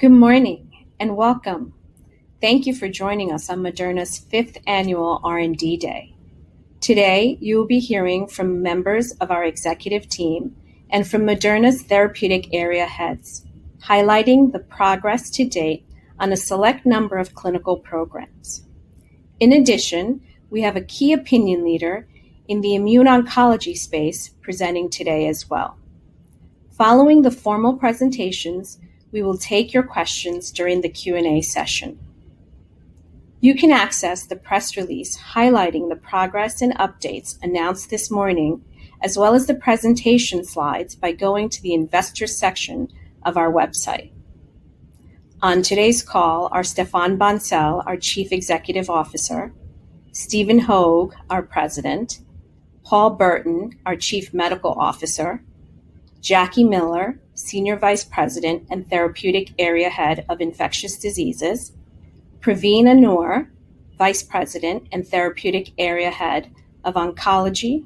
Good morning, and welcome. Thank you for joining us on Moderna's fifth annual R&D Day. Today, you will be hearing from members of our executive team and from Moderna's therapeutic area heads, highlighting the progress to date on a select number of clinical programs. We have a key opinion leader in the immuno-oncology space presenting today as well. Following the formal presentations, we will take your questions during the Q&A session. You can access the press release highlighting the progress and updates announced this morning, as well as the presentation slides by going to the Investors section of our website. On today's call are Stéphane Bancel, our Chief Executive Officer, Stephen Hoge, our President, Paul Burton, our Chief Medical Officer, Jackie Miller, Senior Vice President, and Therapeutic Area Head of Infectious Diseases, Praveen Aanur, Vice President and Therapeutic Area Head of Oncology,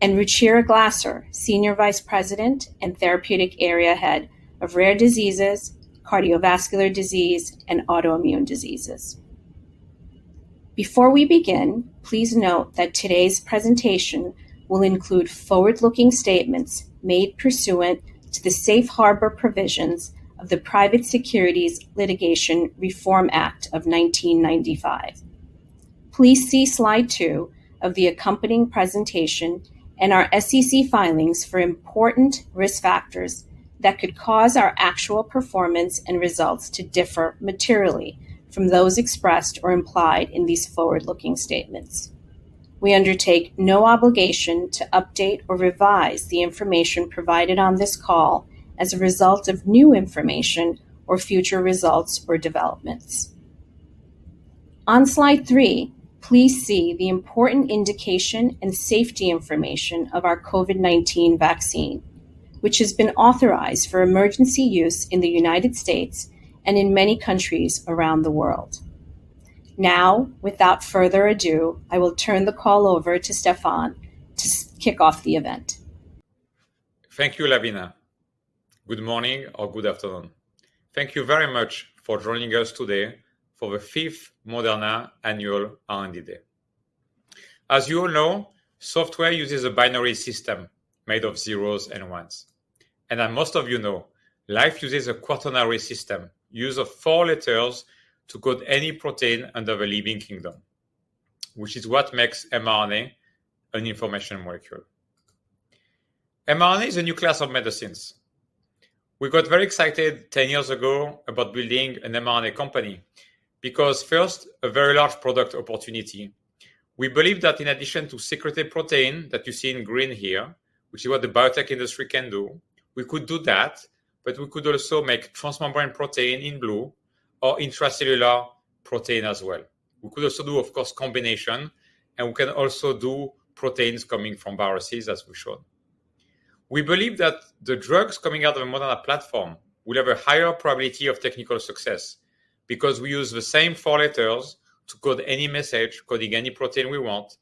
and Ruchira Glaser, Senior Vice President and Therapeutic Area Head of Rare Diseases, Cardiovascular Disease, and Autoimmune Diseases. Before we begin, please note that today's presentation will include forward-looking statements made pursuant to the Safe Harbor provisions of the Private Securities Litigation Reform Act of 1995. Please see slide two of the accompanying presentation and our SEC filings for important risk factors that could cause our actual performance and results to differ materially from those expressed or implied in these forward-looking statements. We undertake no obligation to update or revise the information provided on this call as a result of new information or future results or developments. On slide three, please see the important indication and safety information of our COVID-19 vaccine, which has been authorized for emergency use in the United States and in many countries around the world. Now, without further ado, I will turn the call over to Stéphane to kick off the event. Thank you, Lavina. Good morning or good afternoon. Thank you very much for joining us today for the fifth Moderna annual R&D Day. As you all know, software uses a binary system made of zeros and ones. As most of you know, life uses a quaternary system, use of four letters to code any protein under the living kingdom, which is what makes mRNA an information molecule. mRNA is a new class of medicines. We got very excited 10 years ago about building an mRNA company because first, a very large product opportunity. We believe that in addition to secreted protein that you see in green here, which is what the biotech industry can do, we could do that, but we could also make transmembrane protein in blue or intracellular protein as well. We could also do, of course, combination, and we can also do proteins coming from viruses, as we showed. We believe that the drugs coming out of the Moderna platform will have a higher probability of technical success because we use the same four letters to code any message, coding any protein we want,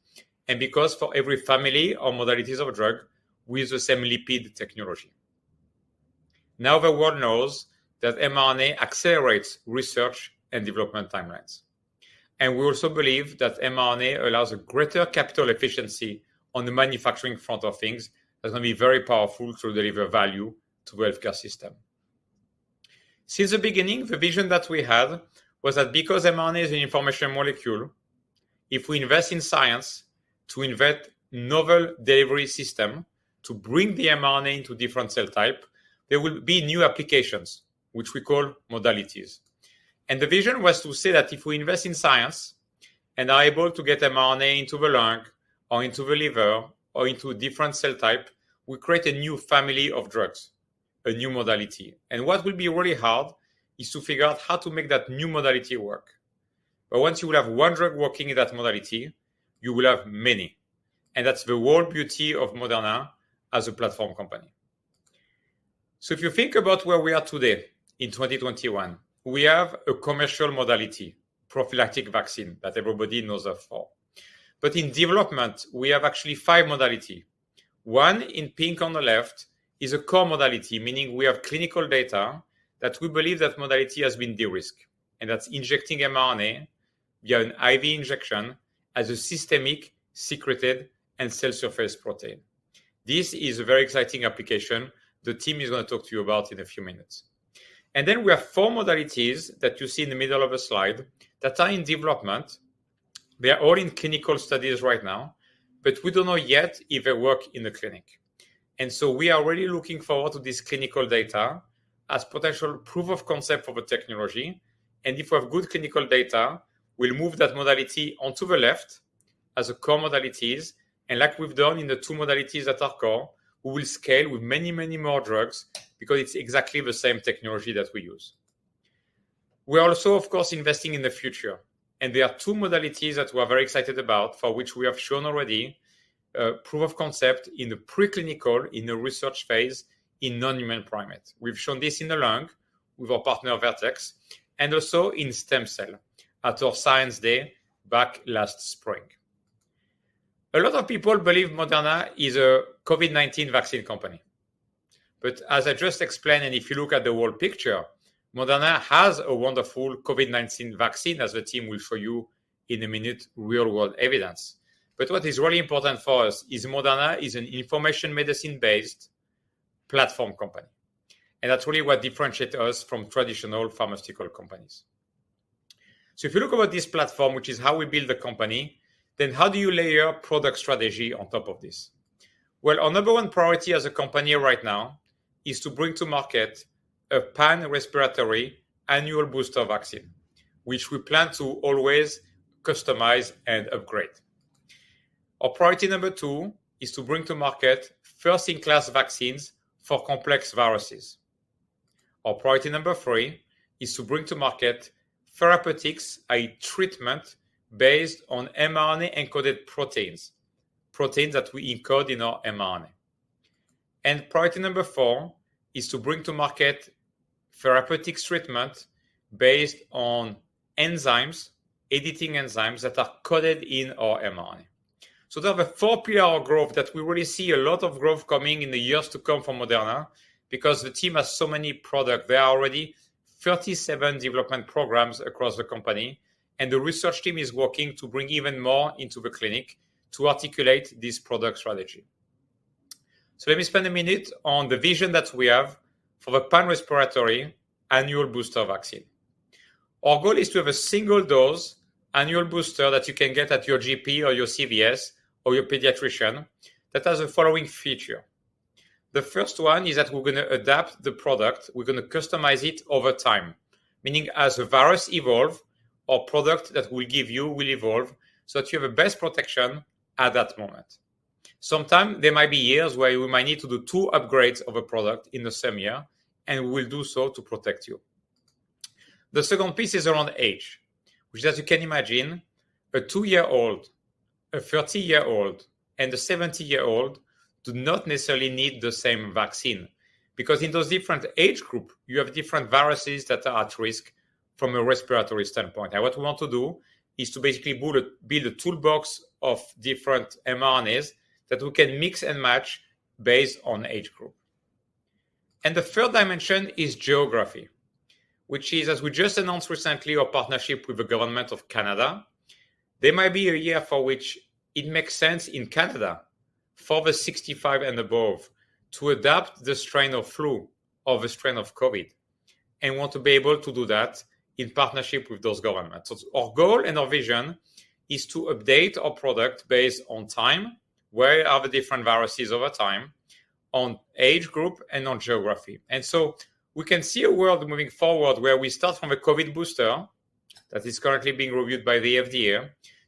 and because for every family or modalities of a drug, we use the same lipid technology. The world knows that mRNA accelerates research and development timelines, and we also believe that mRNA allows a greater capital efficiency on the manufacturing front of things that's going to be very powerful to deliver value to the healthcare system. Since the beginning, the vision that we had was that because mRNA is an information molecule, if we invest in science to invent novel delivery system to bring the mRNA into different cell type, there will be new applications, which we call modalities. The vision was to say that if we invest in science and are able to get mRNA into the lung or into the liver or into a different cell type, we create a new family of drugs, a new modality. What will be really hard is to figure out how to make that new modality work. Once you will have one drug working in that modality, you will have many, and that's the whole beauty of Moderna as a platform company. If you think about where we are today in 2021, we have a commercial modality, prophylactic vaccine that everybody knows us for. In development, we have actually five modality. One in pink on the left is a core modality, meaning we have clinical data that we believe that modality has been de-risked, and that's injecting mRNA via an IV injection as a systemic, secreted, and cell surface protein. This is a very exciting application the team is going to talk to you about in a few minutes. Then we have four modalities that you see in the middle of the slide that are in development. They are all in clinical studies right now, but we don't know yet if they work in the clinic. So we are really looking forward to this clinical data as potential proof of concept for the technology. If we have good clinical data, we'll move that modality on to the left as a core modalities. Like we've done in the two modalities that are core, we will scale with many, many more drugs because it's exactly the same technology that we use. We're also, of course, investing in the future, and there are two modalities that we are very excited about, for which we have shown already proof of concept in the preclinical, in the research phase in non-human primates. We've shown this in the lung with our partner, Vertex, and also in stem cell at our Science Day back last spring. A lot of people believe Moderna is a COVID-19 vaccine company. As I just explained, and if you look at the whole picture, Moderna has a wonderful COVID-19 vaccine, as the team will show you in a minute, real-world evidence. What is really important for us is Moderna is an information medicine-based platform company, and that's really what differentiates us from traditional pharmaceutical companies. If you look over this platform, which is how we build the company, then how do you layer product strategy on top of this? Well, our number one priority as a company right now is to bring to market a pan-respiratory annual booster vaccine, which we plan to always customize and upgrade. Our priority number two is to bring to market first-in-class vaccines for complex viruses. Our priority number three is to bring to market therapeutics, i.e., treatment based on mRNA-encoded proteins that we encode in our mRNA. Priority number four is to bring to market therapeutics treatment based on enzymes, editing enzymes, that are coded in our mRNA. Those are the four PR growth that we really see a lot of growth coming in the years to come from Moderna, because the team has so many products. There are already 37 development programs across the company. The research team is working to bring even more into the clinic to articulate this product strategy. Let me spend a minute on the vision that we have for the pan-respiratory annual booster vaccine. Our goal is to have a single-dose annual booster that you can get at your GP or your CVS or your pediatrician that has the following feature. The first one is that we're going to adapt the product, we're going to customize it over time, meaning as the virus evolve, our product that we give you will evolve so that you have the best protection at that moment. Sometimes there might be years where we might need to do two upgrades of a product in the same year, we will do so to protect you. The second piece is around age, which, as you can imagine, a two-year-old, a 30-year-old, and a 70-year-old do not necessarily need the same vaccine, because in those different age group, you have different viruses that are at risk from a respiratory standpoint. What we want to do is to basically build a toolbox of different mRNAs that we can mix and match based on age group. The third dimension is geography, which is, as we just announced recently, our partnership with the government of Canada. There might be a year for which it makes sense in Canada for the 65 and above to adapt the strain of flu or the strain of COVID, and want to be able to do that in partnership with those governments. Our goal and our vision is to update our product based on time, where are the different viruses over time, on age group, and on geography. We can see a world moving forward where we start from a COVID booster that is currently being reviewed by the FDA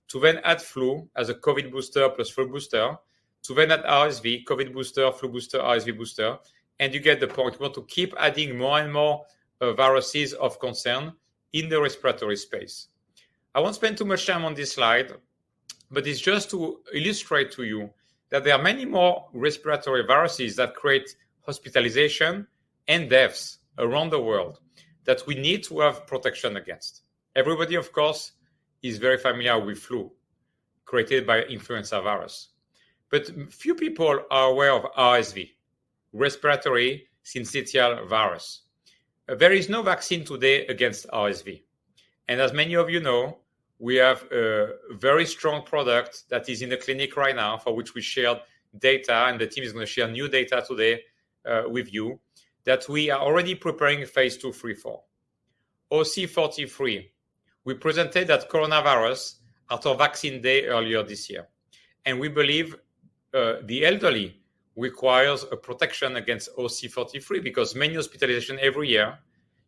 to then add flu as a COVID booster plus flu booster, to then add RSV, COVID booster, flu booster, RSV booster, and you get the point. We want to keep adding more and more viruses of concern in the respiratory space. I will not spend too much time on this slide, but it is just to illustrate to you that there are many more respiratory viruses that create hospitalization and deaths around the world that we need to have protection against. Everybody, of course, is very familiar with flu created by influenza virus. Few people are aware of RSV, respiratory syncytial virus. There is no vaccine today against RSV. As many of you know, we have a very strong product that is in the clinic right now for which we shared data, and the team is going to share new data today with you, that we are already preparing a phase II, III for. OC43, we presented that coronavirus at our Vaccine Day earlier this year, and we believe the elderly requires a protection against OC43 because many hospitalization every year,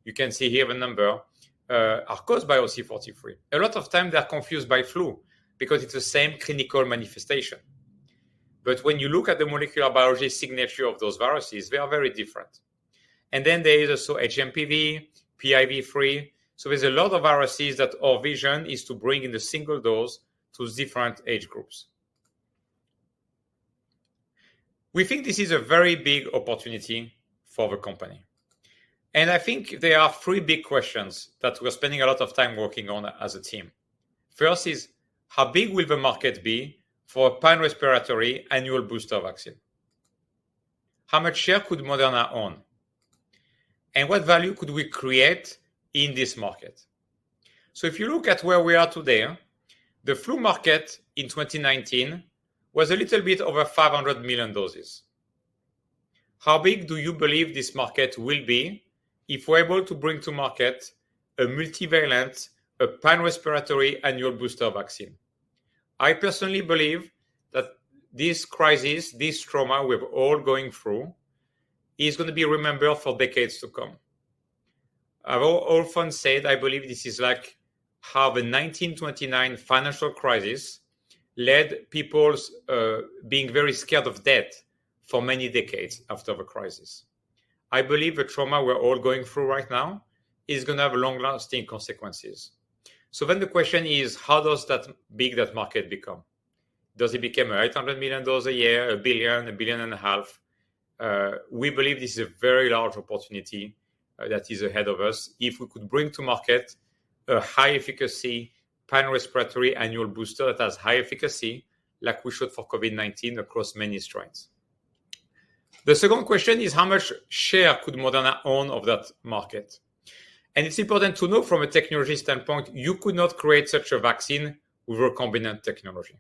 you can see here the number, are caused by OC43. A lot of time they are confused by flu because it's the same clinical manifestation. When you look at the molecular biology signature of those viruses, they are very different. There is also hMPV, PIV3. There's a lot of viruses that our vision is to bring in the single dose to different age groups. We think this is a very big opportunity for the company. I think there are three big questions that we're spending a lot of time working on as a team. First is, how big will the market be for pan-respiratory annual booster vaccine? How much share could Moderna own? What value could we create in this market? If you look at where we are today, the flu market in 2019 was a little bit over 500 million doses. How big do you believe this market will be if we're able to bring to market a multivalent, a pan-respiratory annual booster vaccine? I personally believe that this crisis, this trauma we're all going through, is going to be remembered for decades to come. I've often said I believe this is like how the 1929 financial crisis led people being very scared of debt for many decades after the crisis. I believe the trauma we're all going through right now is going to have long-lasting consequences. The question is: How big does that market become? Does it become 800 million doses a year? 1 billion? 1.5 billion? We believe this is a very large opportunity that is ahead of us if we could bring to market a high-efficacy pan-respiratory annual booster that has high efficacy, like we showed for COVID-19 across many strains. The second question is how much share could Moderna own of that market? It's important to note from a technology standpoint, you could not create such a vaccine with recombinant technology.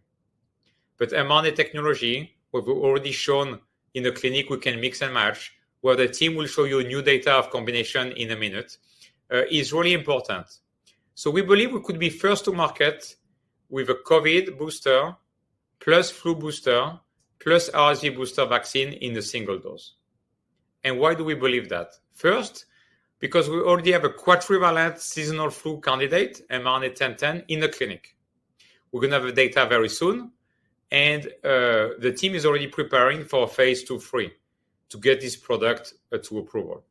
mRNA technology, we've already shown in the clinic we can mix and match, where the team will show you new data of combination in a minute, is really important. We believe we could be first to market with a COVID booster, plus flu booster, plus RSV booster vaccine in the single dose. Why do we believe that? First, because we already have a quadrivalent seasonal flu candidate, mRNA-1010, in the clinic. We're going to have data very soon, and the team is already preparing for phase II-III to get this product to approval.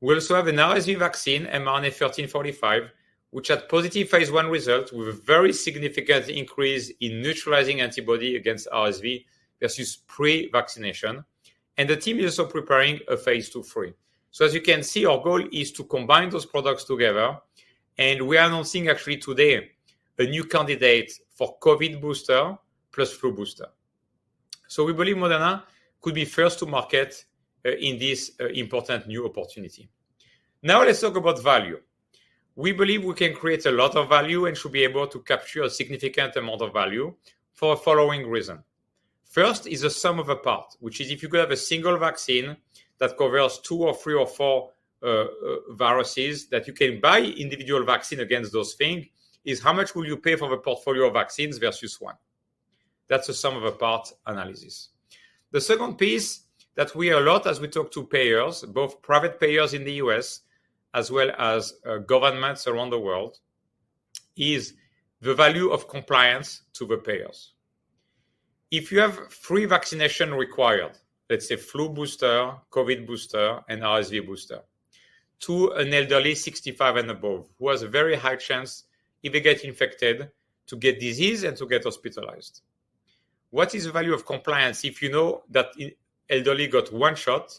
We also have an RSV vaccine, mRNA-1345, which had positive phase I results with a very significant increase in neutralizing antibody against RSV versus pre-vaccination. The team is also preparing a phase II-III. As you can see, our goal is to combine those products together. We are announcing actually today a new candidate for COVID-19 booster plus flu booster. We believe Moderna could be first to market in this important new opportunity. Now let's talk about value. We believe we can create a lot of value and should be able to capture a significant amount of value for following reason. First is the sum of a part, which is if you could have a single vaccine that covers two or three or four viruses that you can buy individual vaccine against those thing, is how much will you pay for the portfolio of vaccines versus 1? That's the sum of a part analysis. The second piece that we a lot as we talk to payers, both private payers in the U.S. as well as governments around the world, is the value of compliance to the payers. If you have three vaccination required, let's say flu booster, COVID booster, and RSV booster, to an elderly 65 and above, who has a very high chance if they get infected to get disease and to get hospitalized, what is the value of compliance if you know that elderly got one shot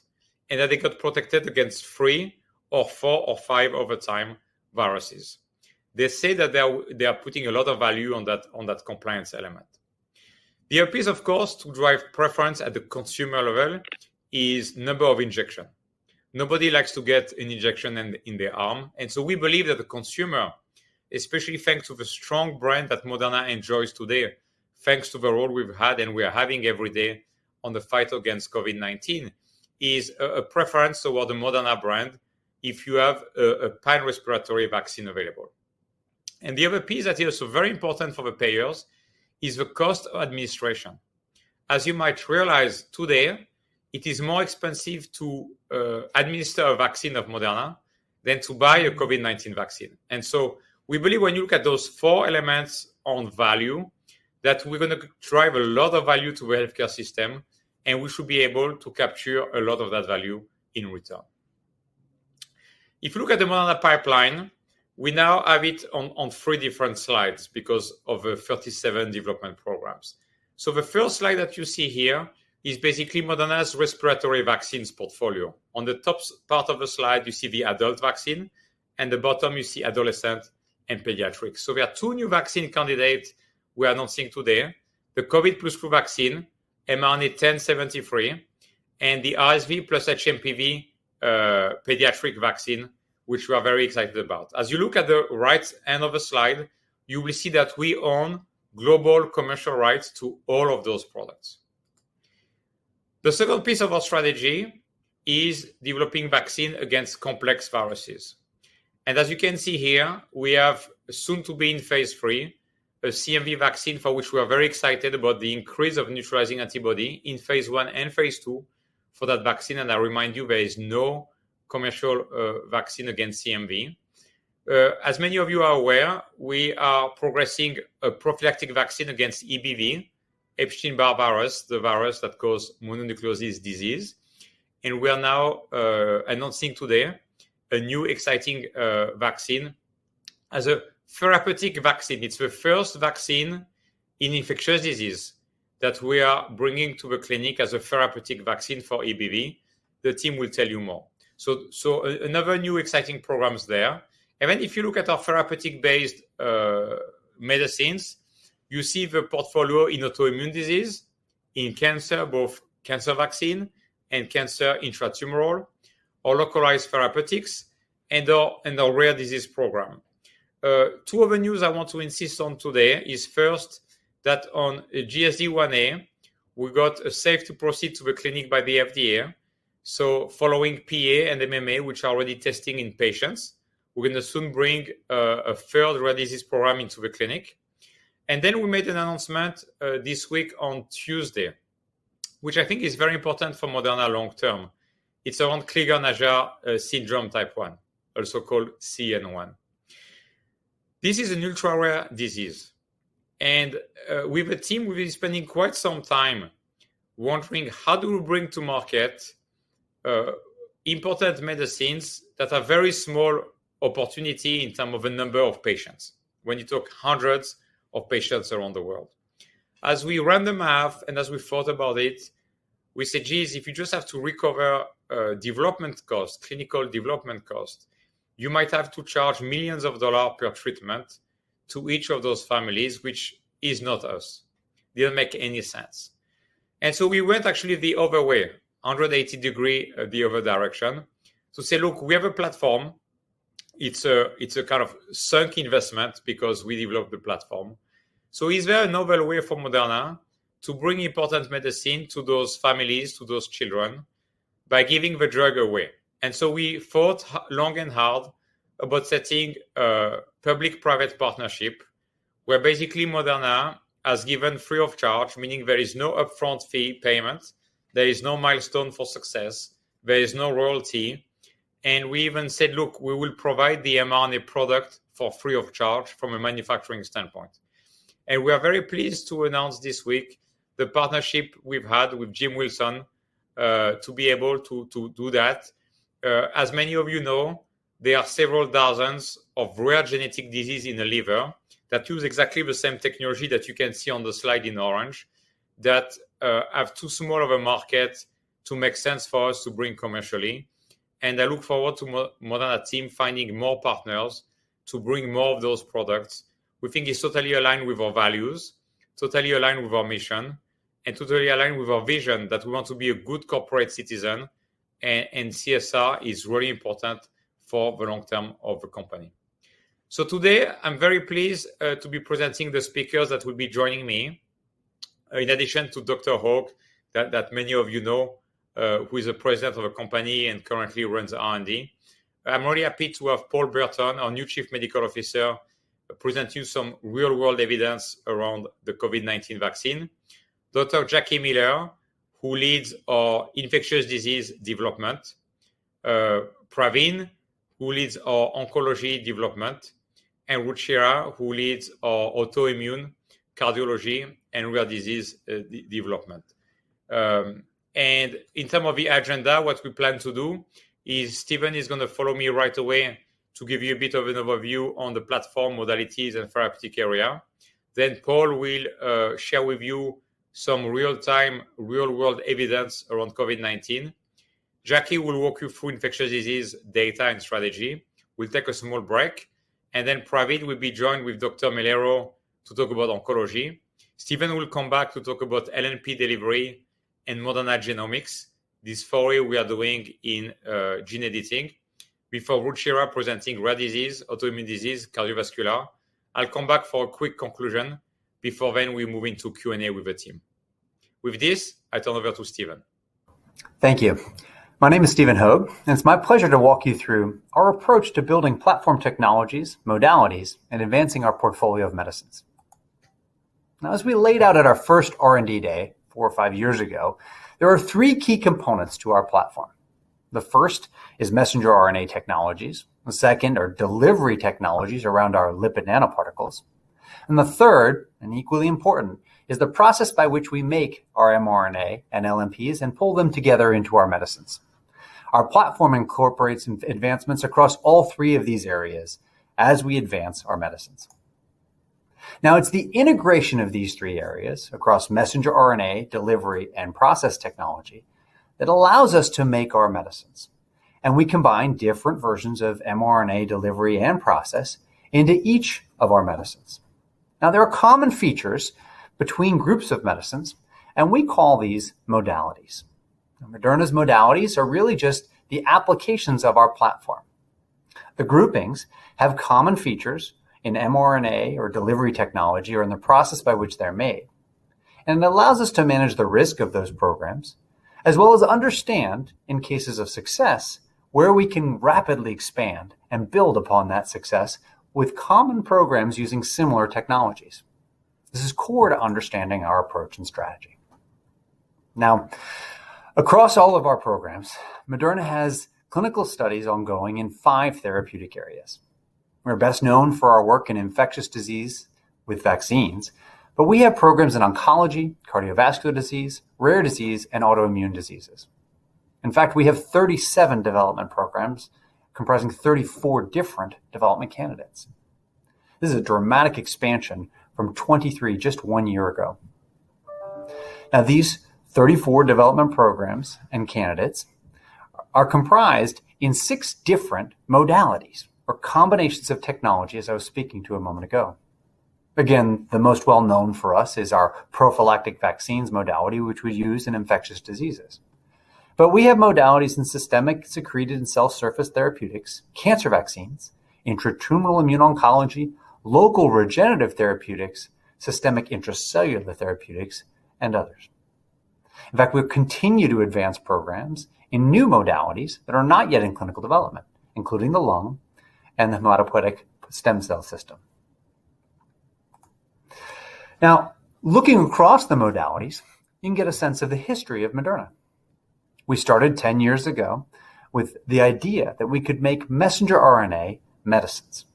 and that they got protected against three or four or five over time viruses? They say that they are putting a lot of value on that compliance element. The other piece, of course, to drive preference at the consumer level is number of injection. Nobody likes to get an injection in their arm. We believe that the consumer, especially thanks to the strong brand that Moderna enjoys today, thanks to the role we've had and we are having every day on the fight against COVID-19, is a preference toward the Moderna brand if you have a pan-respiratory vaccine available. The other piece that is also very important for the payers is the cost of administration. As you might realize today, it is more expensive to administer a vaccine of Moderna than to buy a COVID-19 vaccine. We believe when you look at those four elements on value, that we're going to drive a lot of value to healthcare system, and we should be able to capture a lot of that value in return. If you look at the Moderna pipeline, we now have it on three different slides because of the 37 development programs. The first slide that you see here is basically Moderna's respiratory vaccines portfolio. On the top part of the slide, you see the adult vaccine, and the bottom you see adolescent and pediatrics. We have two new vaccine candidates we are announcing today. The COVID plus flu vaccine, mRNA-1073, and the RSV plus hMPV pediatric vaccine, which we are very excited about. As you look at the right end of the slide, you will see that we own global commercial rights to all of those products. The second piece of our strategy is developing vaccine against complex viruses. As you can see here, we have soon to be in phase III, a CMV vaccine for which we are very excited about the increase of neutralizing antibody in phase I and phase II for that vaccine, and I remind you there is no commercial vaccine against CMV. As many of you are aware, we are progressing a prophylactic vaccine against EBV, Epstein-Barr virus, the virus that cause mononucleosis disease. We are now announcing today a new exciting vaccine. As a therapeutic vaccine, it's the first vaccine in infectious disease that we are bringing to the clinic as a therapeutic vaccine for EBV. The team will tell you more. Another new exciting programs there. If you look at our therapeutic-based medicines, you see the portfolio in autoimmune disease, in cancer, both cancer vaccine and cancer intratumoral, or localized therapeutics, and our rare disease program. Two of the news I want to insist on today is first that on GSD1a, we got a safe to proceed to the clinic by the FDA. Following PA and MMA, which are already testing in patients, we're going to soon bring a third rare disease program into the clinic. We made an announcement this week on Tuesday, which I think is very important for Moderna long term. It's on Crigler-Najjar syndrome type 1, also called CN1. This is an ultra-rare disease. With a team we've been spending quite some time wondering how do we bring to market important medicines that are very small opportunity in terms of a number of patients when you talk hundreds of patients around the world. As we ran the math, and as we thought about it, we said, "Geez, if you just have to recover development cost, clinical development cost, you might have to charge millions of dollar per treatment to each of those families," which is not us. Didn't make any sense. We went actually the other way, 180 degree the other direction to say, "Look, we have a platform." It's a kind of sunk investment because we developed the platform. Is there a novel way for Moderna to bring important medicine to those families, to those children by giving the drug away? We thought long and hard about setting a public-private partnership where basically Moderna has given free of charge, meaning there is no upfront fee payment, there is no milestone for success, there is no royalty. We even said, "Look, we will provide the mRNA product for free of charge from a manufacturing standpoint." We are very pleased to announce this week the partnership we've had with Jim Wilson, to be able to do that. As many of you know, there are several thousands of rare genetic disease in the liver that use exactly the same technology that you can see on the slide in orange that have too small of a market to make sense for us to bring commercially. I look forward to Moderna team finding more partners to bring more of those products. We think it's totally aligned with our values, totally aligned with our mission, and totally aligned with our vision that we want to be a good corporate citizen, and CSR is really important for the long term of the company. Today, I'm very pleased to be presenting the speakers that will be joining me, in addition to Dr. Hoge, that many of you know, who is the President of the company and currently runs R&D. I'm very happy to have Paul Burton, our new Chief Medical Officer, present you some real-world evidence around the COVID-19 vaccine. Dr. Jackie Miller, who leads our infectious disease development. Praveen, who leads our oncology development, and Ruchira, who leads our autoimmune, cardiology, and rare disease development. In terms of the agenda, what we plan to do is Stephen is going to follow me right away to give you a bit of an overview on the platform modalities and therapeutic area. Paul will share with you some real-time, real-world evidence around COVID-19. Jackie will walk you through infectious disease data and strategy. We'll take a small break, and then Praveen will be joined with Dr. Melero to talk about oncology. Stephen will come back to talk about LNP delivery and Moderna Genomics, this foray we are doing in gene editing, before Ruchira presenting rare disease, autoimmune disease, cardiovascular. I'll come back for a quick conclusion before then we move into Q&A with the team. With this, I turn over to Stephen. Thank you. My name is Stephen Hoge, and it's my pleasure to walk you through our approach to building platform technologies, modalities, and advancing our portfolio of medicines. As we laid out at our first R&D day four or five years ago, there are three key components to our platform. The first is messenger RNA technologies, the second are delivery technologies around our lipid nanoparticles, and the third, equally important, is the process by which we make our mRNA and LNPs and pool them together into our medicines. Our platform incorporates advancements across all three of these areas as we advance our medicines. It's the integration of these three areas across messenger RNA, delivery, and process technology that allows us to make our medicines, and we combine different versions of mRNA delivery and process into each of our medicines. There are common features between groups of medicines, and we call these modalities. Moderna's modalities are really just the applications of our platform. The groupings have common features in mRNA or delivery technology or in the process by which they're made. It allows us to manage the risk of those programs as well as understand, in cases of success, where we can rapidly expand and build upon that success with common programs using similar technologies. This is core to understanding our approach and strategy. Across all of our programs, Moderna has clinical studies ongoing in five therapeutic areas. We're best known for our work in infectious disease with vaccines. We have programs in oncology, cardiovascular disease, rare disease, and autoimmune diseases. In fact, we have 37 development programs comprising 34 different development candidates. This is a dramatic expansion from 23 just one year ago. These 34 development programs and candidates are comprised in six different modalities or combinations of technology, as I was speaking to a moment ago. The most well-known for us is our prophylactic vaccines modality, which we use in infectious diseases. We have modalities in systemic secreted and cell surface therapeutics, cancer vaccines, intratumoral immuno-oncology, local regenerative therapeutics, systemic intracellular therapeutics, and others. In fact, we've continued to advance programs in new modalities that are not yet in clinical development, including the lung and the hematopoietic stem cell system. Looking across the modalities, you can get a sense of the history of Moderna. We started 10 years ago with the idea that we could make mRNA medicines.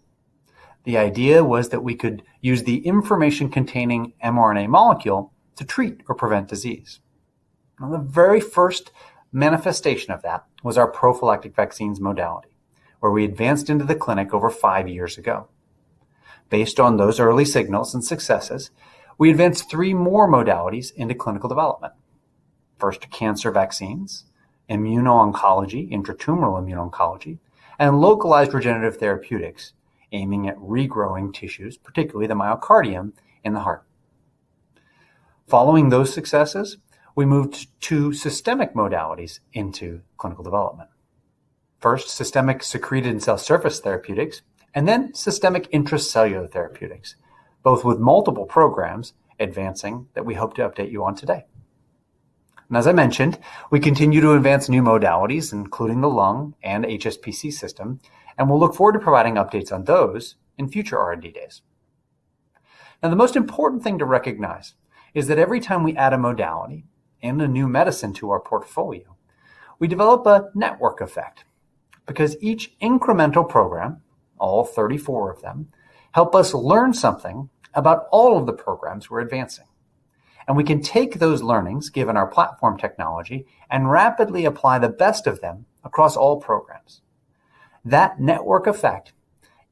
The idea was that we could use the information containing mRNA molecule to treat or prevent disease. The very first manifestation of that was our prophylactic vaccines modality, where we advanced into the clinic over five years ago. Based on those early signals and successes, we advanced three more modalities into clinical development. First, cancer vaccines, immuno-oncology, intratumoral immuno-oncology, and localized regenerative therapeutics aiming at regrowing tissues, particularly the myocardium in the heart. Following those successes, we moved two systemic modalities into clinical development. First, systemic secreted and cell surface therapeutics, and then systemic intracellular therapeutics, both with multiple programs advancing that we hope to update you on today. As I mentioned, we continue to advance new modalities, including the lung and HSPC system, and we'll look forward to providing updates on those in future R&D Days. The most important thing to recognize is that every time we add a modality and a new medicine to our portfolio, we develop a network effect, because each incremental program, all 34 of them, help us learn something about all of the programs we're advancing. We can take those learnings, given our platform technology, and rapidly apply the best of them across all programs. With that network effect,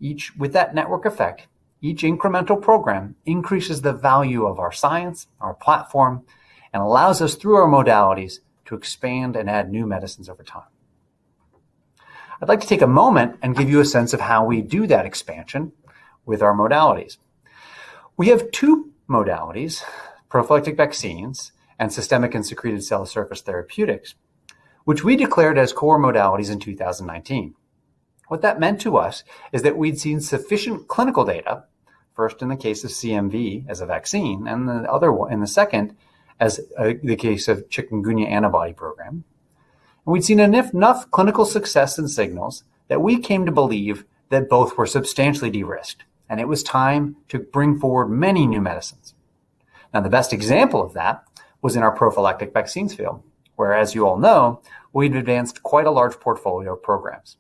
each incremental program increases the value of our science, our platform, and allows us through our modalities to expand and add new medicines over time. I'd like to take a moment and give you a sense of how we do that expansion with our modalities. We have two modalities, prophylactic vaccines and systemic and secreted cell surface therapeutics, which we declared as core modalities in 2019. What that meant to us is that we'd seen sufficient clinical data, first in the case of CMV as a vaccine, and the second as the case of Chikungunya antibody program. We'd seen enough clinical success and signals that we came to believe that both were substantially de-risked, and it was time to bring forward many new medicines. The best example of that was in our prophylactic vaccines field, where, as you all know, we'd advanced quite a large portfolio of programs.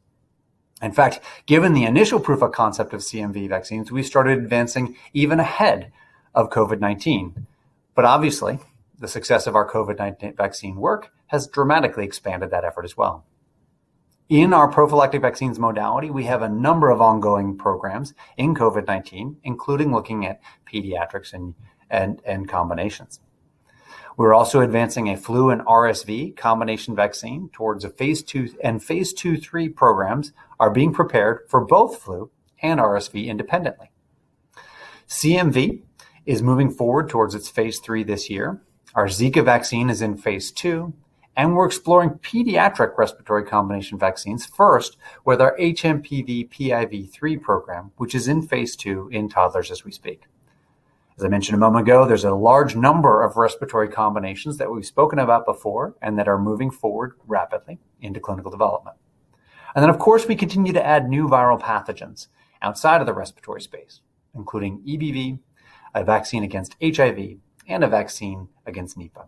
In fact, given the initial proof of concept of CMV vaccines, we started advancing even ahead of COVID-19. The success of our COVID-19 vaccine work has dramatically expanded that effort as well. In our prophylactic vaccines modality, we have a number of ongoing programs in COVID-19, including looking at pediatrics and combinations. We're also advancing a flu and RSV combination vaccine towards a phase II, and phase II, III programs are being prepared for both flu and RSV independently. CMV is moving forward towards its phase III this year. Our Zika vaccine is in phase II, and we're exploring pediatric respiratory combination vaccines first with our hMPV-PIV3 program, which is in phase II in toddlers as we speak. As I mentioned a moment ago, there's a large number of respiratory combinations that we've spoken about before and that are moving forward rapidly into clinical development. Of course, we continue to add new viral pathogens outside of the respiratory space, including EBV, a vaccine against HIV, and a vaccine against Nipah.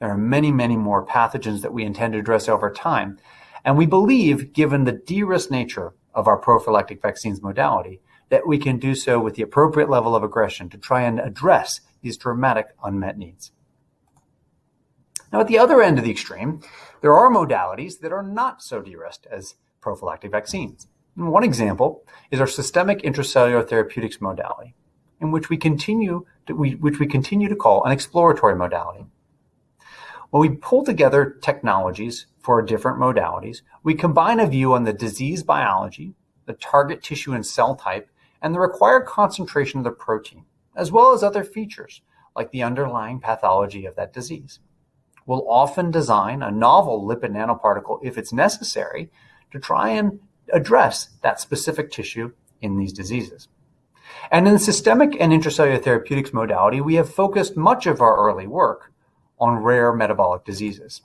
There are many, many more pathogens that we intend to address over time, and we believe, given the de-risked nature of our prophylactic vaccines modality, that we can do so with the appropriate level of aggression to try and address these dramatic unmet needs. Now, at the other end of the extreme, there are modalities that are not so de-risked as prophylactic vaccines. One example is our systemic intracellular therapeutics modality, which we continue to call an exploratory modality. When we pull together technologies for different modalities, we combine a view on the disease biology, the target tissue and cell type, and the required concentration of the protein, as well as other features like the underlying pathology of that disease. We'll often design a novel lipid nanoparticle if it's necessary to try and address that specific tissue in these diseases. In the systemic and intracellular therapeutics modality, we have focused much of our early work on rare metabolic diseases.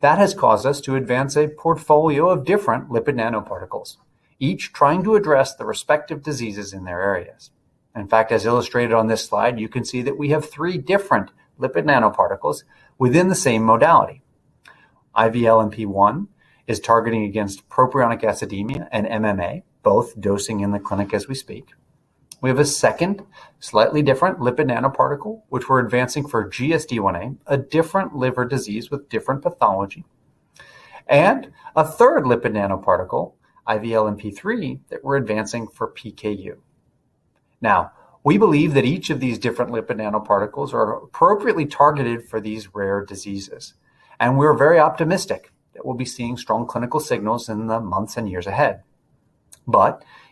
That has caused us to advance a portfolio of different lipid nanoparticles, each trying to address the respective diseases in their areas. In fact, as illustrated on this slide, you can see that we have three different lipid nanoparticles within the same modality. IVLNP1 is targeting against propionic acidemia and MMA, both dosing in the clinic as we speak. We have a second slightly different lipid nanoparticle, which we are advancing for GSD1A, a different liver disease with different pathology, and a third lipid nanoparticle, IVLNP3, that we are advancing for PKU. We believe that each of these different lipid nanoparticles are appropriately targeted for these rare diseases, and we are very optimistic that we will be seeing strong clinical signals in the months and years ahead.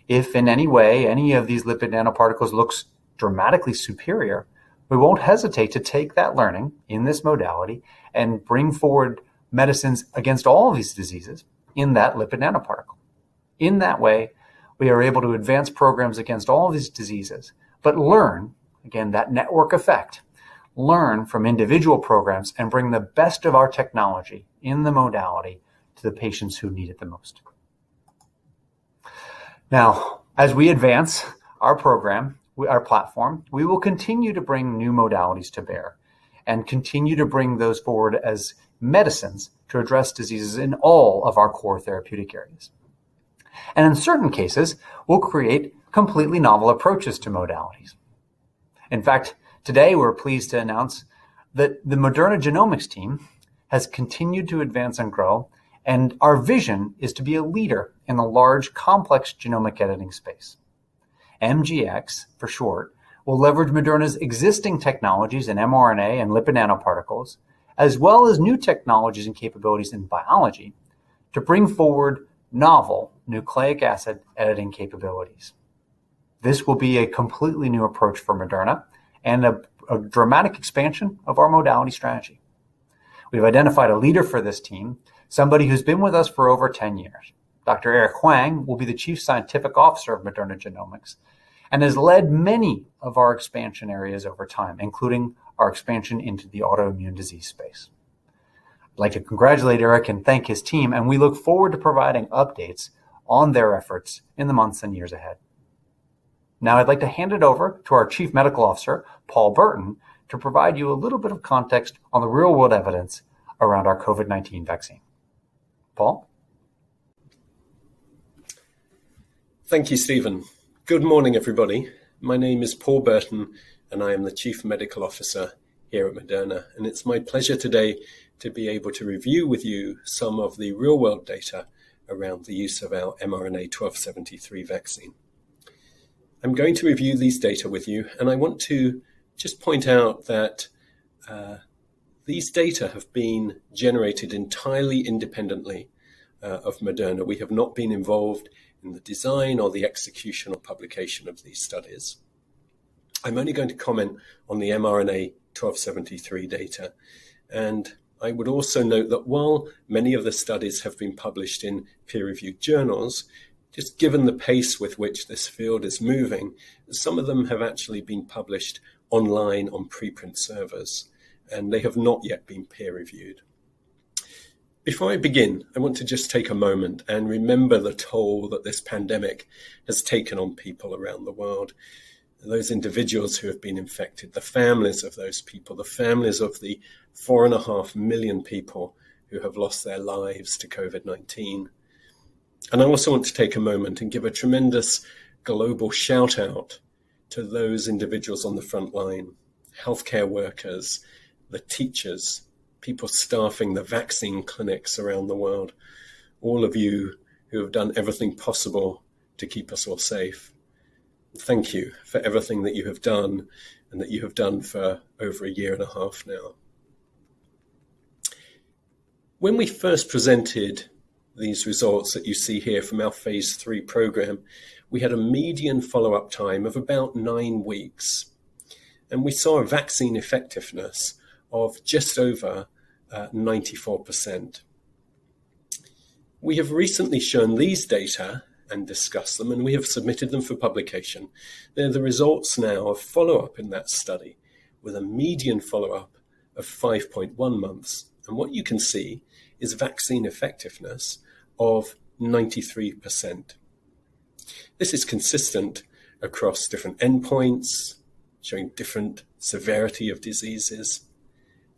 If in any way any of these lipid nanoparticles looks dramatically superior, we won't hesitate to take that learning in this modality and bring forward medicines against all of these diseases in that lipid nanoparticle. In that way, we are able to advance programs against all of these diseases, but learn, again, that network effect, learn from individual programs, and bring the best of our technology in the modality to the patients who need it the most. As we advance our platform, we will continue to bring new modalities to bear and continue to bring those forward as medicines to address diseases in all of our core therapeutic areas. In certain cases, we'll create completely novel approaches to modalities. In fact, today we're pleased to announce that the Moderna Genomics team has continued to advance and grow. Our vision is to be a leader in the large, complex genomic editing space. MGX, for short, will leverage Moderna's existing technologies in mRNA and lipid nanoparticles, as well as new technologies and capabilities in biology to bring forward novel nucleic acid editing capabilities. This will be a completely new approach for Moderna and a dramatic expansion of our modality strategy. We've identified a leader for this team, somebody who's been with us for over 10 years. Dr. Eric Huang will be the Chief Scientific Officer of Moderna Genomics and has led many of our expansion areas over time, including our expansion into the autoimmune disease space. I'd like to congratulate Eric and thank his team, and we look forward to providing updates on their efforts in the months and years ahead. Now, I'd like to hand it over to our Chief Medical Officer, Paul Burton, to provide you a little bit of context on the real-world evidence around our COVID-19 vaccine. Paul? Thank you, Stephen. Good morning, everybody. My name is Paul Burton, I am the Chief Medical Officer here at Moderna. It's my pleasure today to be able to review with you some of the real-world data around the use of our mRNA-1273 vaccine. I'm going to review these data with you, I want to just point out that these data have been generated entirely independently of Moderna. We have not been involved in the design or the execution or publication of these studies. I'm only going to comment on the mRNA-1273 data, I would also note that while many of the studies have been published in peer-reviewed journals, just given the pace with which this field is moving, some of them have actually been published online on preprint servers, they have not yet been peer-reviewed. Before I begin, I want to just take a moment and remember the toll that this pandemic has taken on people around the world, those individuals who have been infected, the families of those people, the families of the four and a half million people who have lost their lives to COVID-19. I also want to take a moment and give a tremendous global shout-out to those individuals on the front line, healthcare workers, the teachers, people staffing the vaccine clinics around the world, all of you who have done everything possible to keep us all safe. Thank you for everything that you have done and that you have done for over a year and a half now. When we first presented these results that you see here from our phase III program, we had a median follow-up time of about nine weeks, and we saw a vaccine effectiveness of just over 94%. We have recently shown these data and discussed them, and we have submitted them for publication. They're the results now of follow-up in that study, with a median follow-up of 5.1 months. What you can see is vaccine effectiveness of 93%. This is consistent across different endpoints, showing different severity of diseases,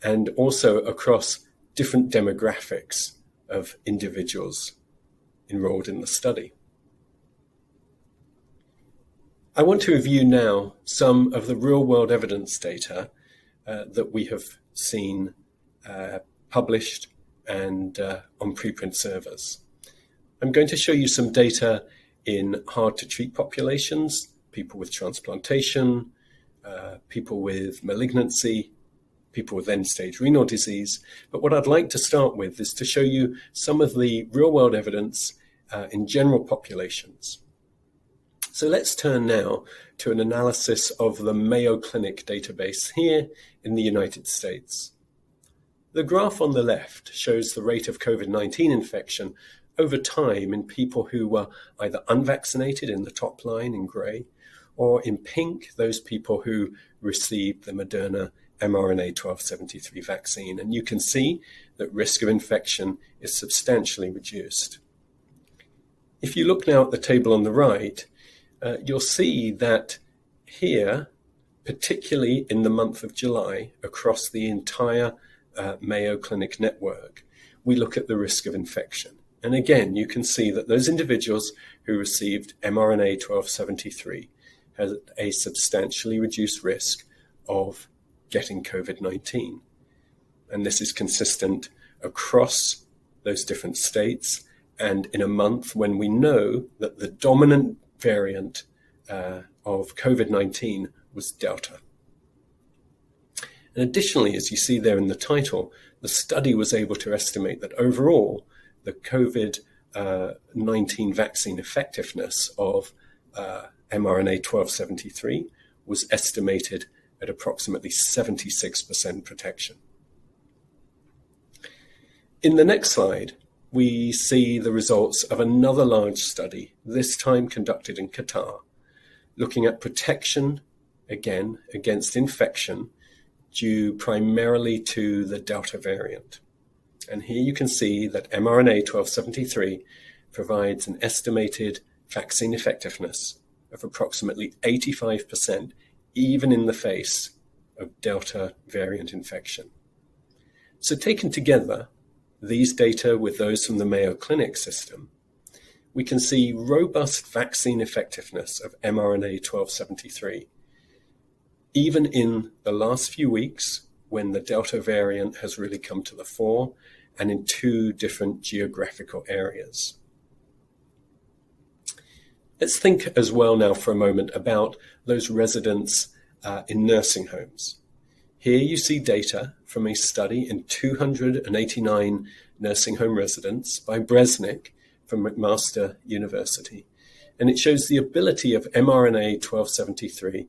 and also across different demographics of individuals enrolled in the study. I want to review now some of the real-world evidence data that we have seen published and on preprint servers. I'm going to show you some data in hard-to-treat populations, people with transplantation, people with malignancy, people with end-stage renal disease. What I'd like to start with is to show you some of the real-world evidence in general populations. Let's turn now to an analysis of the Mayo Clinic database here in the U.S. The graph on the left shows the rate of COVID-19 infection over time in people who were either unvaccinated in the top line in gray or in pink, those people who received the Moderna mRNA-1273 vaccine. You can see that risk of infection is substantially reduced. If you look now at the table on the right, you'll see that here, particularly in the month of July across the entire Mayo Clinic network, we look at the risk of infection. Again, you can see that those individuals who received mRNA-1273 had a substantially reduced risk of getting COVID-19. This is consistent across those different states, and in a month when we know that the dominant variant of COVID-19 was Delta. Additionally, as you see there in the title, the study was able to estimate that overall, the COVID-19 vaccine effectiveness of mRNA-1273 was estimated at approximately 76% protection. In the next slide, we see the results of another large study, this time conducted in Qatar, looking at protection, again, against infection due primarily to the Delta variant. Here you can see that mRNA-1273 provides an estimated vaccine effectiveness of approximately 85%, even in the face of Delta variant infection. Taken together, these data with those from the Mayo Clinic system, we can see robust vaccine effectiveness of mRNA-1273, even in the last few weeks when the Delta variant has really come to the fore, and in two different geographical areas. Let's think as well now for a moment about those residents in nursing homes. It shows the ability of mRNA-1273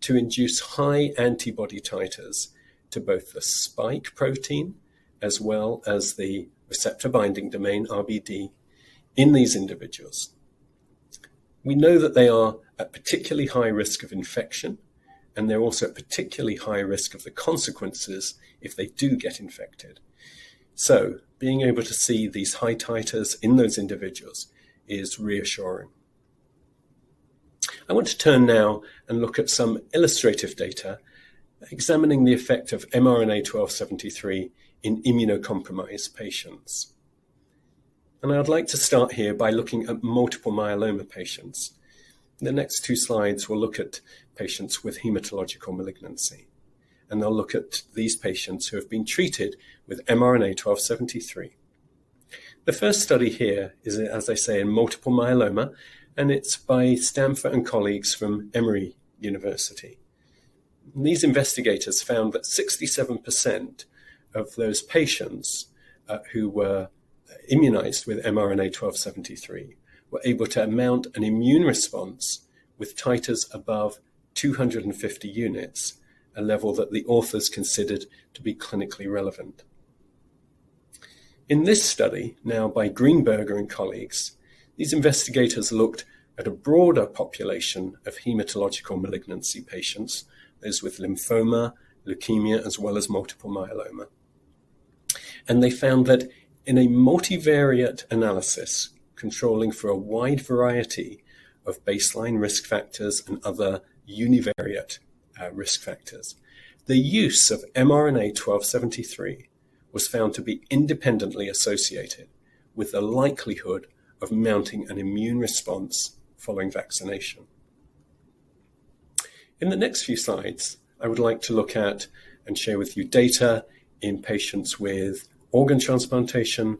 to induce high antibody titers to both the spike protein as well as the receptor-binding domain, RBD, in these individuals. We know that they are at particularly high risk of infection. They're also at particularly high risk of the consequences if they do get infected. Being able to see these high titers in those individuals is reassuring. I want to turn now and look at some illustrative data examining the effect of mRNA-1273 in immunocompromised patients. I'd like to start here by looking at multiple myeloma patients. The next two slides will look at patients with hematological malignancy, and they'll look at these patients who have been treated with mRNA-1273. The first study here is, as I say, in multiple myeloma, and it's by Stamfer and colleagues from Emory University. These investigators found that 67% of those patients who were immunized with mRNA-1273 were able to mount an immune response with titers above 250 units, a level that the authors considered to be clinically relevant. In this study now by Greenberger and colleagues, these investigators looked at a broader population of hematological malignancy patients, those with lymphoma, leukemia, as well as multiple myeloma. They found that in a multivariate analysis, controlling for a wide variety of baseline risk factors and other univariate risk factors, the use of mRNA-1273 was found to be independently associated with the likelihood of mounting an immune response following vaccination. In the next few slides, I would like to look at and share with you data in patients with organ transplantation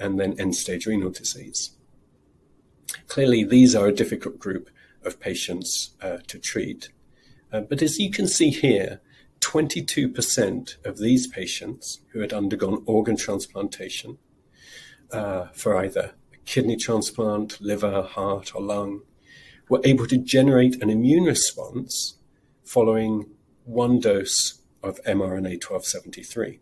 and end-stage renal disease. Clearly, these are a difficult group of patients to treat. As you can see here, 22% of these patients who had undergone organ transplantation, for either a kidney transplant, liver, heart, or lung, were able to generate an immune response following one dose of mRNA-1273.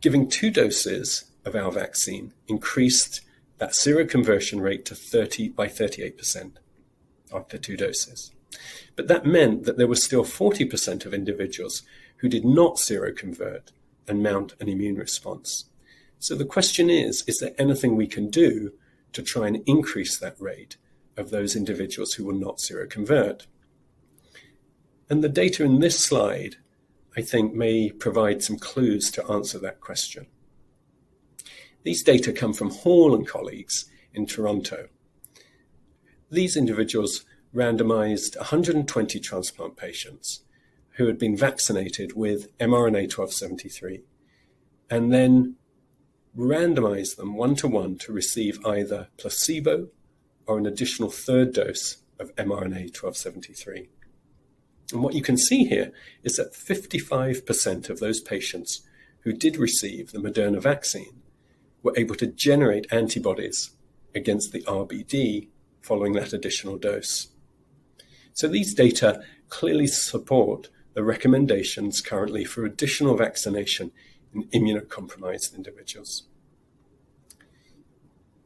Giving two doses of our vaccine increased that seroconversion rate by 38% after two doses. That meant that there were still 40% of individuals who did not seroconvert and mount an immune response. The question is there anything we can do to try and increase that rate of those individuals who will not seroconvert? The data in this slide, I think, may provide some clues to answer that question. These data come from Hall and colleagues in Toronto. These individuals randomized 120 transplant patients who had been vaccinated with mRNA-1273 and then randomized them one to one to receive either placebo or an additional third dose of mRNA-1273. What you can see here is that 55% of those patients who did receive the Moderna vaccine were able to generate antibodies against the RBD following that additional dose. These data clearly support the recommendations currently for additional vaccination in immunocompromised individuals.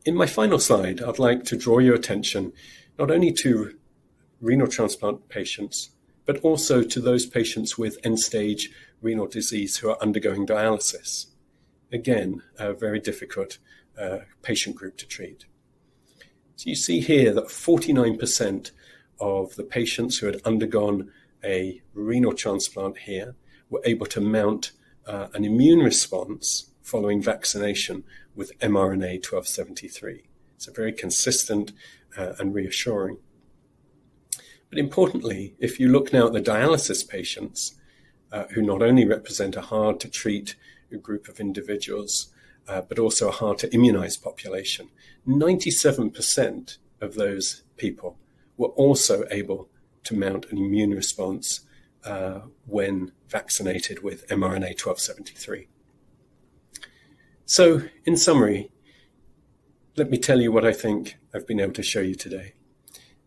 In my final slide, I'd like to draw your attention not only to renal transplant patients, but also to those patients with end-stage renal disease who are undergoing dialysis. Again, a very difficult patient group to treat. You see here that 49% of the patients who had undergone a renal transplant here were able to mount an immune response following vaccination with mRNA-1273. Very consistent and reassuring. Importantly, if you look now at the dialysis patients, who not only represent a hard-to-treat group of individuals, but also a hard-to-immunize population, 97% of those people were also able to mount an immune response when vaccinated with mRNA-1273. In summary, let me tell you what I think I've been able to show you today.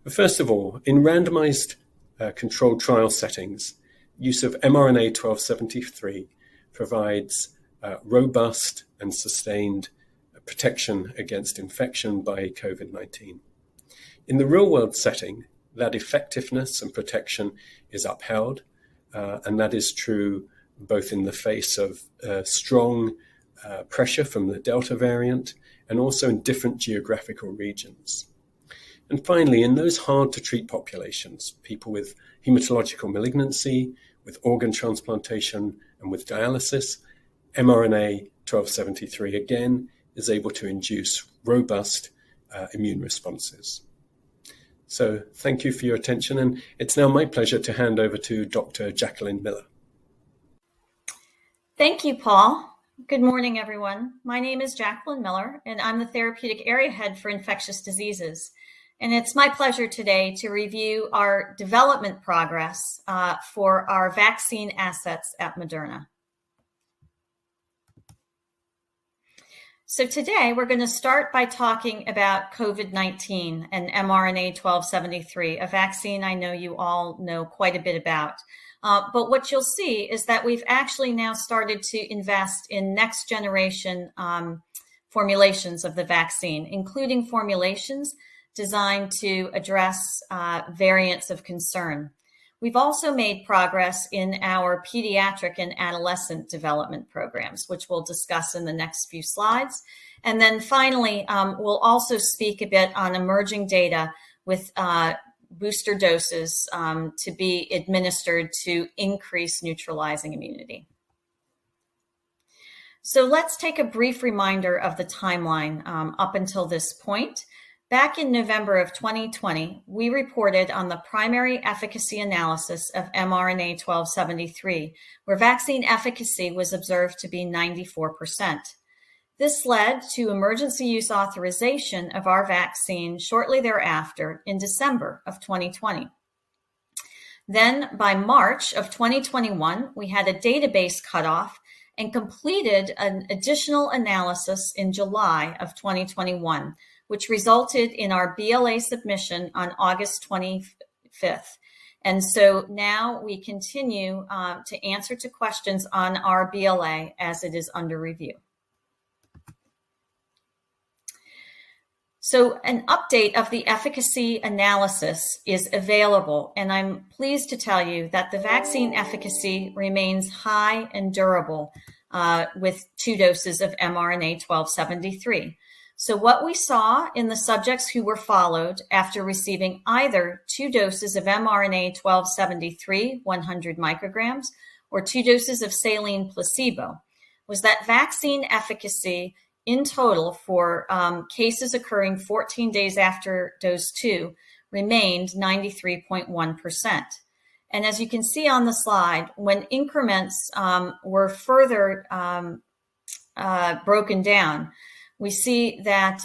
First of all, in randomized controlled trial settings, use of mRNA-1273 provides robust and sustained protection against infection by COVID-19. In the real-world setting, that effectiveness and protection is upheld, and that is true both in the face of strong pressure from the Delta variant and also in different geographical regions. Finally, in those hard-to-treat populations, people with hematological malignancy, with organ transplantation, and with dialysis, mRNA-1273 again is able to induce robust immune responses. Thank you for your attention, and it's now my pleasure to hand over to Dr. Jacqueline Miller. Thank you, Paul. Good morning, everyone. My name is Jacqueline Miller, I'm the Therapeutic Area Head for Infectious Diseases. It's my pleasure today to review our development progress for our vaccine assets at Moderna. Today, we're going to start by talking about COVID-19 and mRNA-1273, a vaccine I know you all know quite a bit about. What you'll see is that we've actually now started to invest in next-generation formulations of the vaccine, including formulations designed to address variants of concern. We've also made progress in our pediatric and adolescent development programs, which we'll discuss in the next few slides. Finally, we'll also speak a bit on emerging data with booster doses to be administered to increase neutralizing immunity. Let's take a brief reminder of the timeline up until this point. Back in November of 2020, we reported on the primary efficacy analysis of mRNA-1273, where vaccine efficacy was observed to be 94%. This led to emergency use authorization of our vaccine shortly thereafter in December of 2020. By March of 2021, we had a database cutoff and completed an additional analysis in July of 2021, which resulted in our BLA submission on August 25th. Now we continue to answer to questions on our BLA as it is under review. An update of the efficacy analysis is available, and I'm pleased to tell you that the vaccine efficacy remains high and durable with two doses of mRNA-1273. What we saw in the subjects who were followed after receiving either two doses of mRNA-1273, 100 micrograms, or two doses of saline placebo, was that vaccine efficacy in total for cases occurring 14 days after dose two remained 93.1%. As you can see on the slide, when increments were further broken down, we see that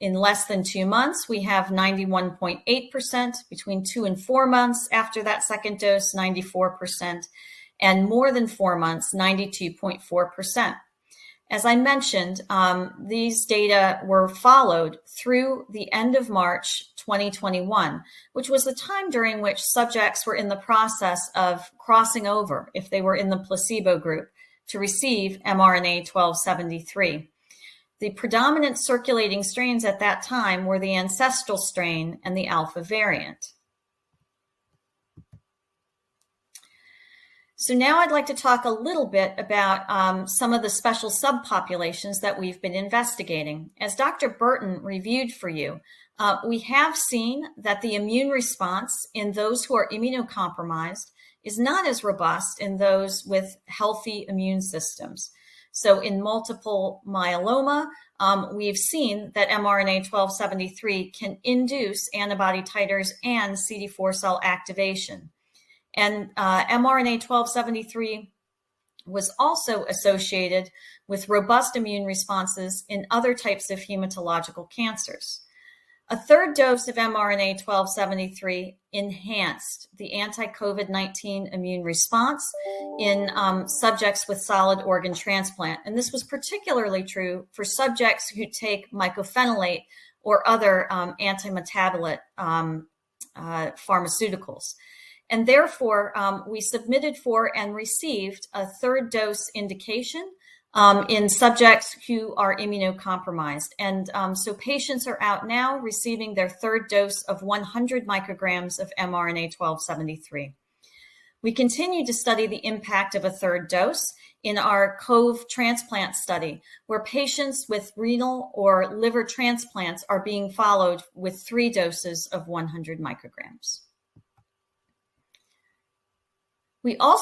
in less than two months, we have 91.8%, between two and four months after that second dose, 94%, and more than four months, 92.4%. As I mentioned, these data were followed through the end of March 2021, which was the time during which subjects were in the process of crossing over, if they were in the placebo group, to receive mRNA-1273. The predominant circulating strains at that time were the ancestral strain and the alpha variant. Now I'd like to talk a little bit about some of the special subpopulations that we've been investigating. As Dr. Burton reviewed for you, we have seen that the immune response in those who are immunocompromised is not as robust in those with healthy immune systems. In multiple myeloma, we've seen that mRNA-1273 can induce antibody titers and CD4 cell activation. mRNA-1273 was also associated with robust immune responses in other types of hematological cancers. A third dose of mRNA-1273 enhanced the anti-COVID-19 immune response in subjects with solid organ transplant, and this was particularly true for subjects who take mycophenolate or other antimetabolite pharmaceuticals. Therefore, we submitted for and received a third dose indication in subjects who are immunocompromised. Patients are out now receiving their third dose of 100 micrograms of mRNA-1273. We continue to study the impact of a third dose in our COVE transplant study, where patients with renal or liver transplants are being followed with three doses of 100 micrograms. We have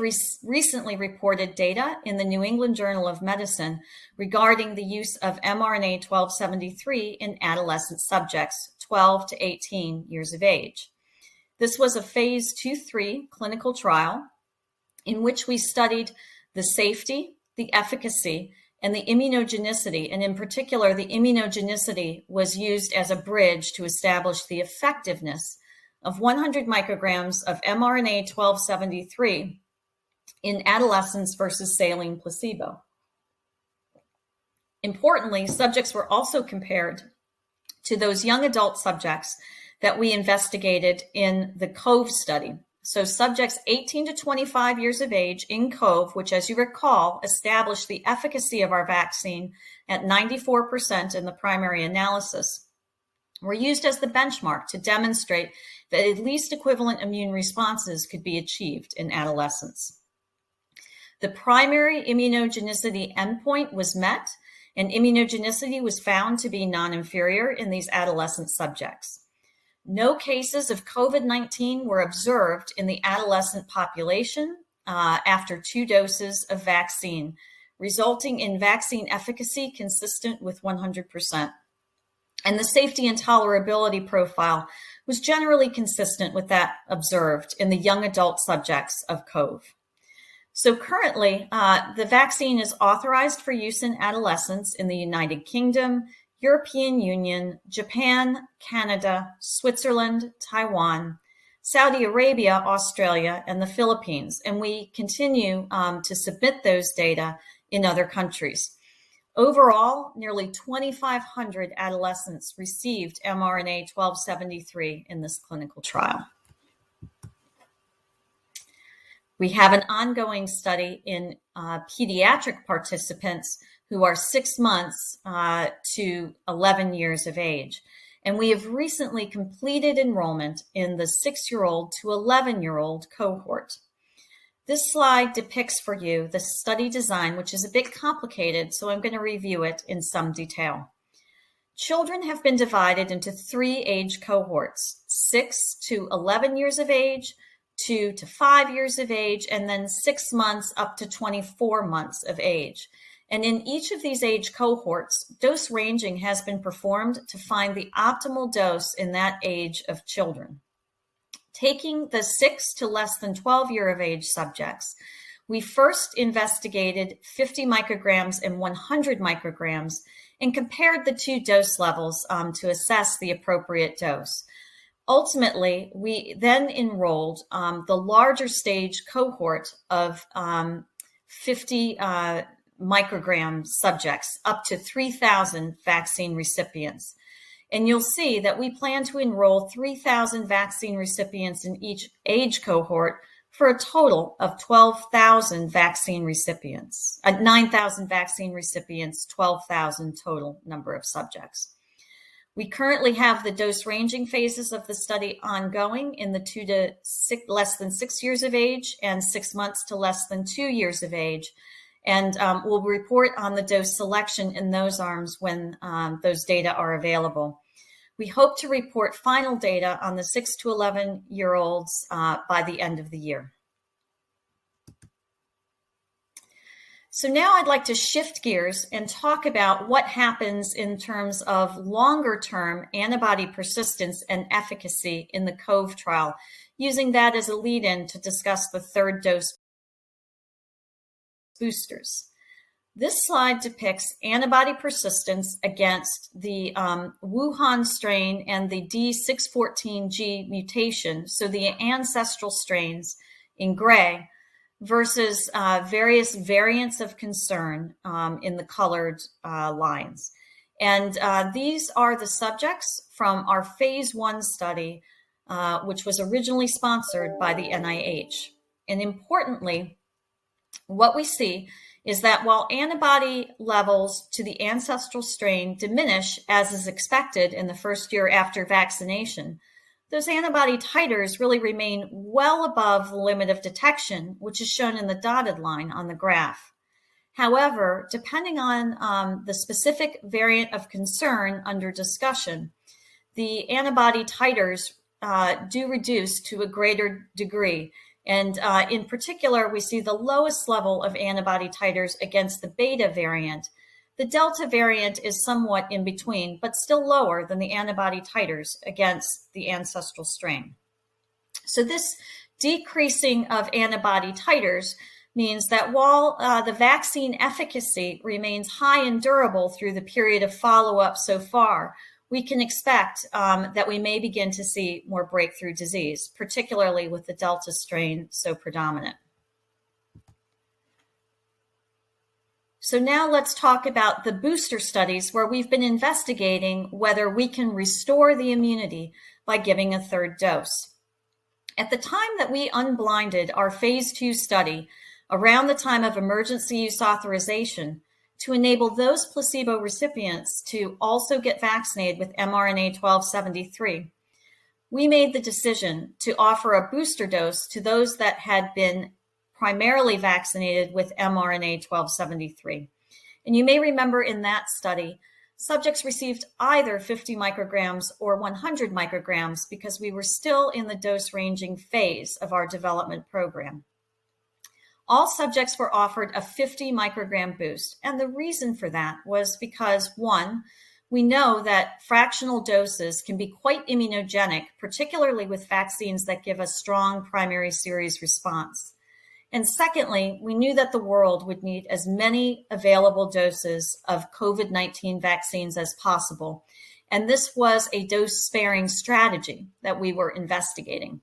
recently reported data in the New England Journal of Medicine regarding the use of mRNA-1273 in adolescent subjects 12 to 18 years of age. This was a phase II/III clinical trial in which we studied the safety, the efficacy, and the immunogenicity. In particular, the immunogenicity was used as a bridge to establish the effectiveness of 100 micrograms of mRNA-1273 in adolescents versus saline placebo. Importantly, subjects were also compared to those young adult subjects that we investigated in the COVE study. Subjects 18 to 25 years of age in COVE, which as you recall, established the efficacy of our vaccine at 94% in the primary analysis, were used as the benchmark to demonstrate that at least equivalent immune responses could be achieved in adolescents. The primary immunogenicity endpoint was met, and immunogenicity was found to be non-inferior in these adolescent subjects. No cases of COVID-19 were observed in the adolescent population after two doses of vaccine, resulting in vaccine efficacy consistent with 100%. The safety and tolerability profile was generally consistent with that observed in the young adult subjects of COVE. Currently, the vaccine is authorized for use in adolescents in the U.K., European Union, Japan, Canada, Switzerland, Taiwan, Saudi Arabia, Australia, and the Philippines, and we continue to submit those data in other countries. Overall, nearly 2,500 adolescents received mRNA-1273 in this clinical trial. We have an ongoing study in pediatric participants who are six months to 11 years of age, and we have recently completed enrollment in the six-year-old to 11-year-old cohort. This slide depicts for you the study design, which is a bit complicated, so I'm going to review it in some detail. Children have been divided into three age cohorts, 6 to 11 years of age, two to five years of age, and six months up to 24 months of age. In each of these age cohorts, dose ranging has been performed to find the optimal dose in that age of children. Taking the 6 to less than 12 year of age subjects, we first investigated 50 micrograms and 100 micrograms and compared the two dose levels to assess the appropriate dose. Ultimately, we enrolled the larger stage cohort of 50 microgram subjects, up to 3,000 vaccine recipients. You'll see that we plan to enroll 3,000 vaccine recipients in each age cohort for a total of 12,000 vaccine recipients. 9,000 vaccine recipients, 12,000 total number of subjects. We currently have the dose ranging phases of the study ongoing in the two to less than six years of age and six months to less than two years of age, and we'll report on the dose selection in those arms when those data are available. We hope to report final data on the 6 to 11 year olds by the end of the year. Now I'd like to shift gears and talk about what happens in terms of longer-term antibody persistence and efficacy in the COVE trial, using that as a lead-in to discuss the third dose boosters. This slide depicts antibody persistence against the Wuhan strain and the D614G mutation, so the ancestral strains in gray versus various variants of concern in the colored lines. These are the subjects from our phase I study, which was originally sponsored by the NIH. Importantly, what we see is that while antibody levels to the ancestral strain diminish as is expected in the first year after vaccination, those antibody titers really remain well above the limit of detection, which is shown in the dotted line on the graph. However, depending on the specific variant of concern under discussion, the antibody titers do reduce to a greater degree, and in particular, we see the lowest level of antibody titers against the Beta variant. The Delta variant is somewhat in between, but still lower than the antibody titers against the ancestral strain. This decreasing of antibody titers means that while the vaccine efficacy remains high and durable through the period of follow-up so far, we can expect that we may begin to see more breakthrough disease, particularly with the Delta strain so predominant. Now let's talk about the booster studies, where we've been investigating whether we can restore the immunity by giving a third dose. At the time that we unblinded our phase II study around the time of emergency use authorization to enable those placebo recipients to also get vaccinated with mRNA-1273, we made the decision to offer a booster dose to those that had been primarily vaccinated with mRNA-1273. You may remember in that study, subjects received either 50 micrograms or 100 micrograms because we were still in the dose-ranging phase of our development program. All subjects were offered a 50 microgram boost. The reason for that was because, one, we know that fractional doses can be quite immunogenic, particularly with vaccines that give a strong primary series response. Secondly, we knew that the world would need as many available doses of COVID-19 vaccines as possible, and this was a dose-sparing strategy that we were investigating.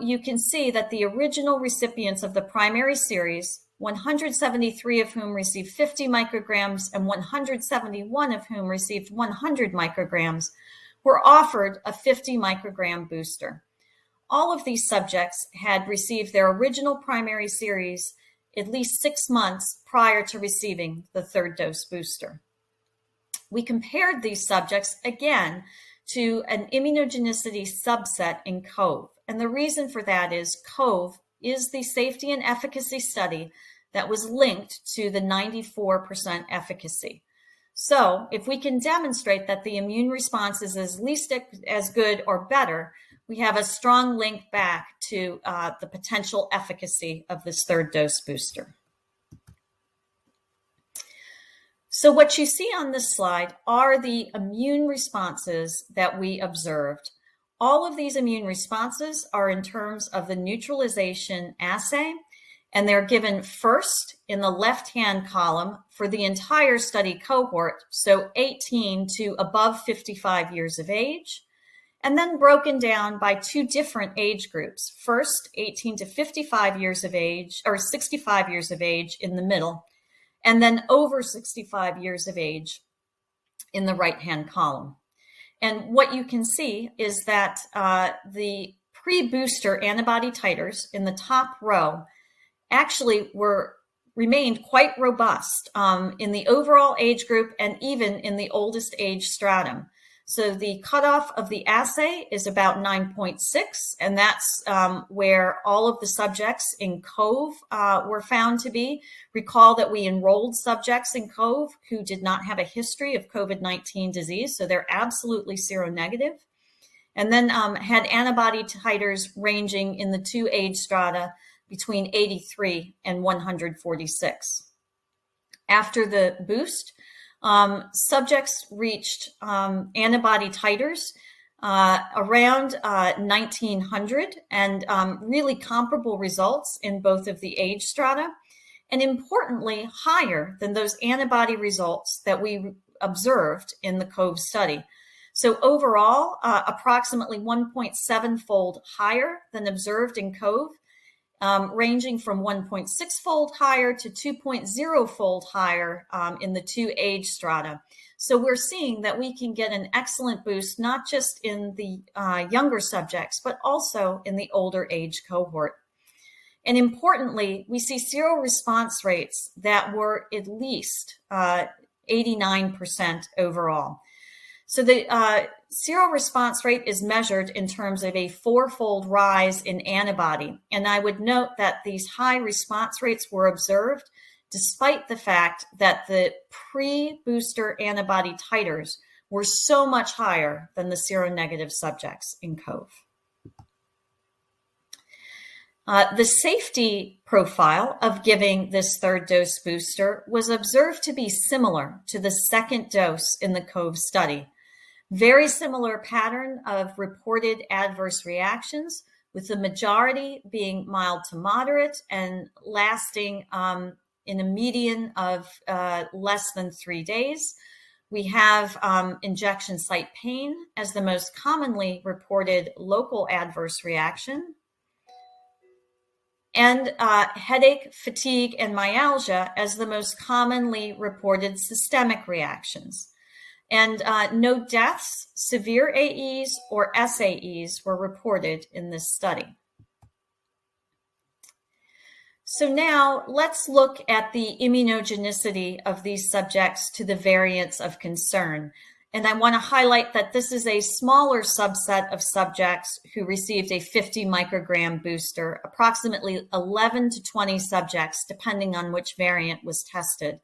You can see that the original recipients of the primary series, 173 of whom received 50 micrograms and 171 of whom received 100 micrograms, were offered a 50 microgram booster. All of these subjects had received their original primary series at least six months prior to receiving the third dose booster. We compared these subjects again to an immunogenicity subset in COVE. The reason for that is COVE is the safety and efficacy study that was linked to the 94% efficacy. If we can demonstrate that the immune response is at least as good or better, we have a strong link back to the potential efficacy of this third-dose booster. What you see on this slide are the immune responses that we observed. All of these immune responses are in terms of the neutralization assay, and they're given first in the left-hand column for the entire study cohort, so 18 to above 55 years of age, and then broken down by two different age groups. First, 18 to 65 years of age in the middle, and then over 65 years of age in the right-hand column. What you can see is that the pre-booster antibody titers in the top row actually remained quite robust in the overall age group and even in the oldest age stratum. The cutoff of the assay is about 9.6, and that's where all of the subjects in COVE were found to be. Recall that we enrolled subjects in COVE who did not have a history of COVID-19 disease, they're absolutely seronegative. Had antibody titers ranging in the two age strata between 83 and 146. After the boost, subjects reached antibody titers around 1,900, really comparable results in both of the age strata, importantly, higher than those antibody results that we observed in the COVE study. Overall, approximately 1.7-fold higher than observed in COVE, ranging from 1.6-fold higher to 2.0-fold higher in the two age strata. We're seeing that we can get an excellent boost, not just in the younger subjects, but also in the older age cohort. Importantly, we see seroresponse rates that were at least 89% overall. The seroresponse rate is measured in terms of a four-fold rise in antibody. I would note that these high response rates were observed despite the fact that the pre-booster antibody titers were so much higher than the seronegative subjects in COVE. The safety profile of giving this third-dose booster was observed to be similar to the second dose in the COVE study. Very similar pattern of reported adverse reactions, with the majority being mild to moderate and lasting in a median of less than three days. We have injection site pain as the most commonly reported local adverse reaction, and headache, fatigue, and myalgia as the most commonly reported systemic reactions. No deaths, severe AEs, or SAEs were reported in this study. Now let's look at the immunogenicity of these subjects to the variants of concern. I want to highlight that this is a smaller subset of subjects who received a 50 microgram booster, approximately 11-20 subjects, depending on which variant was tested.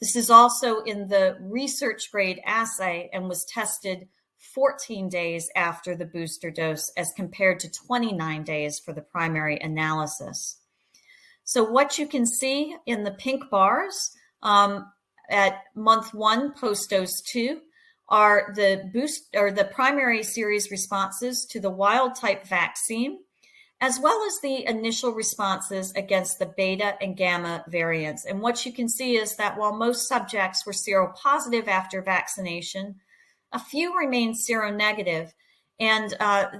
This is also in the research-grade assay and was tested 14 days after the booster dose, as compared to 29 days for the primary analysis. What you can see in the pink bars at month one post-dose two are the primary series responses to the wild type vaccine, as well as the initial responses against the Beta and Gamma variants. What you can see is that while most subjects were seropositive after vaccination, a few remained seronegative, and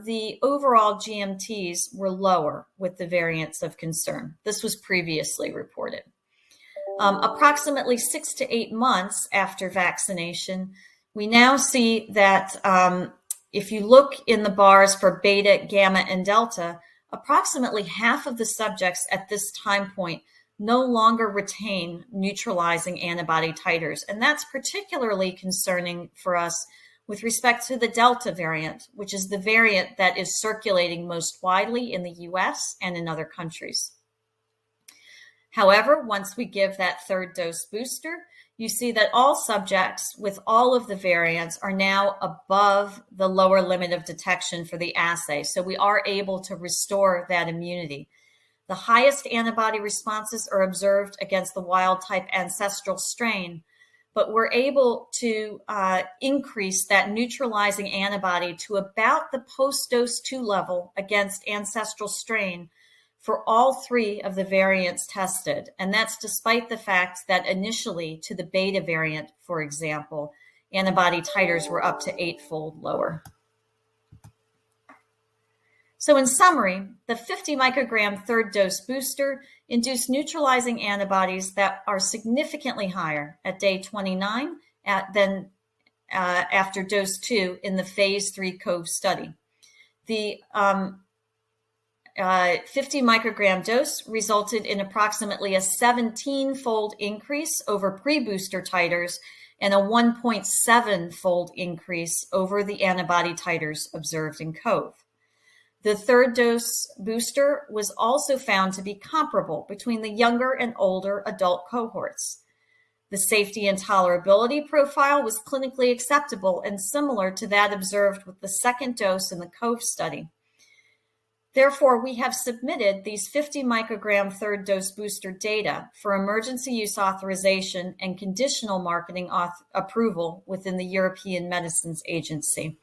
the overall GMTs were lower with the variants of concern. This was previously reported. Approximately six to eight months after vaccination, we now see that if you look in the bars for Beta, Gamma, and Delta, approximately half of the subjects at this time point no longer retain neutralizing antibody titers. That's particularly concerning for us with respect to the Delta variant, which is the variant that is circulating most widely in the U.S. and in other countries. However, once we give that third-dose booster, you see that all subjects with all of the variants are now above the lower limit of detection for the assay. We are able to restore that immunity. The highest antibody responses are observed against the wild type ancestral strain, but we're able to increase that neutralizing antibody to about the post-dose two level against ancestral strain for all three of the variants tested. That's despite the fact that initially to the Beta variant, for example, antibody titers were up to eight-fold lower. In summary, the 50 microgram third-dose booster induced neutralizing antibodies that are significantly higher at day 29 after dose two in the phase III COVE study. The 50 microgram dose resulted in approximately a 17-fold increase over pre-booster titers and a 1.7-fold increase over the antibody titers observed in COVE. The third-dose booster was also found to be comparable between the younger and older adult cohorts. The safety and tolerability profile was clinically acceptable and similar to that observed with the second dose in the COVE study. We have submitted these 50 microgram third-dose booster data for emergency use authorization and conditional marketing approval within the European Medicines Agency.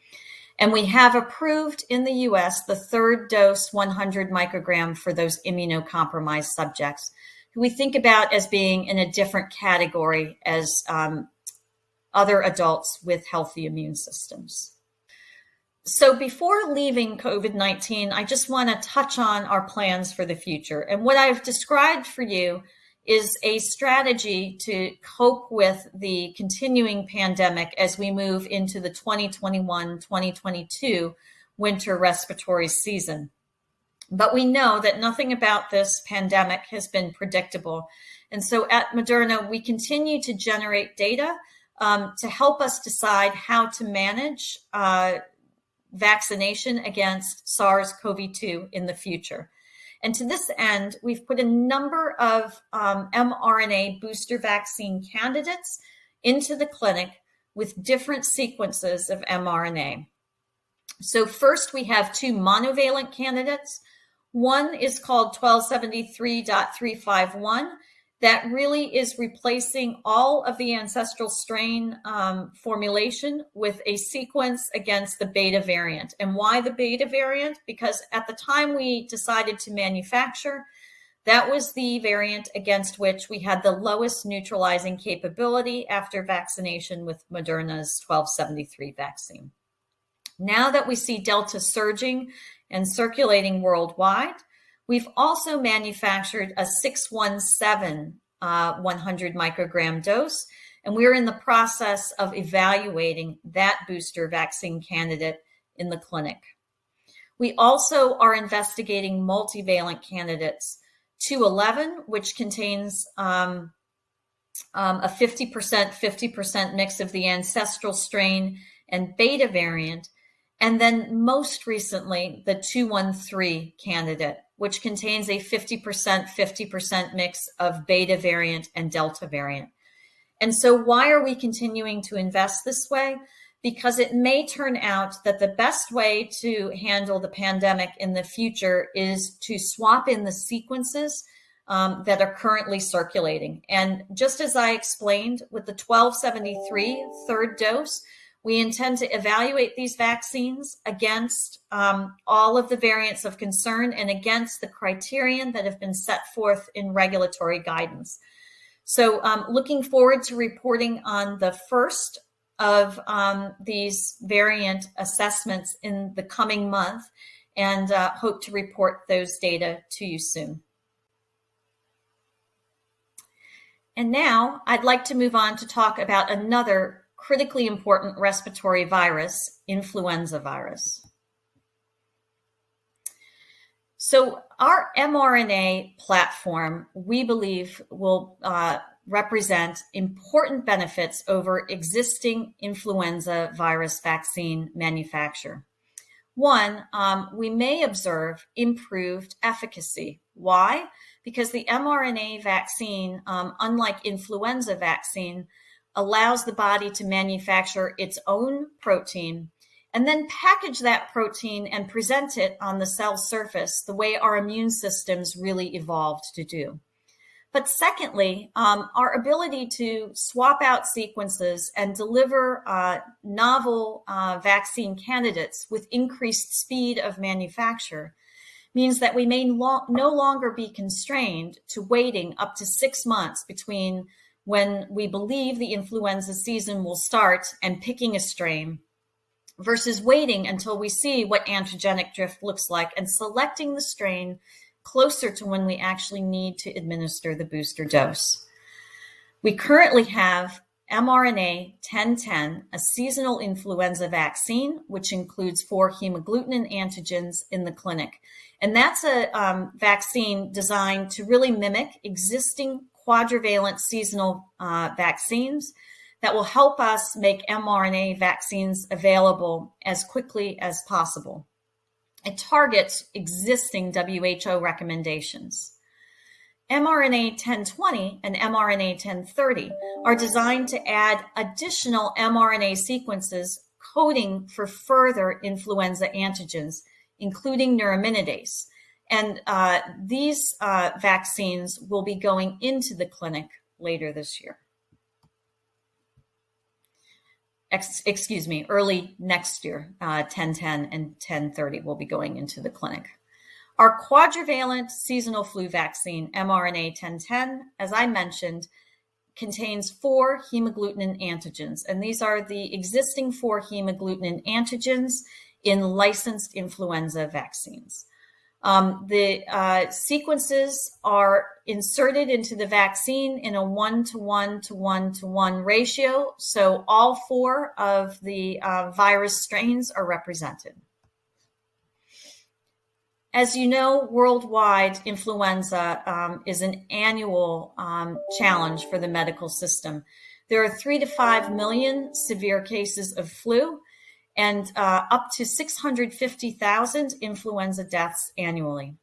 We have approved in the U.S. the third-dose 100 microgram for those immunocompromised subjects, who we think about as being in a different category as other adults with healthy immune systems. Before leaving COVID-19, I just want to touch on our plans for the future. What I've described for you is a strategy to cope with the continuing pandemic as we move into the 2021/2022 winter respiratory season. We know that nothing about this pandemic has been predictable. At Moderna, we continue to generate data to help us decide how to manage vaccination against SARS-CoV-2 in the future. To this end, we've put a number of mRNA booster vaccine candidates into the clinic with different sequences of mRNA. First, we have two monovalent candidates. One is called 1273.351, that really is replacing all of the ancestral strain formulation with a sequence against the Beta variant. Why the Beta variant? Because at the time we decided to manufacture, that was the variant against which we had the lowest neutralizing capability after vaccination with Moderna's 1273 vaccine. Now that we see Delta surging and circulating worldwide, we've also manufactured a 617 100 microgram dose, and we're in the process of evaluating that booster vaccine candidate in the clinic. We also are investigating multivalent candidates. 211, which contains a 50%/50% mix of the ancestral strain and Beta variant, most recently, the 213 candidate, which contains a 50%/50% mix of Beta variant and Delta variant. Why are we continuing to invest this way? Because it may turn out that the best way to handle the pandemic in the future is to swap in the sequences that are currently circulating. Just as I explained with the mRNA-1273 third dose, we intend to evaluate these vaccines against all of the variants of concern and against the criterion that have been set forth in regulatory guidance. Looking forward to reporting on the first of these variant assessments in the coming month and hope to report those data to you soon. Now I'd like to move on to talk about another critically important respiratory virus, influenza virus. Our mRNA platform, we believe, will represent important benefits over existing influenza virus vaccine manufacture. One, we may observe improved efficacy. Why? Because the mRNA vaccine, unlike influenza vaccine, allows the body to manufacture its own protein and then package that protein and present it on the cell surface the way our immune systems really evolved to do. Secondly, our ability to swap out sequences and deliver novel vaccine candidates with increased speed of manufacture means that we may no longer be constrained to waiting up to six months between when we believe the influenza season will start and picking a strain, versus waiting until we see what antigenic drift looks like and selecting the strain closer to when we actually need to administer the booster dose. We currently have mRNA-1010, a seasonal influenza vaccine, which includes four hemagglutinin antigens in the clinic. That's a vaccine designed to really mimic existing quadrivalent seasonal vaccines that will help us make mRNA vaccines available as quickly as possible, and targets existing WHO recommendations. mRNA-1020 and mRNA-1030 are designed to add additional mRNA sequences coding for further influenza antigens, including neuraminidase. These vaccines will be going into the clinic later this year. Excuse me, early next year, 1010 and 1030 will be going into the clinic. Our quadrivalent seasonal flu vaccine, mRNA-1010, as I mentioned, contains four hemagglutinin antigens, these are the existing four hemagglutinin antigens in licensed influenza vaccines. The sequences are inserted into the vaccine in a 1:1:1:1 ratio, so all four of the virus strains are represented. As you know, worldwide influenza is an annual challenge for the medical system. There are 3 million-5 million severe cases of flu, up to 650,000 influenza deaths annually.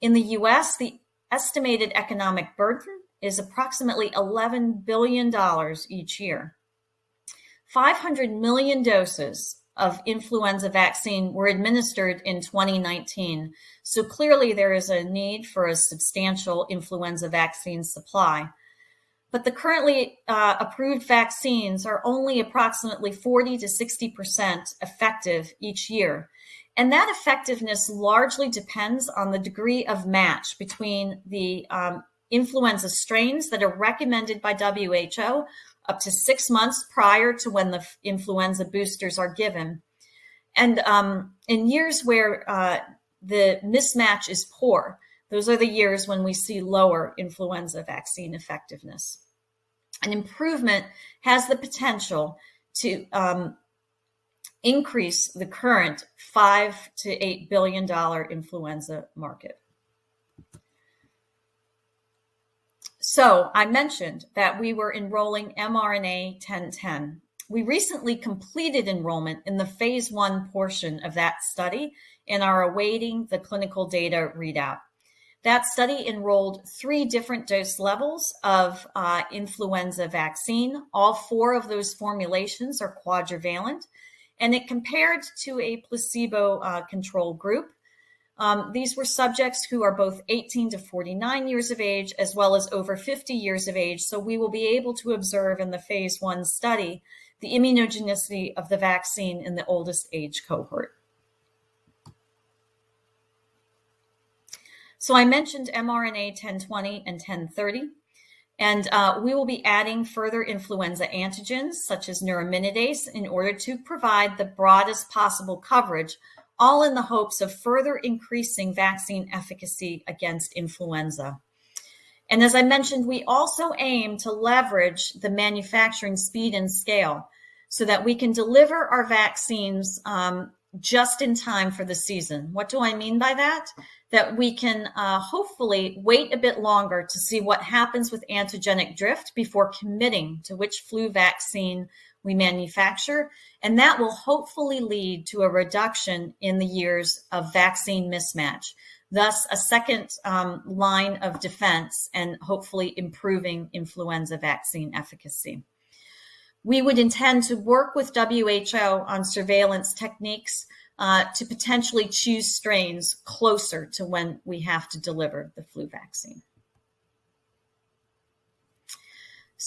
In the U.S., the estimated economic burden is approximately $11 billion each year. 500 million doses of influenza vaccine were administered in 2019, so clearly there is a need for a substantial influenza vaccine supply. The currently approved vaccines are only approximately 40%-60% effective each year, and that effectiveness largely depends on the degree of match between the influenza strains that are recommended by WHO up to six months prior to when the influenza boosters are given. In years where the mismatch is poor, those are the years when we see lower influenza vaccine effectiveness. An improvement has the potential to increase the current $5 billion-$8 billion influenza market. I mentioned that we were enrolling mRNA-1010. We recently completed enrollment in the phase I portion of that study and are awaiting the clinical data readout. That study enrolled three different dose levels of influenza vaccine. All four of those formulations are quadrivalent. It compared to a placebo control group. These were subjects who are both 18 to 49 years of age as well as over 50 years of age. We will be able to observe in the phase I study the immunogenicity of the vaccine in the oldest age cohort. I mentioned mRNA-1020 and mRNA-1030. We will be adding further influenza antigens such as neuraminidase in order to provide the broadest possible coverage, all in the hopes of further increasing vaccine efficacy against influenza. As I mentioned, we also aim to leverage the manufacturing speed and scale so that we can deliver our vaccines just in time for the season. What do I mean by that? We can hopefully wait a bit longer to see what happens with antigenic drift before committing to which flu vaccine we manufacture, and that will hopefully lead to a reduction in the years of vaccine mismatch, thus a second line of defense and hopefully improving influenza vaccine efficacy. We would intend to work with WHO on surveillance techniques to potentially choose strains closer to when we have to deliver the flu vaccine.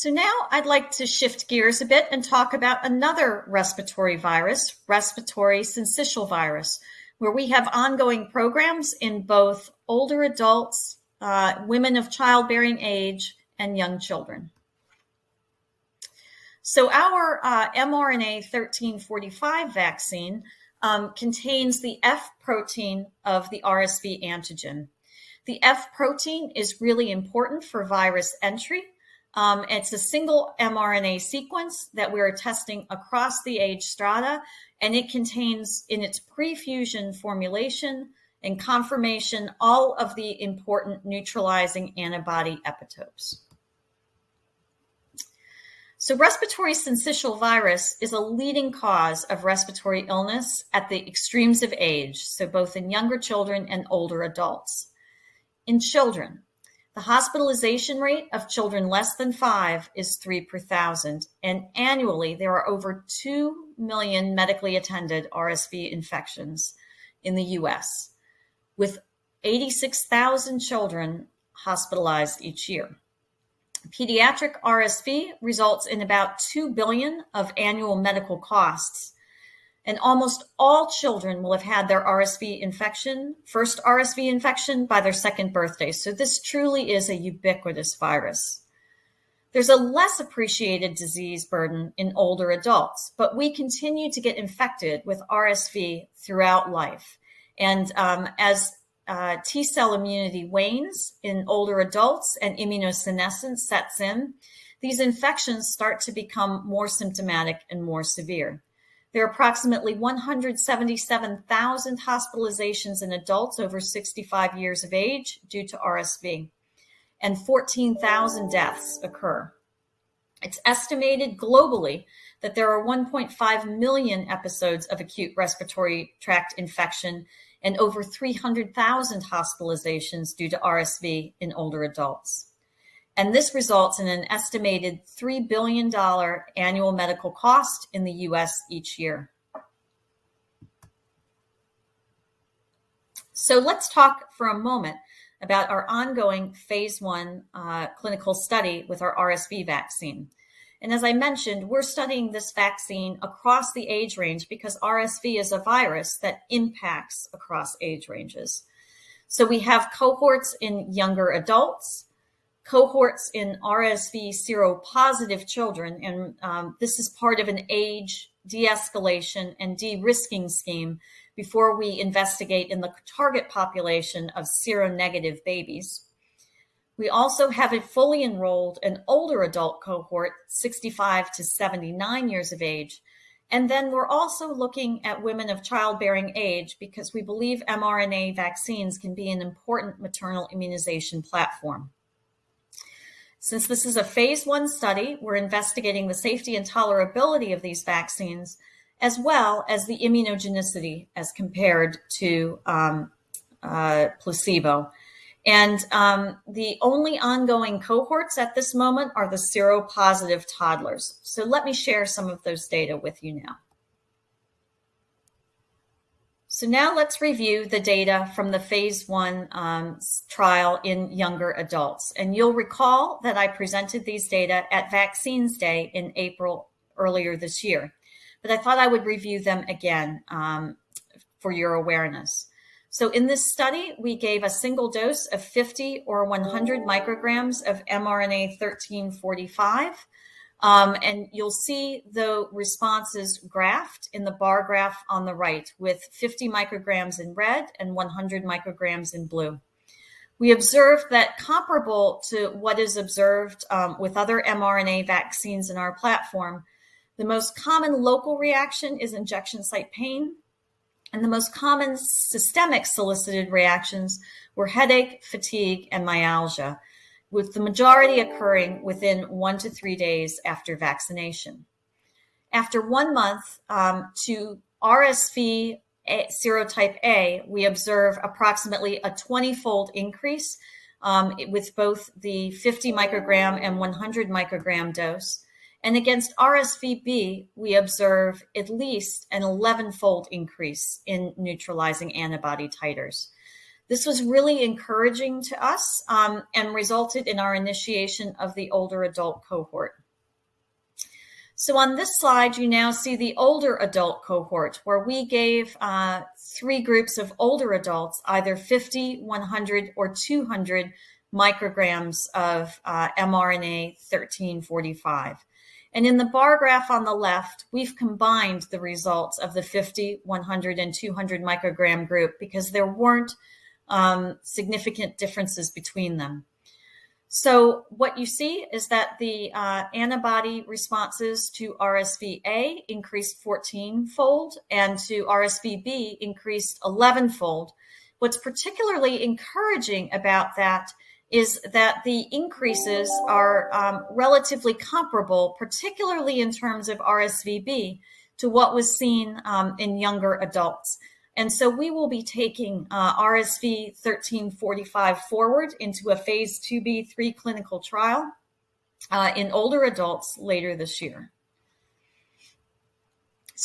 Now I'd like to shift gears a bit and talk about another respiratory virus, respiratory syncytial virus, where we have ongoing programs in both older adults, women of childbearing age, and young children. Our mRNA-1345 vaccine contains the F protein of the RSV antigen. The F protein is really important for virus entry. It's a single mRNA sequence that we're testing across the age strata. It contains in its pre-fusion formulation and confirmation all of the important neutralizing antibody epitopes. Respiratory syncytial virus is a leading cause of respiratory illness at the extremes of age, both in younger children and older adults. In children, the hospitalization rate of children less than five is three per 1,000. Annually, there are over 2 million medically attended RSV infections in the U.S., with 86,000 children hospitalized each year. Pediatric RSV results in about $2 billion of annual medical costs. Almost all children will have had their first RSV infection by their second birthday. This truly is a ubiquitous virus. There's a less appreciated disease burden in older adults. We continue to get infected with RSV throughout life. As T-cell immunity wanes in older adults and immunosenescence sets in, these infections start to become more symptomatic and more severe. There are approximately 177,000 hospitalizations in adults over 65 years of age due to RSV, and 14,000 deaths occur. It's estimated globally that there are 1.5 million episodes of acute respiratory tract infection and over 300,000 hospitalizations due to RSV in older adults. This results in an estimated $3 billion annual medical cost in the U.S. each year. Let's talk for a moment about our ongoing phase I clinical study with our RSV vaccine. As I mentioned, we're studying this vaccine across the age range because RSV is a virus that impacts across age ranges. We have cohorts in younger adults, cohorts in RSV seropositive children, and this is part of an age de-escalation and de-risking scheme before we investigate in the target population of seronegative babies. We also have a fully enrolled and older adult cohort, 65 to 79 years of age. Then we're also looking at women of childbearing age because we believe mRNA vaccines can be an important maternal immunization platform. Since this is a phase I study, we're investigating the safety and tolerability of these vaccines, as well as the immunogenicity as compared to placebo. The only ongoing cohorts at this moment are the seropositive toddlers. Let me share some of those data with you now. Now let's review the data from the phase I trial in younger adults. You'll recall that I presented these data at Vaccines Day in April earlier this year, but I thought I would review them again for your awareness. In this study, we gave a single dose of 50 or 100 micrograms of mRNA-1345, and you'll see the responses graphed in the bar graph on the right with 50 micrograms in red and 100 micrograms in blue. We observed that comparable to what is observed with other mRNA vaccines in our platform, the most common local reaction is injection site pain, and the most common systemic solicited reactions were headache, fatigue, and myalgia, with the majority occurring within one to three days after vaccination. After one month to RSV serotype A, we observe approximately a 20-fold increase with both the 50 microgram and 100 microgram dose. Against RSV-B, we observe at least an 11-fold increase in neutralizing antibody titers. This was really encouraging to us and resulted in our initiation of the older adult cohort. On this slide, you now see the older adult cohort, where we gave three groups of older adults either 50, 100, or 200 micrograms of mRNA-1345. In the bar graph on the left, we've combined the results of the 50, 100, and 200 microgram group because there weren't significant differences between them. What you see is that the antibody responses to RSV-A increased 14-fold and to RSV-B increased 11-fold. What's particularly encouraging about that is that the increases are relatively comparable, particularly in terms of RSV-B, to what was seen in younger adults. We will be taking mRNA-1345 forward into a phase II-B/III clinical trial in older adults later this year.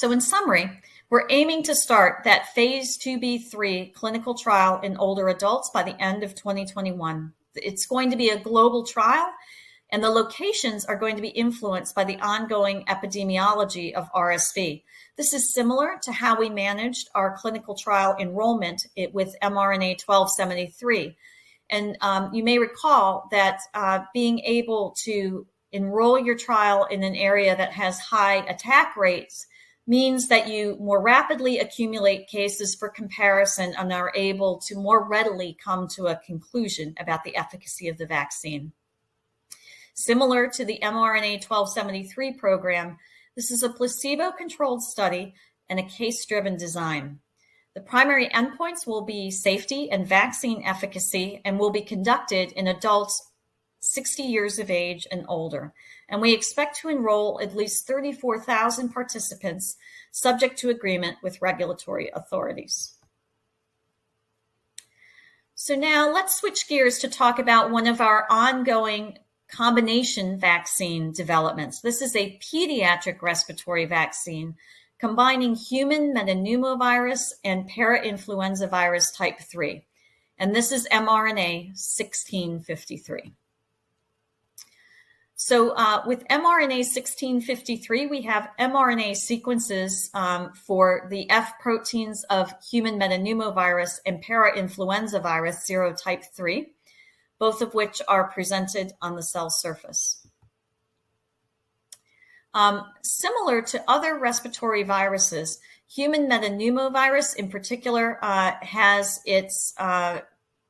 In summary, we're aiming to start that phase II-B/III clinical trial in older adults by the end of 2021. It's going to be a global trial, and the locations are going to be influenced by the ongoing epidemiology of RSV. This is similar to how we managed our clinical trial enrollment with mRNA-1273. You may recall that being able to enroll your trial in an area that has high attack rates means that you more rapidly accumulate cases for comparison and are able to more readily come to a conclusion about the efficacy of the vaccine. Similar to the mRNA-1273 program, this is a placebo-controlled study and a case-driven design. The primary endpoints will be safety and vaccine efficacy and will be conducted in adults 60 years of age and older. We expect to enroll at least 34,000 participants, subject to agreement with regulatory authorities. Now let's switch gears to talk about one of our ongoing combination vaccine developments. This is a pediatric respiratory vaccine combining human metapneumovirus and parainfluenza virus type 3, and this is mRNA-1653. With mRNA-1653, we have mRNA sequences for the F proteins of human metapneumovirus and parainfluenza virus serotype 3, both of which are presented on the cell surface. Similar to other respiratory viruses, human metapneumovirus in particular has its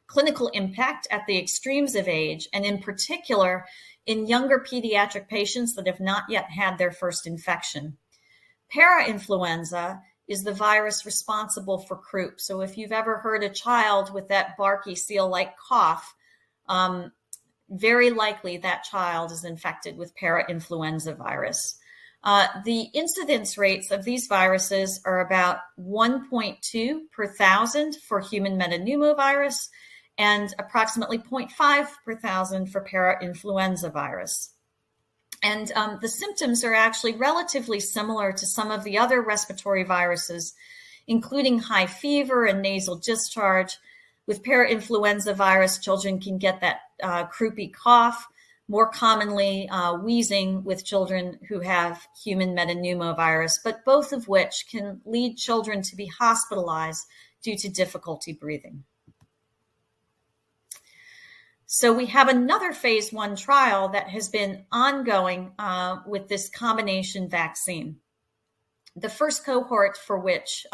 clinical impact at the extremes of age, and in particular in younger pediatric patients that have not yet had their first infection. Parainfluenza is the virus responsible for croup. If you've ever heard a child with that barky seal-like cough, very likely that child is infected with parainfluenza virus. The incidence rates of these viruses are about 1.2 per thousand for human metapneumovirus and approximately 0.5 per thousand for parainfluenza virus. The symptoms are actually relatively similar to some of the other respiratory viruses, including high fever and nasal discharge. With parainfluenza virus, children can get that croupy cough, more commonly wheezing with children who have human metapneumovirus, but both of which can lead children to be hospitalized due to difficulty breathing. We have another phase I trial that has been ongoing with this combination vaccine. The first cohort for which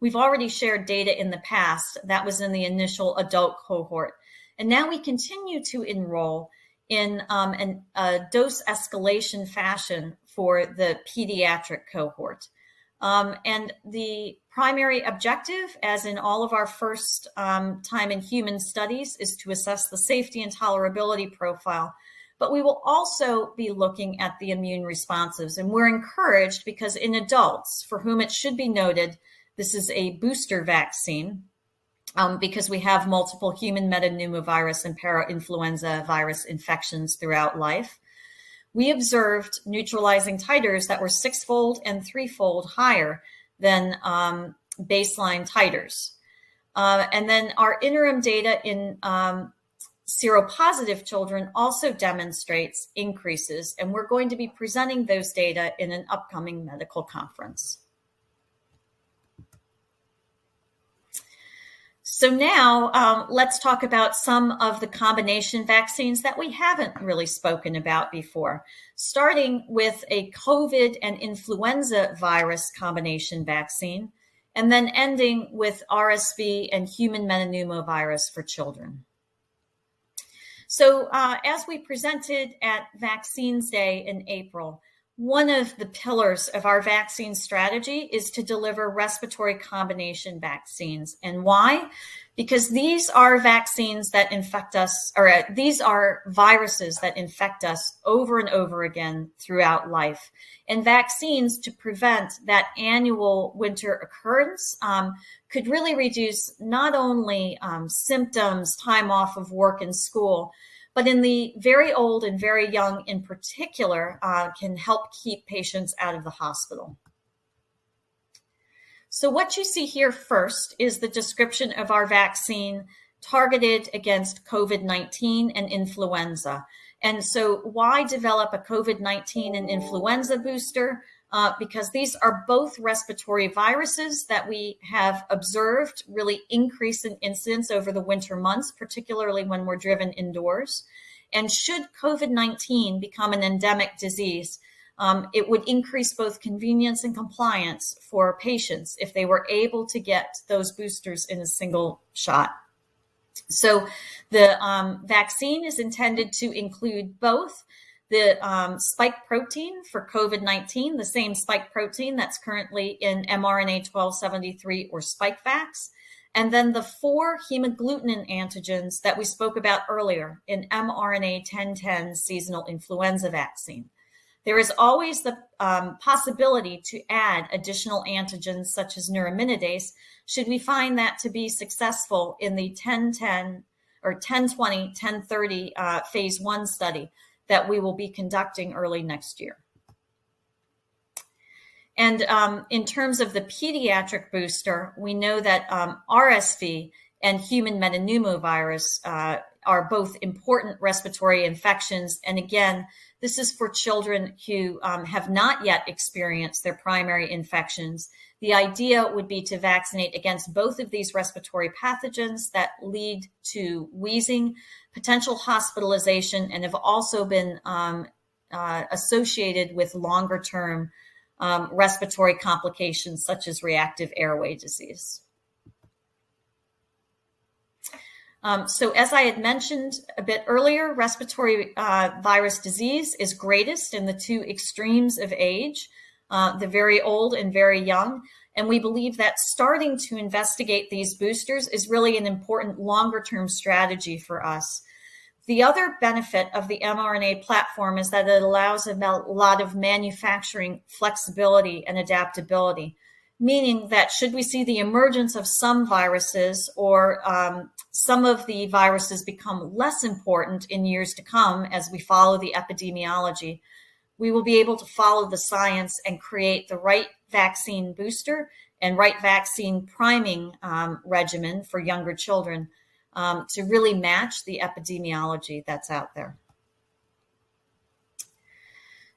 we've already shared data in the past, that was in the initial adult cohort. Now we continue to enroll in a dose escalation fashion for the pediatric cohort. The primary objective, as in all of our first time in human studies, is to assess the safety and tolerability profile. We will also be looking at the immune responses. We're encouraged because in adults, for whom it should be noted this is a booster vaccine, because we have multiple human metapneumovirus and parainfluenza virus infections throughout life. We observed neutralizing titers that were 6-fold and 3-fold higher than baseline titers. Our interim data in seropositive children also demonstrates increases, and we're going to be presenting those data in an upcoming medical conference. Now, let's talk about some of the combination vaccines that we haven't really spoken about before, starting with a COVID and influenza virus combination vaccine, and then ending with RSV and human metapneumovirus for children. As we presented at Vaccines Day in April, one of the pillars of our vaccine strategy is to deliver respiratory combination vaccines. Why? Because these are viruses that infect us over and over again throughout life. Vaccines to prevent that annual winter occurrence could really reduce not only symptoms, time off of work and school, but in the very old and very young in particular, can help keep patients out of the hospital. What you see here first is the description of our vaccine targeted against COVID-19 and influenza. Why develop a COVID-19 and influenza booster? Because these are both respiratory viruses that we have observed really increase in incidence over the winter months, particularly when we're driven indoors. Should COVID-19 become an endemic disease, it would increase both convenience and compliance for patients if they were able to get those boosters in a single shot. The vaccine is intended to include both the spike protein for COVID-19, the same spike protein that's currently in mRNA-1273 or Spikevax, and then the four hemagglutinin antigens that we spoke about earlier in mRNA-1010 seasonal influenza vaccine. There is always the possibility to add additional antigens such as neuraminidase, should we find that to be successful in the mRNA-1020, mRNA-1030 phase I study that we will be conducting early next year. In terms of the pediatric booster, we know that RSV and human metapneumovirus are both important respiratory infections. Again, this is for children who have not yet experienced their primary infections. The idea would be to vaccinate against both of these respiratory pathogens that lead to wheezing, potential hospitalization, and have also been associated with longer-term respiratory complications such as reactive airway disease. As I had mentioned a bit earlier, respiratory virus disease is greatest in the two extremes of age, the very old and very young, and we believe that starting to investigate these boosters is really an important longer-term strategy for us. The other benefit of the mRNA platform is that it allows a lot of manufacturing flexibility and adaptability, meaning that should we see the emergence of some viruses or some of the viruses become less important in years to come as we follow the epidemiology, we will be able to follow the science and create the right vaccine booster and right vaccine priming regimen for younger children to really match the epidemiology that's out there.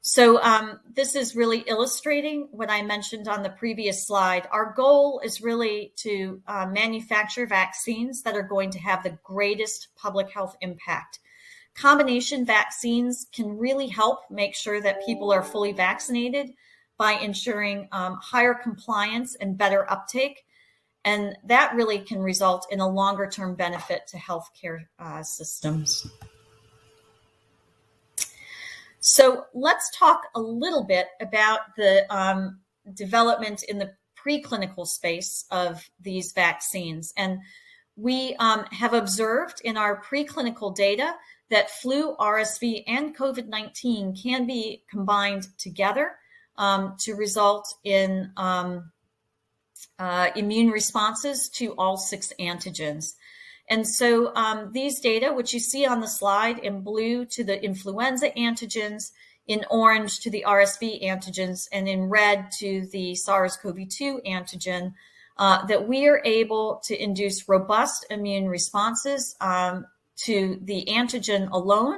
This is really illustrating what I mentioned on the previous slide. Our goal is really to manufacture vaccines that are going to have the greatest public health impact. Combination vaccines can really help make sure that people are fully vaccinated by ensuring higher compliance and better uptake. That really can result in a longer-term benefit to healthcare systems. Let's talk a little bit about the development in the preclinical space of these vaccines. We have observed in our preclinical data that flu, RSV, and COVID-19 can be combined together to result in immune responses to all six antigens. These data, which you see on the slide in blue to the influenza antigens, in orange to the RSV antigens, and in red to the SARS-CoV-2 antigen, that we are able to induce robust immune responses to the antigen alone,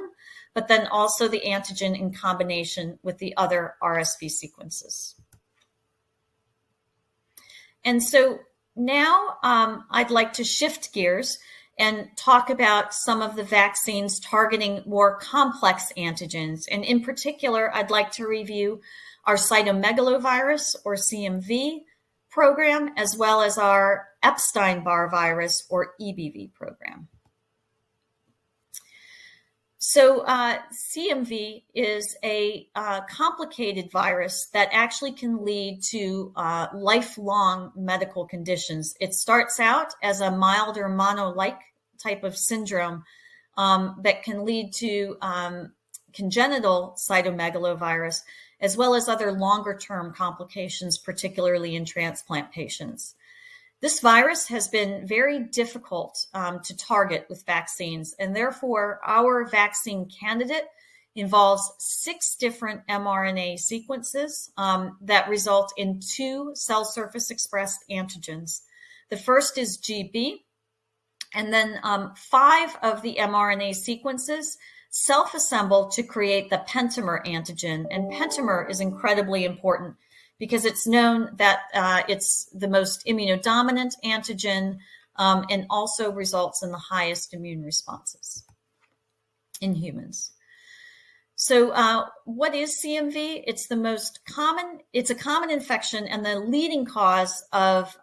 but then also the antigen in combination with the other RSV sequences. Now, I'd like to shift gears and talk about some of the vaccines targeting more complex antigens. In particular, I'd like to review our cytomegalovirus, or CMV, program, as well as our Epstein-Barr virus, or EBV, program. CMV is a complicated virus that actually can lead to lifelong medical conditions. It starts out as a milder mono-like type of syndrome that can lead to congenital cytomegalovirus, as well as other longer-term complications, particularly in transplant patients. This virus has been very difficult to target with vaccines, and therefore, our vaccine candidate involves six different mRNA sequences that result in two cell surface expressed antigens. The first is gB, and then five of the mRNA sequences self-assemble to create the pentamer antigen. Pentamer is incredibly important because it's known that it's the most immunodominant antigen, and also results in the highest immune responses in humans. What is CMV? It's a common infection and the leading cause of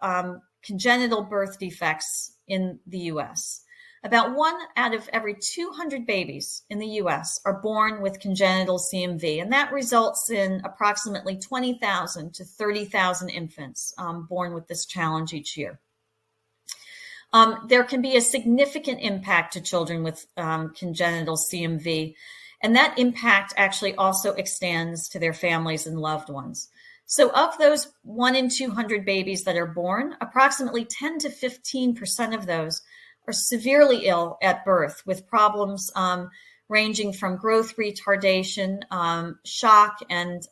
congenital birth defects in the U.S. About one out of every 200 babies in the U.S. are born with congenital CMV. That results in approximately 20,000 to 30,000 infants born with this challenge each year. There can be a significant impact to children with congenital CMV. That impact actually also extends to their families and loved ones. Of those one in 200 babies that are born, approximately 10%-15% of those are severely ill at birth, with problems ranging from growth retardation, shock, and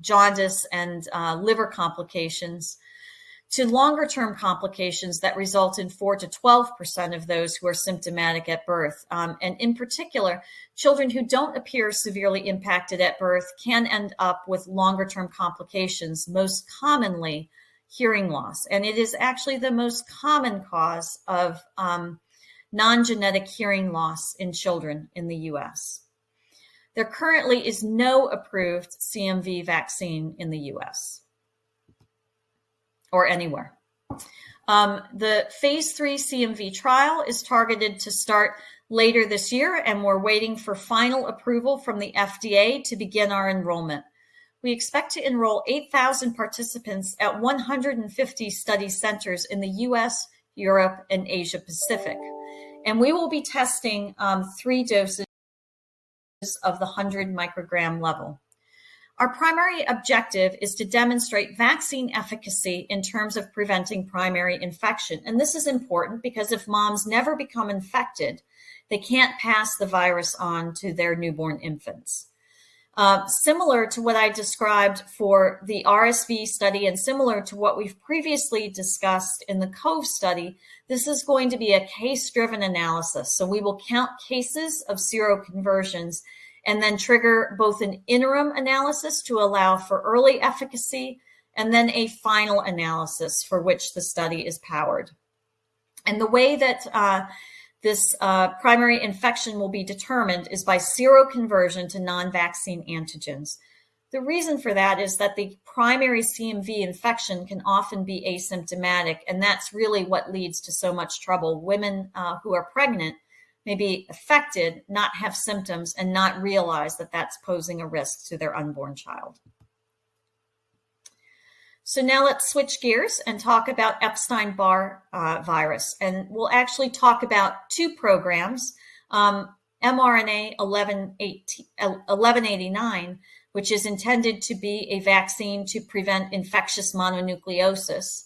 jaundice, and liver complications, to longer-term complications that result in 4%-12% of those who are symptomatic at birth. In particular, children who don't appear severely impacted at birth can end up with longer-term complications, most commonly hearing loss. It is actually the most common cause of non-genetic hearing loss in children in the U.S. There currently is no approved CMV vaccine in the U.S. or anywhere. The phase III CMV trial is targeted to start later this year. We're waiting for final approval from the FDA to begin our enrollment. We expect to enroll 8,000 participants at 150 study centers in the U.S., Europe, and Asia-Pacific. We will be testing three doses of the 100 microgram level. Our primary objective is to demonstrate vaccine efficacy in terms of preventing primary infection. This is important because if moms never become infected, they can't pass the virus on to their newborn infants. Similar to what I described for the RSV study and similar to what we've previously discussed in the COVE study, this is going to be a case-driven analysis. We will count cases of seroconversions, and then trigger both an interim analysis to allow for early efficacy, and then a final analysis for which the study is powered. The way that this primary infection will be determined is by seroconversion to non-vaccine antigens. The reason for that is that the primary CMV infection can often be asymptomatic, and that's really what leads to so much trouble. Women who are pregnant may be affected, not have symptoms, and not realize that that's posing a risk to their unborn child. Now let's switch gears and talk about Epstein-Barr virus. We'll actually talk about two programs, mRNA-1189, which is intended to be a vaccine to prevent infectious mononucleosis.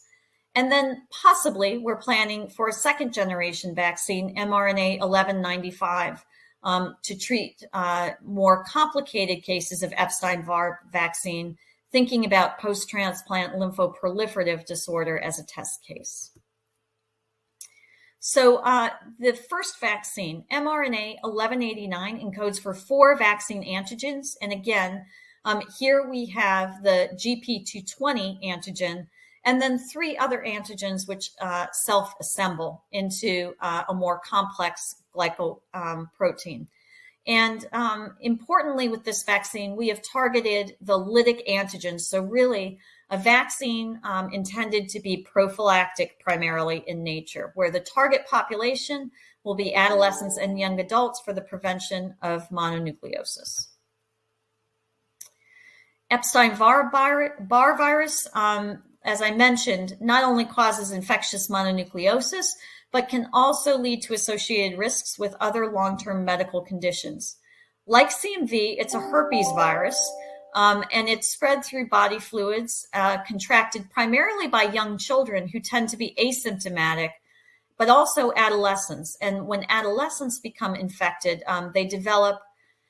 Possibly, we're planning for a second-generation vaccine, mRNA-1195, to treat more complicated cases of Epstein-Barr vaccine, thinking about post-transplant lymphoproliferative disorder as a test case. The first vaccine, mRNA-1189, encodes for four vaccine antigens. Again, here we have the GP220 antigen, and then three other antigens which self-assemble into a more complex glycoprotein. Importantly with this vaccine, we have targeted the lytic antigens. Really, a vaccine intended to be prophylactic primarily in nature, where the target population will be adolescents and young adults for the prevention of mononucleosis. Epstein-Barr virus, as I mentioned, not only causes infectious mononucleosis but can also lead to associated risks with other long-term medical conditions. Like CMV, it's a herpes virus, and it's spread through body fluids, contracted primarily by young children who tend to be asymptomatic, but also adolescents. When adolescents become infected,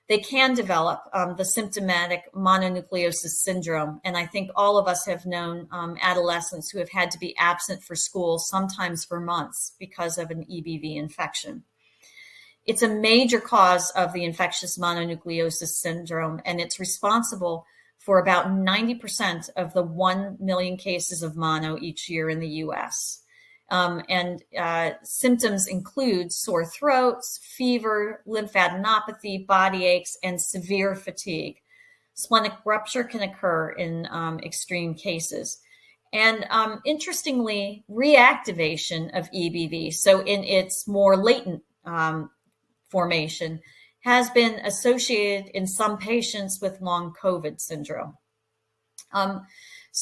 they can develop the symptomatic mononucleosis syndrome. I think all of us have known adolescents who have had to be absent for school, sometimes for months, because of an EBV infection. It's a major cause of the infectious mononucleosis syndrome, and it's responsible for about 90% of the 1 million cases of mono each year in the U.S. Symptoms include sore throats, fever, lymphadenopathy, body aches, and severe fatigue. Splenic rupture can occur in extreme cases. Interestingly, reactivation of EBV, so in its more latent formation, has been associated in some patients with long COVID syndrome.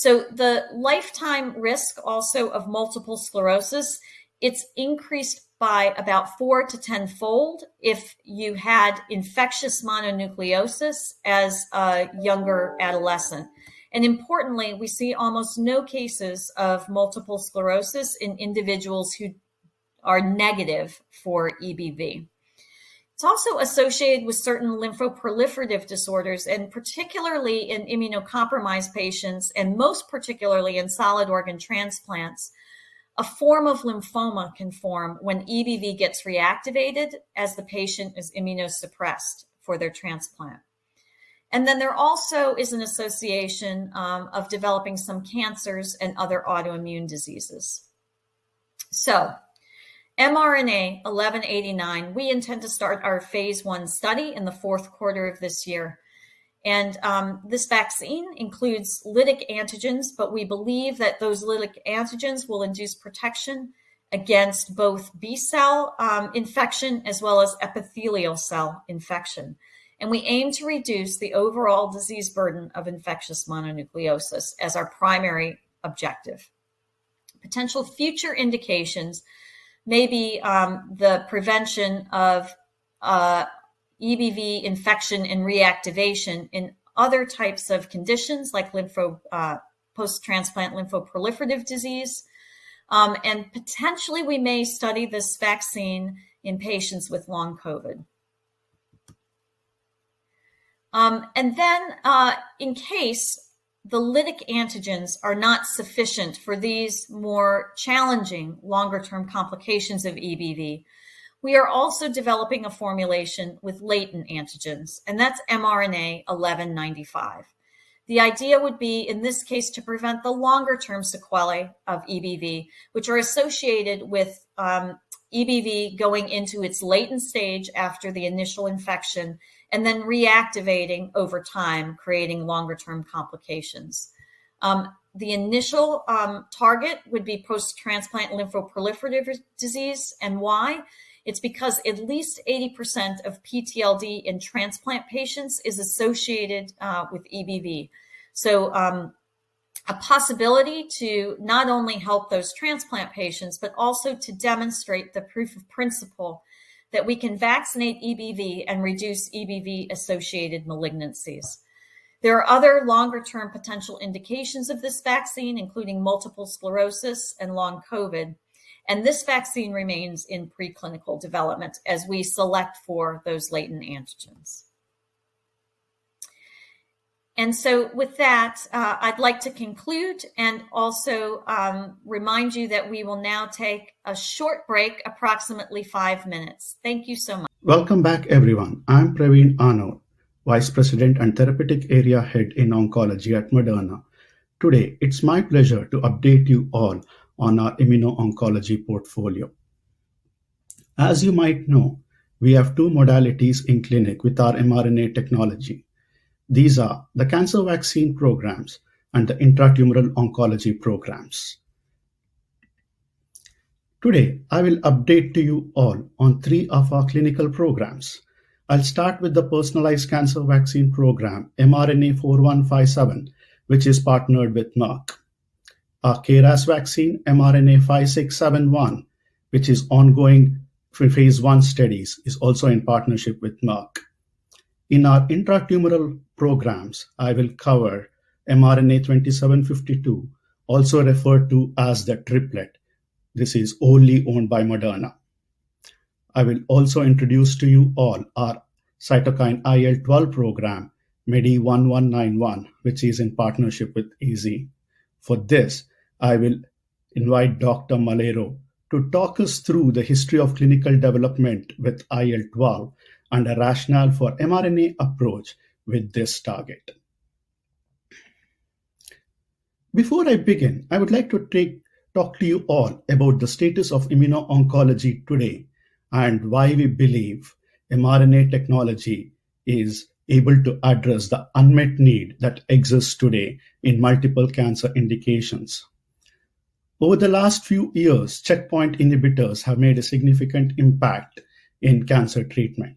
The lifetime risk also of multiple sclerosis, it's increased by about four to tenfold if you had infectious mononucleosis as a younger adolescent. Importantly, we see almost no cases of multiple sclerosis in individuals who are negative for EBV. It's also associated with certain lymphoproliferative disorders, and particularly in immunocompromised patients, and most particularly in solid organ transplants, a form of lymphoma can form when EBV gets reactivated as the patient is immunosuppressed for their transplant. There also is an association of developing some cancers and other autoimmune diseases. mRNA-1189, we intend to start our phase I study in the fourth quarter of this year. This vaccine includes lytic antigens, but we believe that those lytic antigens will induce protection against both B cell infection as well as epithelial cell infection. We aim to reduce the overall disease burden of infectious mononucleosis as our primary objective. Potential future indications may be the prevention of EBV infection and reactivation in other types of conditions like post-transplant lymphoproliferative disorder. Potentially, we may study this vaccine in patients with long COVID. In case the lytic antigens are not sufficient for these more challenging longer-term complications of EBV, we are also developing a formulation with latent antigens, and that's mRNA-1195. The idea would be, in this case, to prevent the longer-term sequelae of EBV, which are associated with EBV going into its latent stage after the initial infection and then reactivating over time, creating longer-term complications. The initial target would be post-transplant lymphoproliferative disease. Why? It's because at least 80% of PTLD in transplant patients is associated with EBV. A possibility to not only help those transplant patients, but also to demonstrate the proof of principle that we can vaccinate EBV and reduce EBV-associated malignancies. There are other longer-term potential indications of this vaccine, including multiple sclerosis and long COVID, and this vaccine remains in preclinical development as we select for those latent antigens. With that, I'd like to conclude and also remind you that we will now take a short break, approximately five minutes. Thank you so much. Welcome back, everyone. I'm Praveen Aanur, vice president and therapeutic area head in oncology at Moderna. Today, it's my pleasure to update you all on our immuno-oncology portfolio. As you might know, we have two modalities in clinic with our mRNA technology. These are the cancer vaccine programs and the intra-tumoral oncology programs. Today, I will update to you all on three of our clinical programs. I'll start with the personalized cancer vaccine program, mRNA-4157, which is partnered with Merck. Our KRAS vaccine, mRNA-5671, which is ongoing for phase I studies, is also in partnership with Merck. In our intra-tumoral programs, I will cover mRNA-2752, also referred to as the triplet. This is only owned by Moderna. I will also introduce to you all our cytokine IL-12 program, MEDI1191, which is in partnership with AstraZeneca. For this, I will invite Dr. Melero to talk us through the history of clinical development with IL-12 and the rationale for mRNA approach with this target. Before I begin, I would like to talk to you all about the status of immuno-oncology today and why we believe mRNA technology is able to address the unmet need that exists today in multiple cancer indications. Over the last few years, checkpoint inhibitors have made a significant impact in cancer treatment.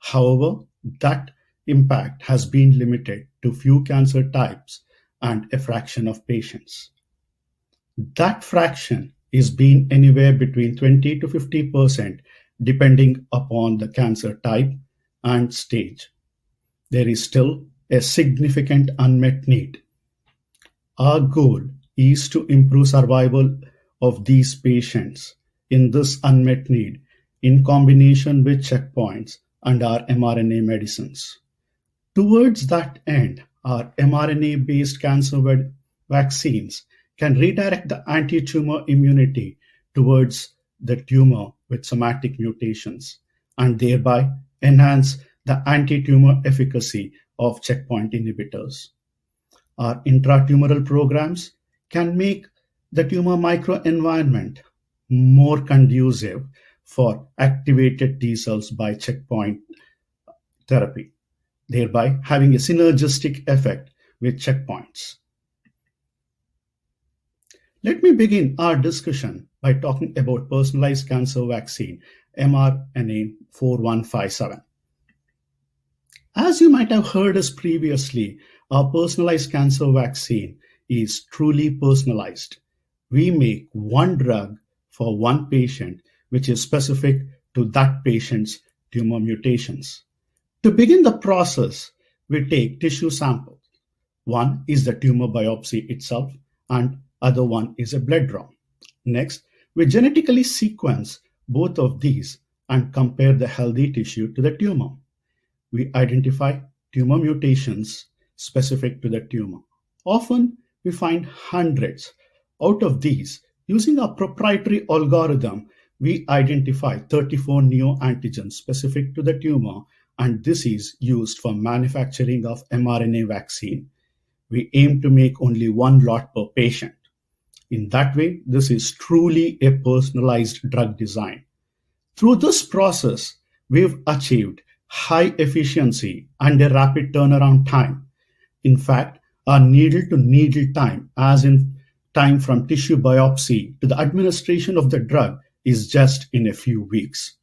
However, that impact has been limited to few cancer types and a fraction of patients. That fraction has been anywhere between 20%-50%, depending upon the cancer type and stage. There is still a significant unmet need. Our goal is to improve survival of these patients in this unmet need in combination with checkpoints and our mRNA medicines. Towards that end, our mRNA-based cancer vaccines can redirect the antitumor immunity towards the tumor with somatic mutations and thereby enhance the antitumor efficacy of checkpoint inhibitors. Our intratumoral programs can make the tumor microenvironment more conducive for activated T cells by checkpoint therapy, thereby having a synergistic effect with checkpoints. Let me begin our discussion by talking about Personalized Cancer Vaccine, mRNA-4157. As you might have heard us previously, our Personalized Cancer Vaccine is truly personalized. We make one drug for one patient, which is specific to that patient's tumor mutations. To begin the process, we take tissue samples. One is the tumor biopsy itself, and other one is a blood draw. Next, we genetically sequence both of these and compare the healthy tissue to the tumor. We identify tumor mutations specific to the tumor. Often, we find hundreds. Out of these, using a proprietary algorithm, we identify 34 neoantigens specific to the tumor, and this is used for manufacturing of mRNA vaccine. We aim to make only one lot per patient. In that way, this is truly a personalized drug design. Through this process, we've achieved high efficiency and a rapid turnaround time. In fact, our needed to needed time, as in time from tissue biopsy to the administration of the drug, is just in a few weeks.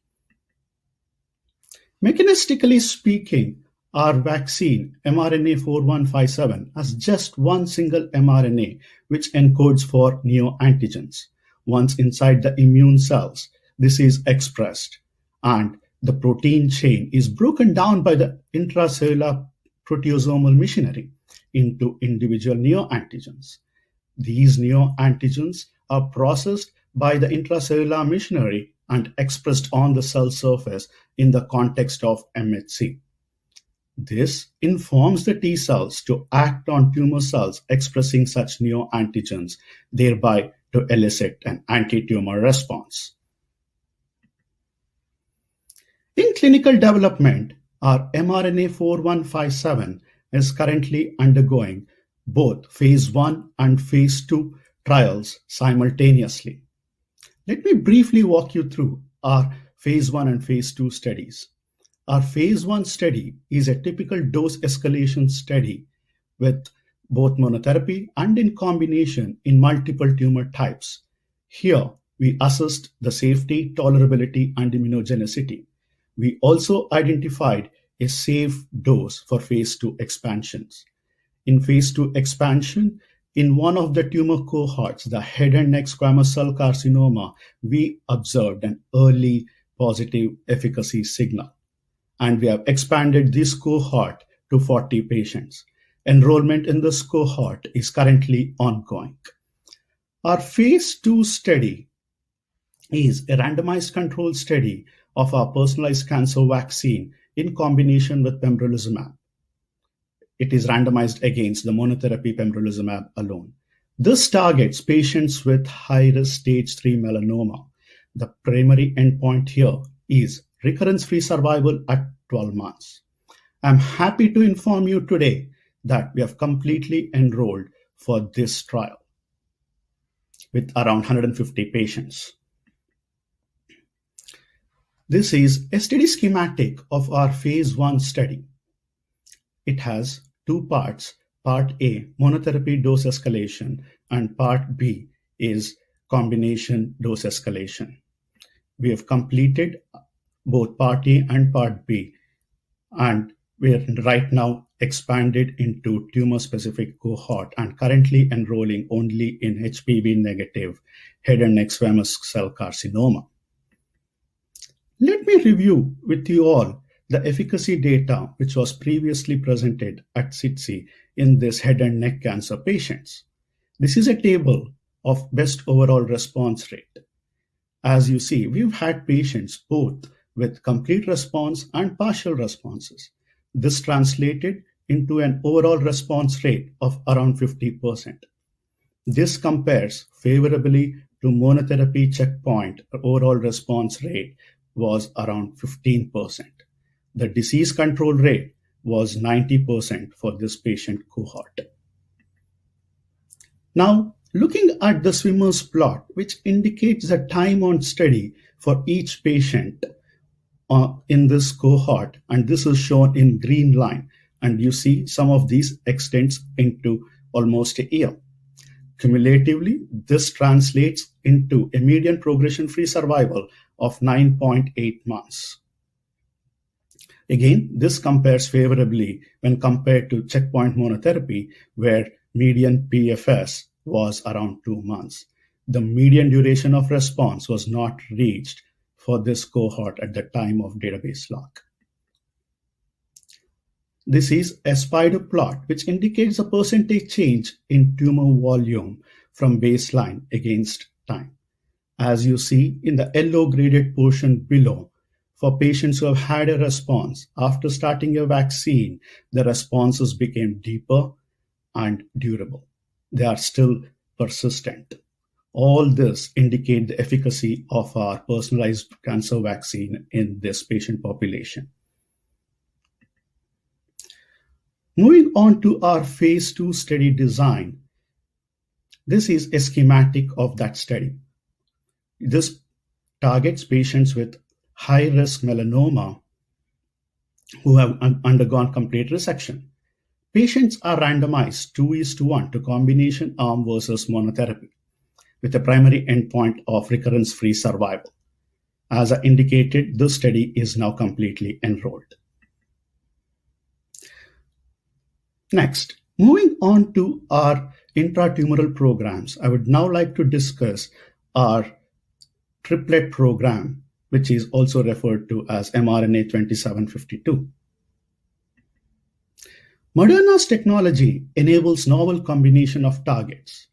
Mechanistically speaking, our vaccine, mRNA-4157, has just one single mRNA, which encodes for neoantigens. Once inside the immune cells, this is expressed, and the protein chain is broken down by the intracellular proteasomal machinery into individual neoantigens. These neoantigens are processed by the intracellular machinery and expressed on the cell surface in the context of MHC. This informs the T cells to act on neoantigens, thereby to elicit an antitumor response. In clinical development, our mRNA-4157 is currently undergoing both phase I and phase II trials simultaneously. Let me briefly walk you through our phase I and phase II studies. Our phase I study is a typical dose escalation study with both monotherapy and in combination in multiple tumor types. Here, we assessed the safety, tolerability, and immunogenicity. We also identified a safe dose for phase II expansions. In phase II expansion, in one of the tumor cohorts, the head and neck squamous cell carcinoma, we observed an early positive efficacy signal, and we have expanded this cohort to 40 patients. Enrollment in this cohort is currently ongoing. Our phase II study is a randomized control study of our personalized cancer vaccine in combination with pembrolizumab. It is randomized against the monotherapy pembrolizumab alone. This targets patients with higher stage three melanoma. The primary endpoint here is recurrence-free survival at 12 months. I'm happy to inform you today that we have completely enrolled for this trial with around 150 patients. This is a study schematic of our phase I study. It has two parts. Part A, monotherapy dose escalation, and part B is combination dose escalation. We have completed both part A and part B, and we have right now expanded into tumor-specific cohort and currently enrolling only in HPV negative head and neck squamous cell carcinoma. Let me review with you all the efficacy data which was previously presented at SITC in this head and neck cancer patients. This is a table of best overall response rate. As you see, we've had patients both with complete response and partial responses. This translated into an overall response rate of around 50%. This compares favorably to monotherapy checkpoint. Overall response rate was around 15%. The disease control rate was 90% for this patient cohort. Looking at the swimmers plot, which indicates the time on study for each patient, in this cohort, and this is shown in green line, and you see some of these extends into almost a year. Cumulatively, this translates into a median progression-free survival of 9.8 months. This compares favorably when compared to checkpoint monotherapy, where median PFS was around two months. The median duration of response was not reached for this cohort at the time of database lock. This is a spider plot, which indicates a % change in tumor volume from baseline against time. You see in the yellow graded portion below, for patients who have had a response after starting a vaccine, the responses became deeper and durable. They are still persistent. All this indicate the efficacy of our personalized cancer vaccine in this patient population. Moving on to our phase II study design. This is a schematic of that study. This targets patients with high risk melanoma who have undergone complete resection. Patients are randomized 2:1 to combination arm versus monotherapy with the primary endpoint of recurrence-free survival. I indicated, this study is now completely enrolled. Moving on to our intratumoral programs, I would now like to discuss our triplet program, which is also referred to as mRNA-2752. Moderna's technology enables novel combination of targets.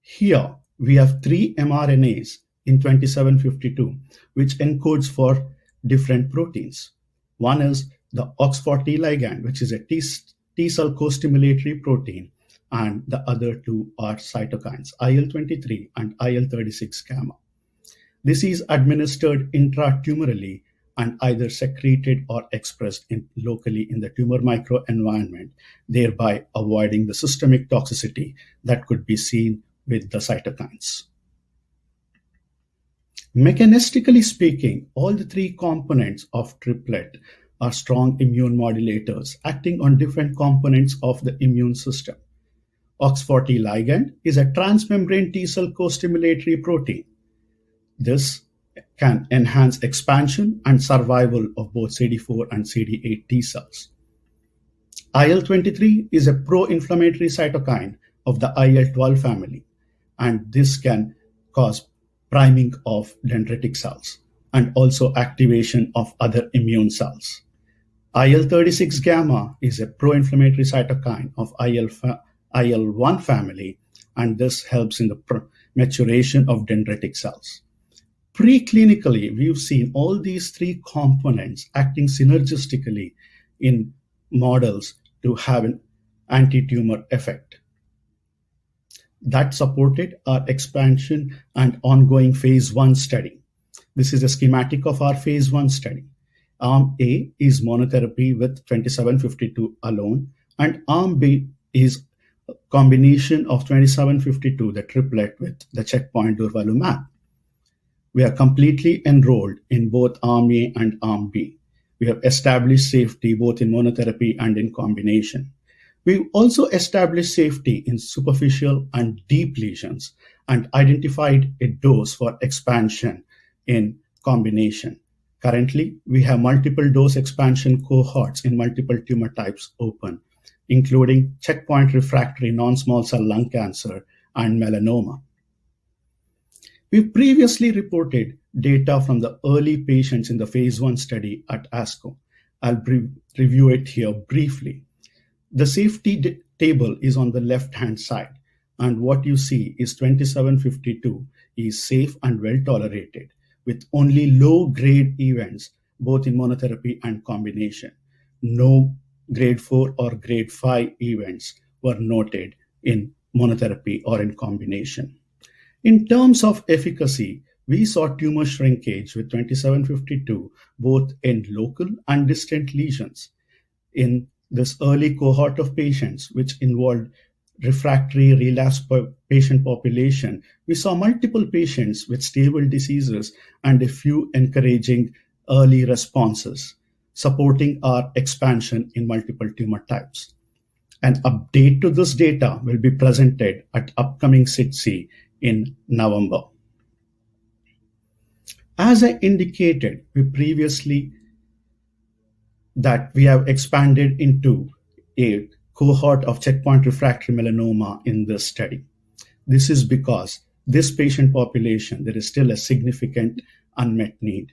Here, we have three mRNAs in 2752, which encodes for different proteins. One is the OX40 ligand, which is a T cell co-stimulatory protein, and the other two are cytokines, IL-23 and IL-36 gamma. This is administered intratumorally and either secreted or expressed locally in the tumor microenvironment, thereby avoiding the systemic toxicity that could be seen with the cytokines. Mechanistically speaking, all the three components of Triplet are strong immune modulators acting on different components of the immune system. OX40 ligand is a transmembrane T cell co-stimulatory protein. This can enhance expansion and survival of both CD4 and CD8 T cells. IL-23 is a pro-inflammatory cytokine of the IL-12 family. This can cause priming of dendritic cells and also activation of other immune cells. IL-36 gamma is a pro-inflammatory cytokine of IL-1 family. This helps in the maturation of dendritic cells. Preclinically, we've seen all these three components acting synergistically in models to have an anti-tumor effect. That supported our expansion and ongoing phase I study. This is a schematic of our phase I study. Arm A is monotherapy with mRNA-2752 alone, Arm B is a combination of mRNA-2752, the triplet with the checkpoint nivolumab. We are completely enrolled in both Arm A and Arm B. We have established safety both in monotherapy and in combination. We also established safety in superficial and deep lesions and identified a dose for expansion in combination. Currently, we have multiple dose expansion cohorts in multiple tumor types open, including checkpoint refractory non-small cell lung cancer and melanoma. We've previously reported data from the early patients in the phase I study at ASCO. I'll review it here briefly. The safety table is on the left-hand side. What you see is mRNA-2752 is safe and well-tolerated with only low-grade events, both in monotherapy and combination. No grade 4 or grade 5 events were noted in monotherapy or in combination. In terms of efficacy, we saw tumor shrinkage with mRNA-2752, both in local and distant lesions. In this early cohort of patients, which involved refractory relapse patient population, we saw multiple patients with stable diseases and a few encouraging early responses, supporting our expansion in multiple tumor types. An update to this data will be presented at upcoming SITC in November. As I indicated previously, that we have expanded into a cohort of checkpoint refractory melanoma in this study. This is because this patient population, there is still a significant unmet need.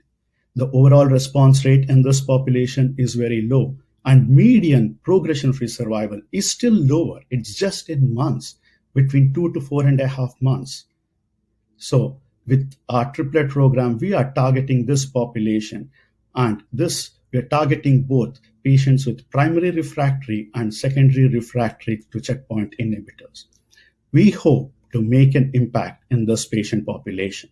The overall response rate in this population is very low. Median progression-free survival is still lower. It's just in months, between two to 4.5 months. With our triplet program, we are targeting this population, and this, we're targeting both patients with primary refractory and secondary refractory to checkpoint inhibitors. We hope to make an impact in this patient population.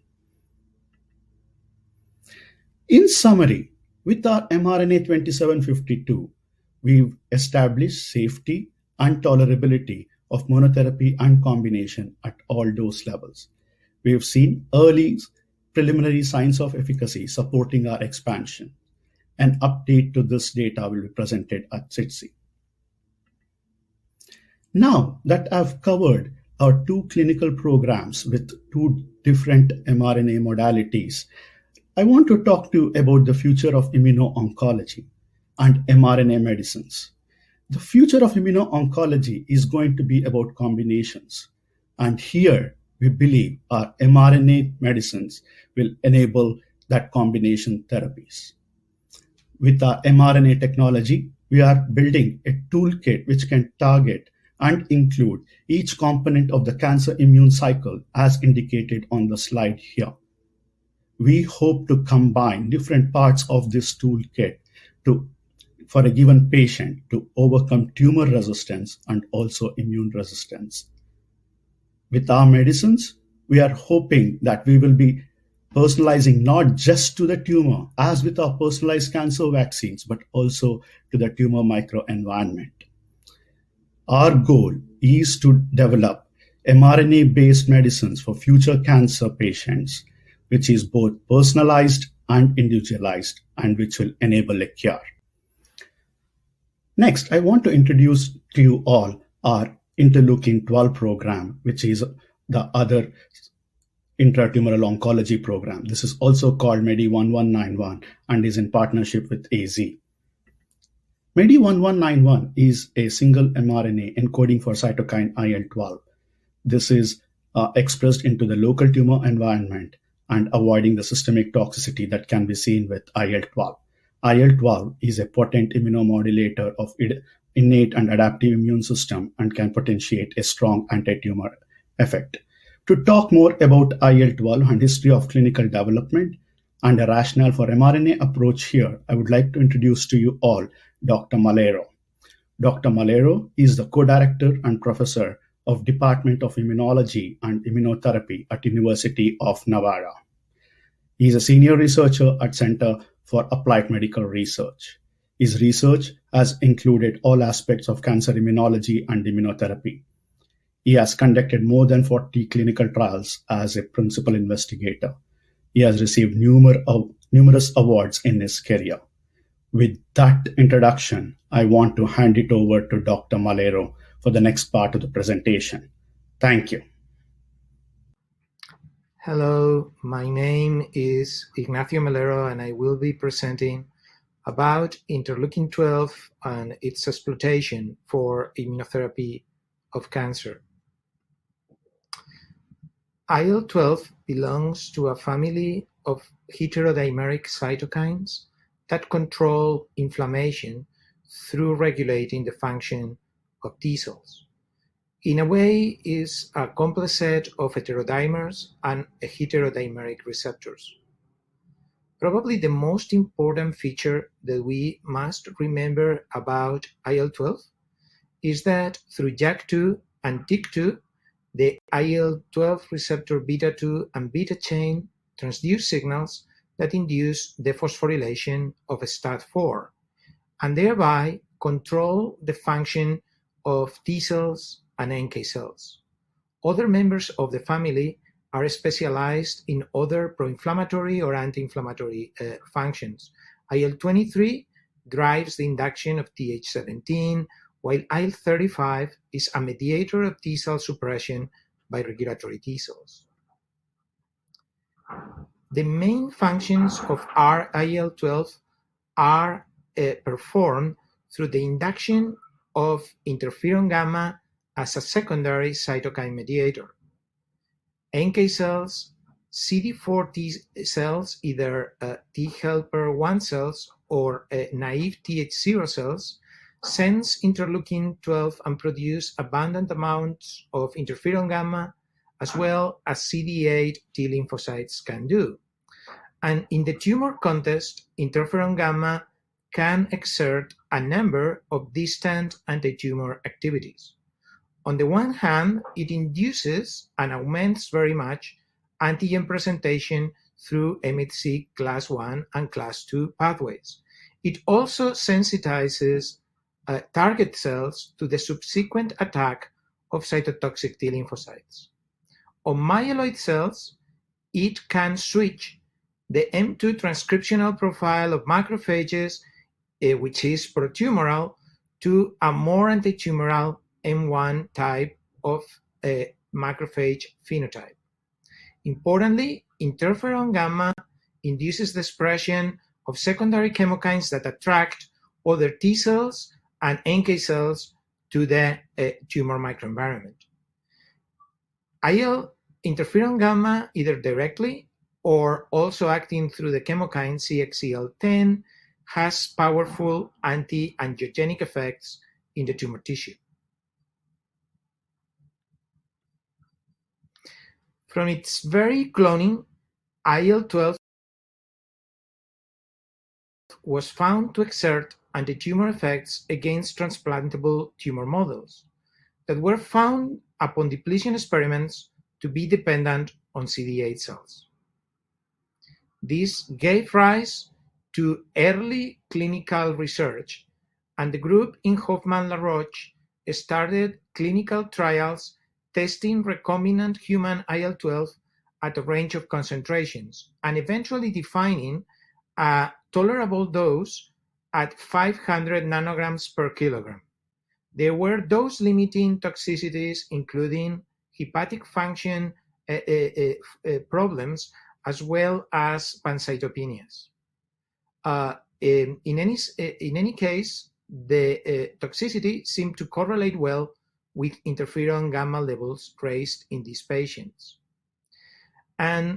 In summary, with our mRNA-2752, we've established safety and tolerability of monotherapy and combination at all dose levels. We have seen early preliminary signs of efficacy supporting our expansion. An update to this data will be presented at SITC. I've covered our two clinical programs with two different mRNA modalities, I want to talk to you about the future of immuno-oncology and mRNA medicines. The future of immuno-oncology is going to be about combinations. Here we believe our mRNA medicines will enable that combination therapies. With our mRNA technology, we are building a toolkit which can target and include each component of the cancer immune cycle, as indicated on the slide here. We hope to combine different parts of this toolkit for a given patient to overcome tumor resistance and also immune resistance. With our medicines, we are hoping that we will be personalizing not just to the tumor, as with our personalized cancer vaccines, but also to the tumor microenvironment. Our goal is to develop mRNA-based medicines for future cancer patients, which is both personalized and individualized and which will enable a cure. Next, I want to introduce to you all our Interleukin-12 program, which is the other intra-tumoral oncology program. This is also called MEDI1191 and is in partnership with AZ. MEDI1191 is a single mRNA encoding for cytokine IL-12. This is expressed into the local tumor environment and avoiding the systemic toxicity that can be seen with IL-12. IL-12 is a potent immunomodulator of innate and adaptive immune system and can potentiate a strong anti-tumor effect. To talk more about IL-12 and history of clinical development and the rationale for mRNA approach here, I would like to introduce to you all Dr. Melero. Dr. Melero is the Co-Director and Professor of Department of Immunology and Immunotherapy at University of Navarra. He's a senior researcher at Center for Applied Medical Research. His research has included all aspects of cancer immunology and immunotherapy. He has conducted more than 40 clinical trials as a principal investigator. He has received numerous awards in his career. With that introduction, I want to hand it over to Dr. Melero for the next part of the presentation. Thank you. Hello, my name is Ignacio Melero. I will be presenting about Interleukin-12 and its exploitation for immunotherapy of cancer. IL-12 belongs to a family of heterodimeric cytokines that control inflammation through regulating the function of T cells. In a way, it's a complex set of heterodimers and a heterodimeric receptors. Probably the most important feature that we must remember about IL-12 is that through JAK2 and TYK2, the IL-12 receptor beta2 and beta chain transduce signals that induce the phosphorylation of a STAT4, and thereby control the function of T cells and NK cells. Other members of the family are specialized in other pro-inflammatory or anti-inflammatory functions. IL-23 drives the induction of Th17, while IL-35 is a mediator of T cell suppression by regulatory T cells. The main functions of our IL-12 are performed through the induction of interferon gamma as a secondary cytokine mediator. NK cells, CD4 T cells, either T helper 1 cells or naive Th0 cells, sense interleukin-12 and produce abundant amounts of interferon gamma, as well as CD8 T lymphocytes can do. In the tumor context, interferon gamma can exert a number of distant anti-tumor activities. On the one hand, it induces and augments very much antigen presentation through MHC class I and class II pathways. It also sensitizes target cells to the subsequent attack of cytotoxic T lymphocytes. On myeloid cells, it can switch the M2 transcriptional profile of macrophages, which is pro-tumoral, to a more anti-tumoral M1 type of a macrophage phenotype. Importantly, interferon gamma induces the expression of secondary chemokines that attract other T cells and NK cells to the tumor microenvironment. Interferon gamma, either directly or also acting through the chemokine CXCL10, has powerful anti-angiogenic effects in the tumor tissue. From its very cloning, IL-12 was found to exert anti-tumor effects against transplantable tumor models that were found upon depletion experiments to be dependent on CD8 cells. This gave rise to early clinical research, and the group in Hoffmann-La Roche started clinical trials testing recombinant human IL-12 at a range of concentrations, and eventually defining a tolerable dose at 500 nanograms per kilogram. There were dose-limiting toxicities, including hepatic function problems, as well as pancytopenias. In any case, the toxicity seemed to correlate well with interferon gamma levels traced in these patients.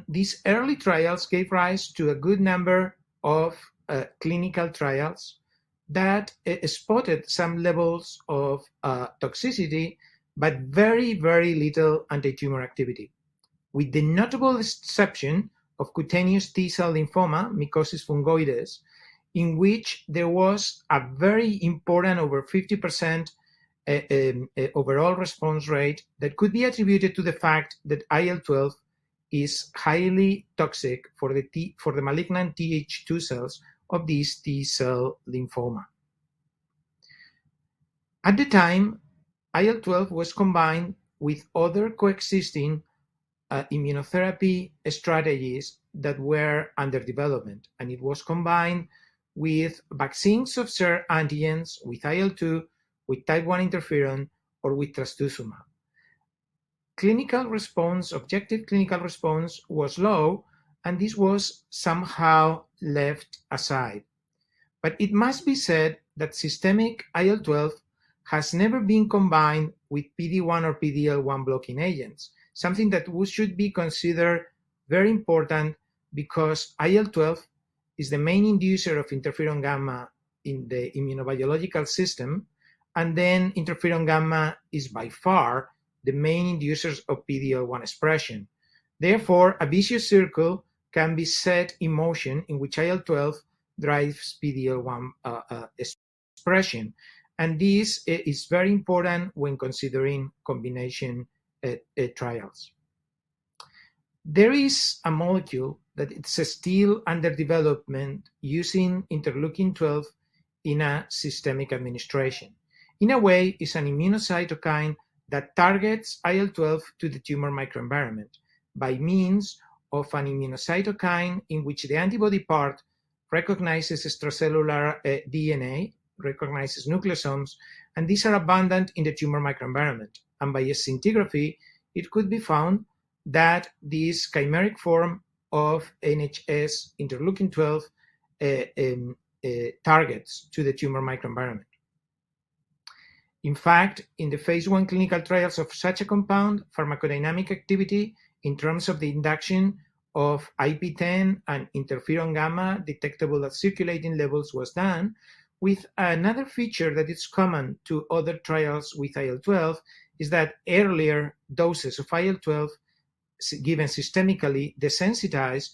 These early trials gave rise to a good number of clinical trials that spotted some levels of toxicity, but very, very little antitumor activity. With the notable exception of cutaneous T-cell lymphoma, mycosis fungoides, in which there was a very important over 50% overall response rate that could be attributed to the fact that IL-12 is highly toxic for the malignant TH2 cells of this T-cell lymphoma. At the time, IL-12 was combined with other coexisting immunotherapy strategies that were under development, and it was combined with vaccines of shared antigens, with IL-2, with type 1 interferon, or with trastuzumab. Objective clinical response was low, and this was somehow left aside. It must be said that systemic IL-12 has never been combined with PD-1 or PD-L1 blocking agents. Something that should be considered very important because IL-12 is the main inducer of interferon gamma in the immunobiological system, and then interferon gamma is by far the main inducers of PD-L1 expression. Therefore, a vicious circle can be set in motion in which IL-12 drives PD-L1 expression. This is very important when considering combination trials. There is a molecule that is still under development using interleukin-12 in a systemic administration. In a way, it's an immunocytokine that targets IL-12 to the tumor microenvironment by means of an immunocytokine in which the antibody part recognizes extracellular DNA, recognizes nucleosomes, and these are abundant in the tumor microenvironment. By a scintigraphy, it could be found that this chimeric form of NHS-IL12 targets to the tumor microenvironment. In fact, in the phase I clinical trials of such a compound, pharmacodynamic activity in terms of the induction of IP-10 and interferon gamma detectable at circulating levels was done with another feature that is common to other trials with IL-12, is that earlier doses of IL-12 given systemically desensitize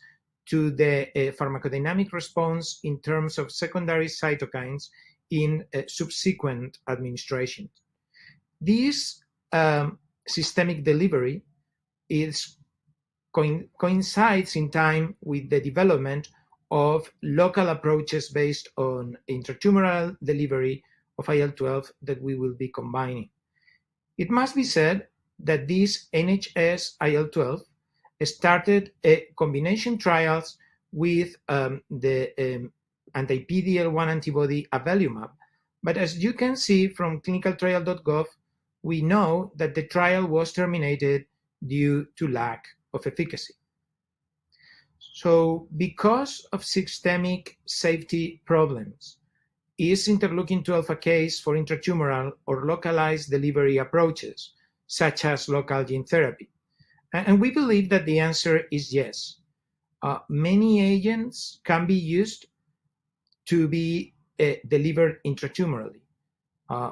to the pharmacodynamic response in terms of secondary cytokines in subsequent administrations. This systemic delivery coincides in time with the development of local approaches based on intratumoral delivery of IL-12 that we will be combining. It must be said that this NHS-IL12 started combination trials with the anti-PD-L1 antibody avelumab. As you can see from ClinicalTrials.gov, we know that the trial was terminated due to lack of efficacy. Because of systemic safety problems, is interleukin-12 a case for intratumoral or localized delivery approaches such as local gene therapy? We believe that the answer is yes. Many agents can be used to be delivered intratumorally.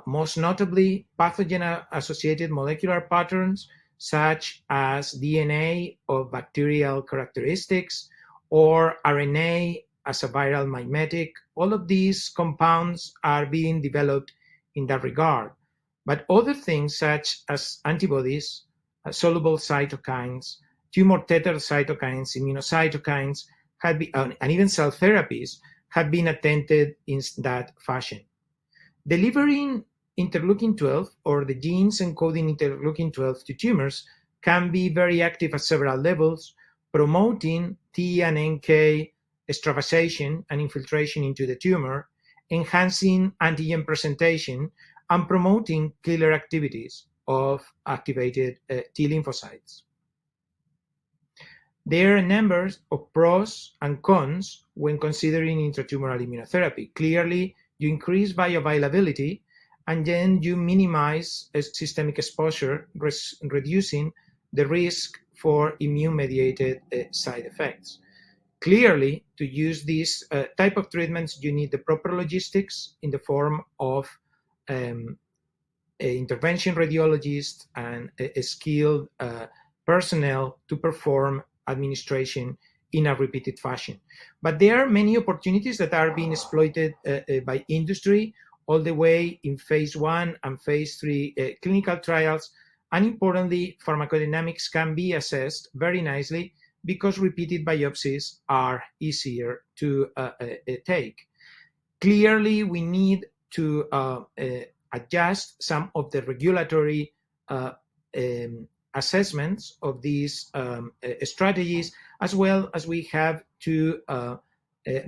Most notably pathogen-associated molecular patterns such as DNA or bacterial characteristics or RNA as a viral mimetic. All of these compounds are being developed in that regard. Other things such as antibodies, soluble cytokines, tumor-tethered cytokines, immunocytokines, and even cell therapies have been attempted in that fashion. Delivering interleukin-12 or the genes encoding interleukin-12 to tumors can be very active at several levels, promoting T and NK extravasation and infiltration into the tumor, enhancing antigen presentation, and promoting killer activities of activated T lymphocytes. There are a number of pros and cons when considering intratumoral immunotherapy. Clearly, you increase bioavailability and then you minimize systemic exposure, reducing the risk for immune-mediated side effects. Clearly, to use these type of treatments, you need the proper logistics in the form of intervention radiologists and skilled personnel to perform administration in a repeated fashion. There are many opportunities that are being exploited by industry all the way in phase I and phase III clinical trials. Importantly, pharmacodynamics can be assessed very nicely because repeated biopsies are easier to take. Clearly, we need to adjust some of the regulatory assessments of these strategies as well as we have to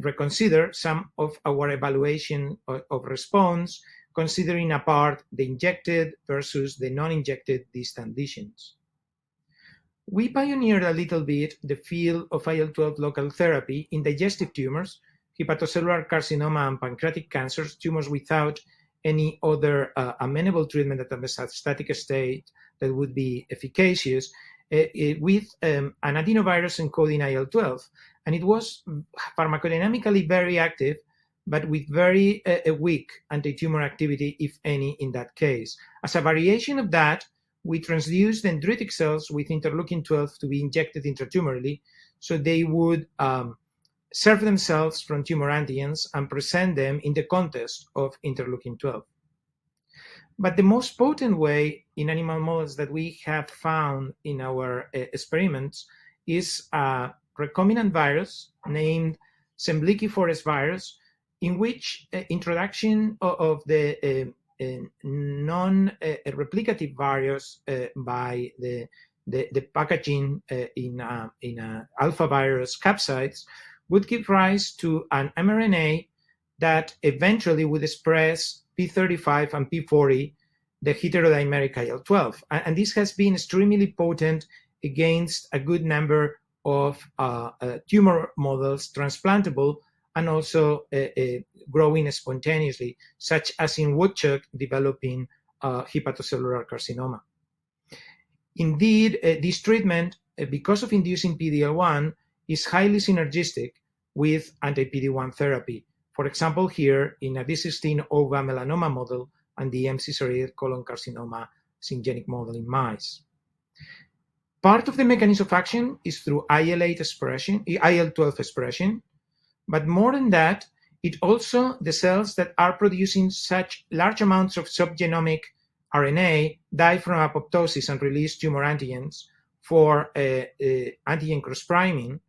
reconsider some of our evaluation of response, considering apart the injected versus the non-injected distant lesions. We pioneered a little bit the field of IL-12 local therapy in digestive tumors, hepatocellular carcinoma, and pancreatic cancers, tumors without any other amenable treatment at a metastatic state that would be efficacious, with an adenovirus encoding IL-12. It was pharmacodynamically very active, but with very weak antitumor activity, if any, in that case. As a variation of that, we transduced dendritic cells with interleukin 12 to be injected intratumorally, so they would serve themselves from tumor antigens and present them in the context of interleukin 12. The most potent way in animal models that we have found in our experiments is a recombinant virus named Semliki Forest virus, in which introduction of the non-replicative virus by the packaging in alpha virus capsids would give rise to an mRNA that eventually would express P35 and P40, the heterodimeric IL-12. This has been extremely potent against a good number of tumor models, transplantable and also growing spontaneously, such as in woodchuck developing hepatocellular carcinoma. Indeed, this treatment, because of inducing PD-L1, is highly synergistic with anti-PD-1 therapy. For example, here in a B16-OVA melanoma model and the MC38 colon carcinoma syngenic model in mice. Part of the mechanism of action is through IL-12 expression. More than that, it also the cells that are producing such large amounts of subgenomic RNA die from apoptosis and release tumor antigens for antigen cross-priming,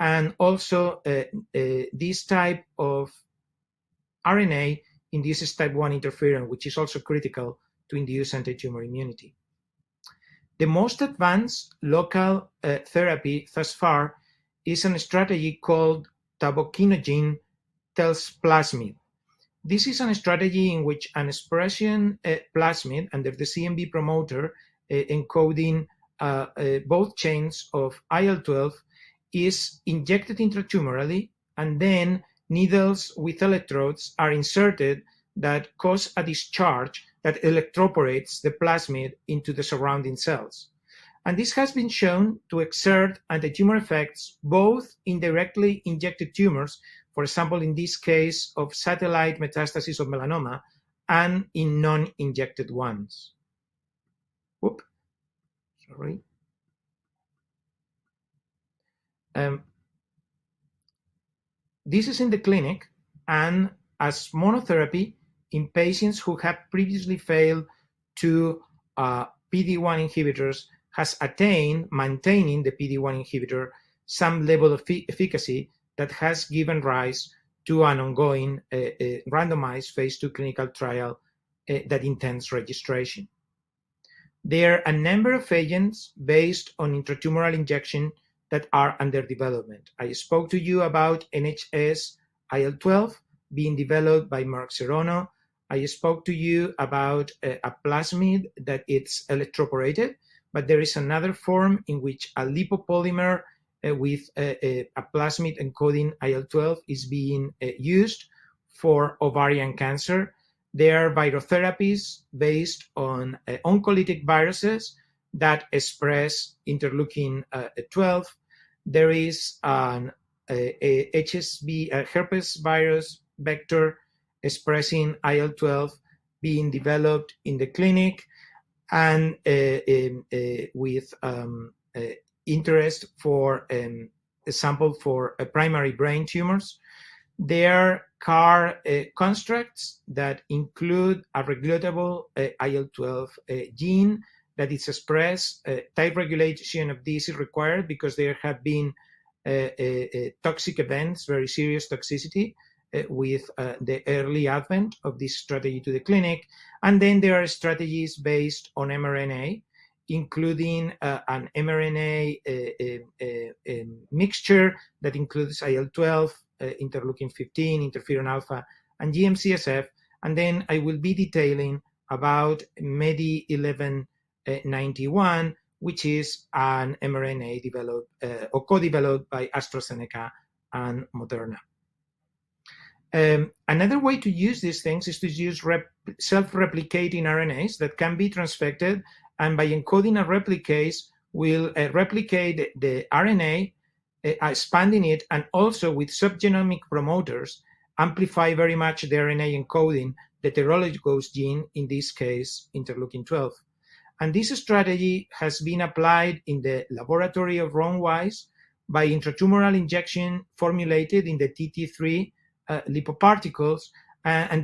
and also this type of RNA induces type I interferon, which is also critical to induce antitumor immunity. The most advanced local therapy thus far is a strategy called tavokinogene telseplasmid. This is a strategy in which an expression plasmid under the CMV promoter encoding both chains of IL-12 is injected intratumorally, and then needles with electrodes are inserted that cause a discharge that electroporates the plasmid into the surrounding cells. This has been shown to exert antitumor effects both in directly injected tumors, for example, in this case of satellite metastasis of melanoma and in non-injected ones. This is in the clinic, and as monotherapy in patients who have previously failed to PD-1 inhibitors, has attained, maintaining the PD-1 inhibitor, some level of efficacy that has given rise to an ongoing randomized phase II clinical trial that intends registration. There are a number of agents based on intratumoral injection that are under development. I spoke to you about NHS-IL12 being developed by Merck Serono. I spoke to you about a plasmid that it's electroporated, but there is another form in which a lipopolymer with a plasmid encoding IL-12 is being used for ovarian cancer. There are virotherapies based on oncolytic viruses that express interleukin-12. There is an HSV, a herpes virus vector expressing IL-12 being developed in the clinic and with interest, for example, for primary brain tumors. There are CAR constructs that include a regulatable IL-12 gene that is expressed. Tight regulation of this is required because there have been toxic events, very serious toxicity, with the early advent of this strategy to the clinic. There are strategies based on mRNA, including an mRNA mixture that includes IL-12, interleukin-15, interferon alpha, and GM-CSF. I will be detailing about MEDI 1191, which is an mRNA developed or co-developed by AstraZeneca and Moderna. Another way to use these things is to use self-replicating RNAs that can be transfected, and by encoding a replicase, will replicate the RNA, expanding it, and also with subgenomic promoters, amplify very much the RNA encoding the theranostics gene, in this case, interleukin-12. This strategy has been applied in the laboratory of Ron Weiss by intratumoral injection formulated in the TT3 lipoparticles.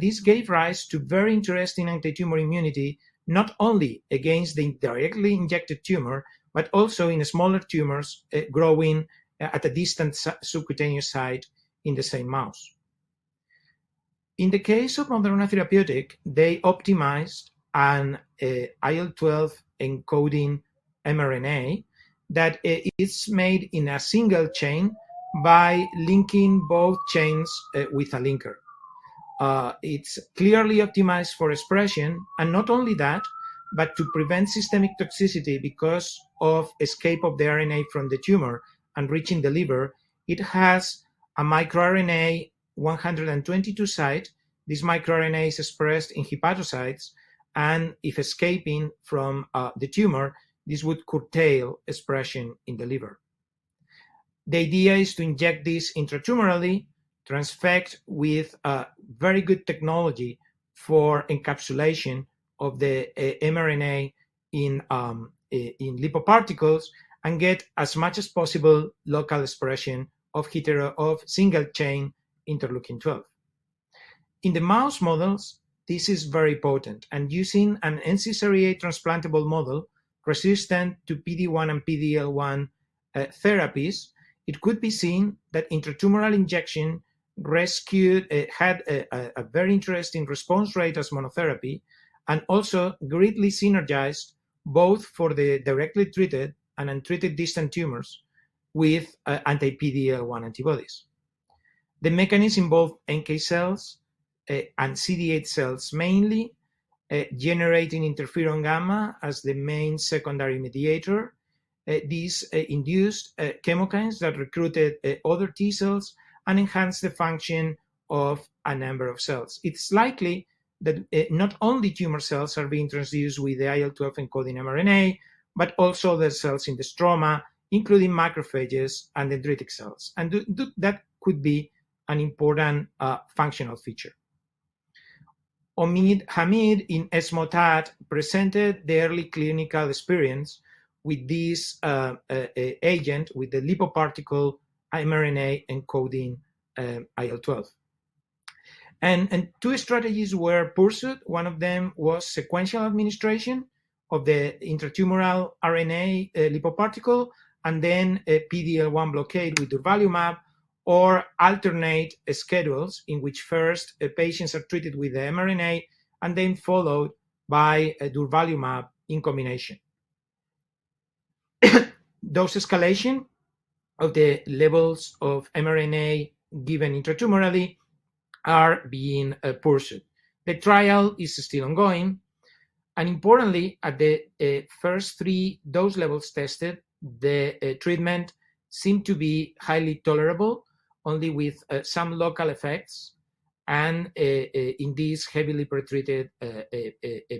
This gave rise to very interesting antitumor immunity, not only against the directly injected tumor, but also in smaller tumors growing at a distant subcutaneous site in the same mouse. In the case of Moderna Therapeutic, they optimized an IL-12 encoding mRNA that is made in a single chain by linking both chains with a linker. It's clearly optimized for expression. Not only that, but to prevent systemic toxicity because of escape of the RNA from the tumor and reaching the liver, it has a microRNA-122 site. This microRNA is expressed in hepatocytes, and if escaping from the tumor, this would curtail expression in the liver. The idea is to inject this intratumorally, transfect with a very good technology for encapsulation of the mRNA in lipid nanoparticles, and get as much as possible local expression of single chain interleukin-12. In the mouse models, this is very potent, using an MC38 transplantable model resistant to PD-1 and PD-L1 therapies, it could be seen that intratumoral injection had a very interesting response rate as monotherapy, and also greatly synergized both for the directly treated and untreated distant tumors with anti-PD-L1 antibodies. The mechanism involved NK cells and CD8 cells mainly, generating interferon gamma as the main secondary mediator. These induced chemokines that recruited other T cells and enhanced the function of a number of cells. It's likely that not only tumor cells are being transduced with the IL-12 encoding mRNA, but also the cells in the stroma, including macrophages and dendritic cells. That could be an important functional feature. Omid Hamid in ESMO-TAT presented the early clinical experience with this agent, with the lipoparticle mRNA encoding IL-12. Two strategies were pursued. One of them was sequential administration of the intratumoral RNA lipoparticle and then a PD-L1 blockade with durvalumab, or alternate schedules in which first patients are treated with the mRNA and then followed by durvalumab in combination. Dose escalation of the levels of mRNA given intratumorally are being pursued. The trial is still ongoing, and importantly, at the first three dose levels tested, the treatment seemed to be highly tolerable, only with some local effects and in these heavily pretreated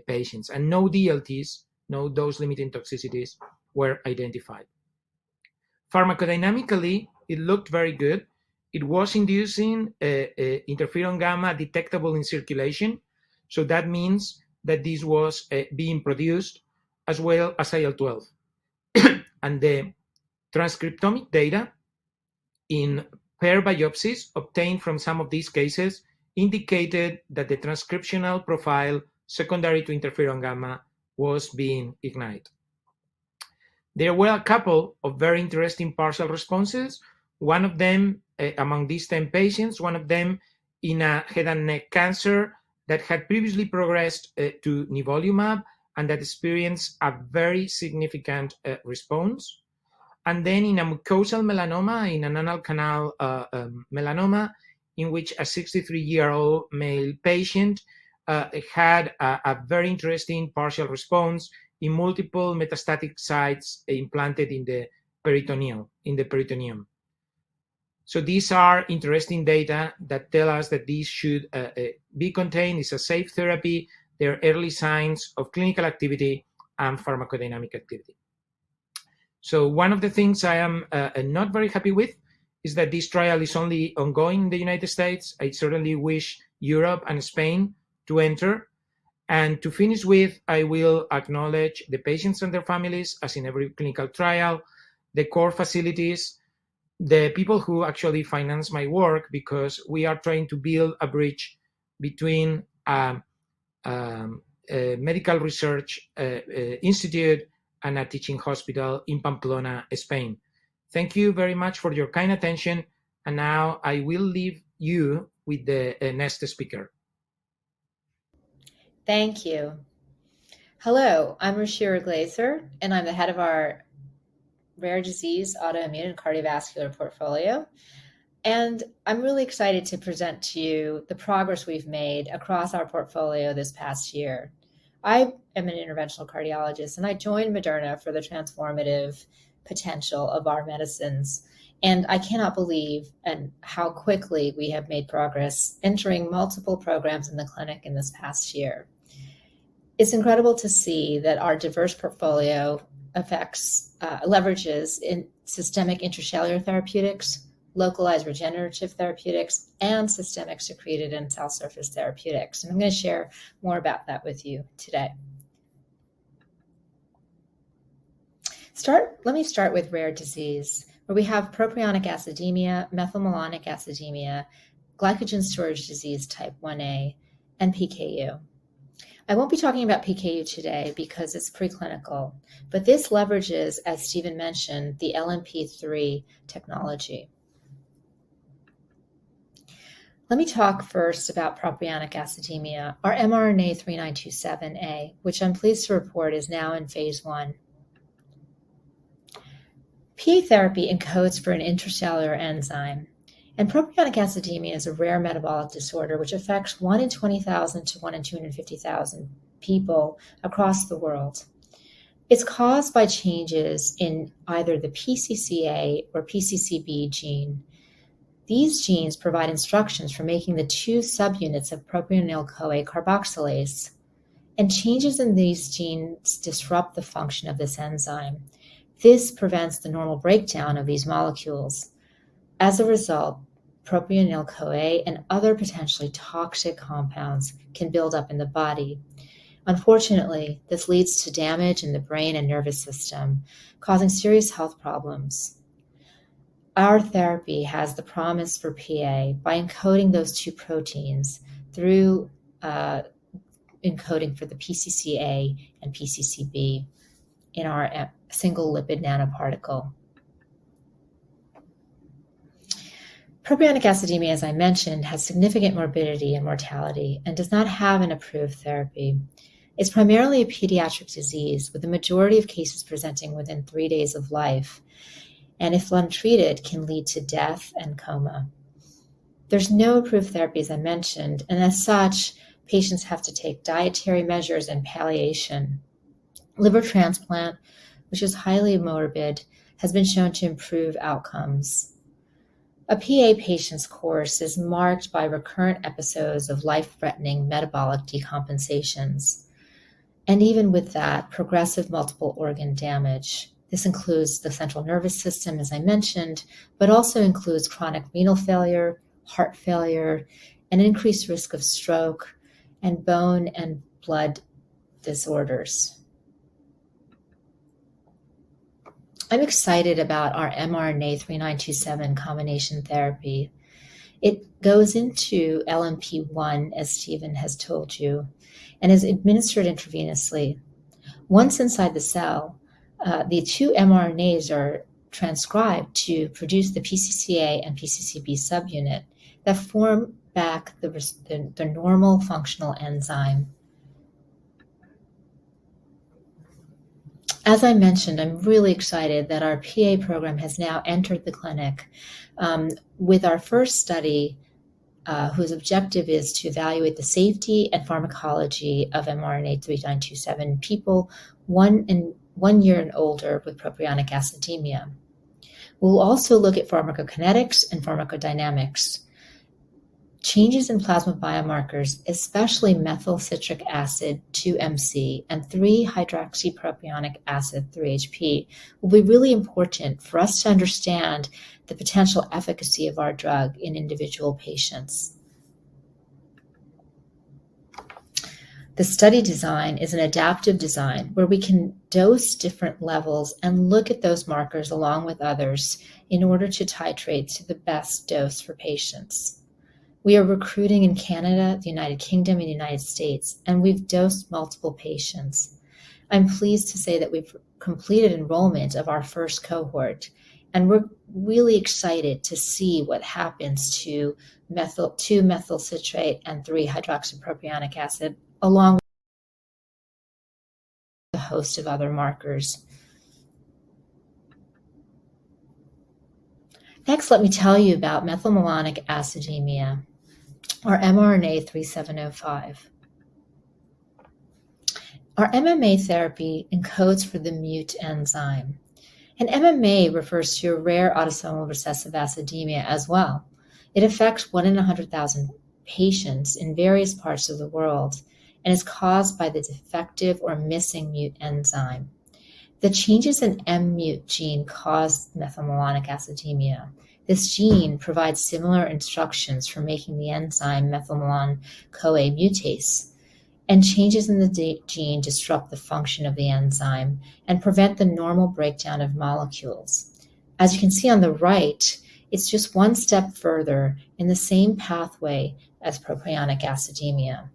patients. No DLTs, no dose-limiting toxicities, were identified. Pharmacodynamically, it looked very good. It was inducing interferon gamma detectable in circulation. That means that this was being produced as well as IL-12. The transcriptomic data in pair biopsies obtained from some of these cases indicated that the transcriptional profile secondary to interferon gamma was being ignited. There were a couple of very interesting partial responses. Among these 10 patients, one of them in a head and neck cancer that had previously progressed to nivolumab and that experienced a very significant response. In a mucosal melanoma, in an anal canal melanoma in which a 63-year-old male patient had a very interesting partial response in multiple metastatic sites implanted in the peritoneum. These are interesting data that tell us that this should be contained. It's a safe therapy. There are early signs of clinical activity and pharmacodynamic activity. One of the things I am not very happy with is that this trial is only ongoing in the United States. I certainly wish Europe and Spain to enter. To finish with, I will acknowledge the patients and their families, as in every clinical trial, the core facilities, the people who actually finance my work because we are trying to build a bridge between a medical research institute and a teaching hospital in Pamplona, Spain. Thank you very much for your kind attention, and now I will leave you with the next speaker. Thank you. Hello, I'm Ruchira Glaser, I'm the head of our Rare Disease, Autoimmune, and Cardiovascular portfolio. I'm really excited to present to you the progress we've made across our portfolio this past year. I am an interventional cardiologist, and I joined Moderna for the transformative potential of our medicines. I cannot believe in how quickly we have made progress entering multiple programs in the clinic in this past year. It's incredible to see that our diverse portfolio leverages in systemic interstitial therapeutics, localized regenerative therapeutics, and systemic secreted and cell surface therapeutics. I'm going to share more about that with you today. Let me start with Rare Disease, where we have propionic acidemia, methylmalonic acidemia, glycogen storage disease type 1a, and PKU. I won't be talking about PKU today because it's preclinical, but this leverages, as Stephen mentioned, the LNP-3 technology. Let me talk first about propionic acidemia, our mRNA-3927, which I'm pleased to report is now in phase I. PA therapy encodes for an intracellular enzyme. Propionic acidemia is a rare metabolic disorder which affects one in 20,000 to one in 250,000 people across the world. It's caused by changes in either the PCCA or PCCB gene. These genes provide instructions for making the two subunits of propionyl-CoA carboxylase. Changes in these genes disrupt the function of this enzyme. This prevents the normal breakdown of these molecules. As a result, propionyl-CoA and other potentially toxic compounds can build up in the body. Unfortunately, this leads to damage in the brain and nervous system, causing serious health problems. Our therapy has the promise for PA by encoding those two proteins through encoding for the PCCA and PCCB in our single lipid nanoparticle. Propionic acidemia, as I mentioned, has significant morbidity and mortality and does not have an approved therapy. It's primarily a pediatric disease with the majority of cases presenting within three days of life, and if untreated, can lead to death and coma. As such, patients have to take dietary measures and palliation. Liver transplant, which is highly morbid, has been shown to improve outcomes. A PA patient's course is marked by recurrent episodes of life-threatening metabolic decompensations. Even with that, progressive multiple organ damage. This includes the central nervous system, as I mentioned. Also includes chronic renal failure, heart failure, increased risk of stroke, and bone and blood disorders. I'm excited about our mRNA-3927 combination therapy. It goes into LNP1, as Stephen has told you. Is administered intravenously. Once inside the cell, the two mRNAs are transcribed to produce the PCCA and PCCB subunit that form back the normal functional enzyme. As I mentioned, I'm really excited that our PA program has now entered the clinic with our first study, whose objective is to evaluate the safety and pharmacology of mRNA-3927 in people one year and older with propionic acidemia. We'll also look at pharmacokinetics and pharmacodynamics. Changes in plasma biomarkers, especially methylcitric acid-2MC and 3-hydroxypropionic acid-3HP, will be really important for us to understand the potential efficacy of our drug in individual patients. The study design is an adaptive design where we can dose different levels and look at those markers along with others in order to titrate to the best dose for patients. We are recruiting in Canada, the United Kingdom, and the United States, and we've dosed multiple patients. I'm pleased to say that we've completed enrollment of our first cohort. We're really excited to see what happens to 2-methylcitrate and 3-hydroxypropionic acid along with a host of other markers. Next, let me tell you about methylmalonic acidemia, or mRNA-3705. Our MMA therapy encodes for the MUT enzyme. MMA refers to a rare autosomal recessive acidemia as well. It affects one in 100,000 patients in various parts of the world and is caused by the defective or missing MUT enzyme. The changes in MUT gene cause methylmalonic acidemia. This gene provides similar instructions for making the enzyme methylmalonyl-CoA mutase. Changes in the gene disrupt the function of the enzyme and prevent the normal breakdown of molecules. As you can see on the right, it's just one step further in the same pathway as propionic acidemia.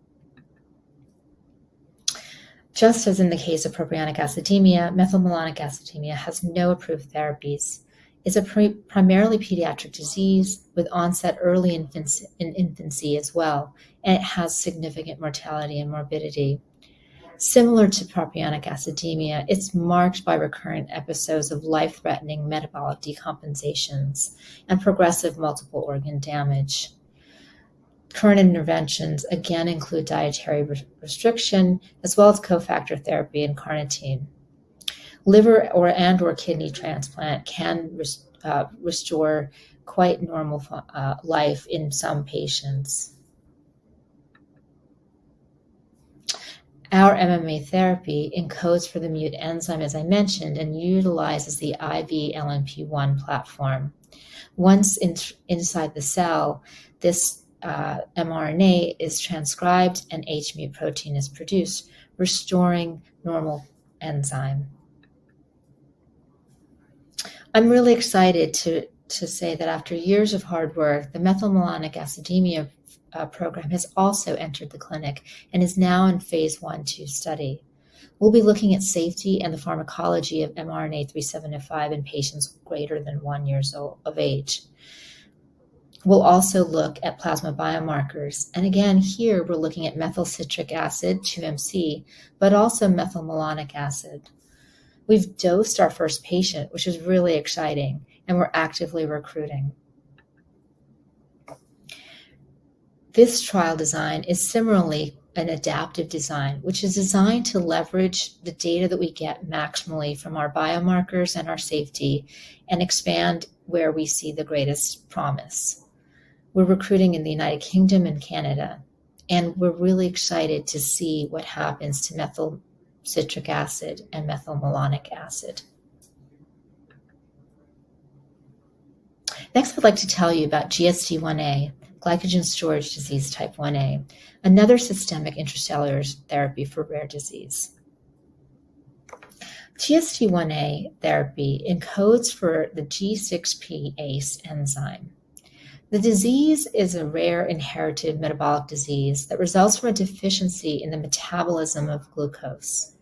Just as in the case of propionic acidemia, methylmalonic acidemia has no approved therapies. It's a primarily pediatric disease with onset early in infancy as well, and it has significant mortality and morbidity. Similar to propionic acidemia, it's marked by recurrent episodes of life-threatening metabolic decompensations and progressive multiple organ damage. Current interventions again include dietary restriction as well as cofactor therapy and carnitine. Liver and/or kidney transplant can restore quite normal life in some patients. Our MMA therapy encodes for the MUT enzyme, as I mentioned, and utilizes the IV LNP1 platform. Once inside the cell, this mRNA is transcribed and hMUT protein is produced, restoring normal enzyme. I'm really excited to say that after years of hard work, the methylmalonic acidemia program has also entered the clinic and is now in phase I/II study. We'll be looking at safety and the pharmacology of mRNA-3705 in patients greater than one years of age. We'll also look at plasma biomarkers, and again, here we're looking at methylcitric acid, 2MC, but also methylmalonic acid. We've dosed our first patient, which is really exciting, and we're actively recruiting. This trial design is similarly an adaptive design, which is designed to leverage the data that we get maximally from our biomarkers and our safety and expand where we see the greatest promise. We're recruiting in the United Kingdom and Canada, and we're really excited to see what happens to methylcitric acid and methylmalonic acid. Next, I'd like to tell you about GSD1a, glycogen storage disease type 1a, another systemic intracellular therapy for rare disease. GSD1a therapy encodes for the G6Pase enzyme. The disease is a rare inherited metabolic disease that results from a deficiency in the metabolism of glucose.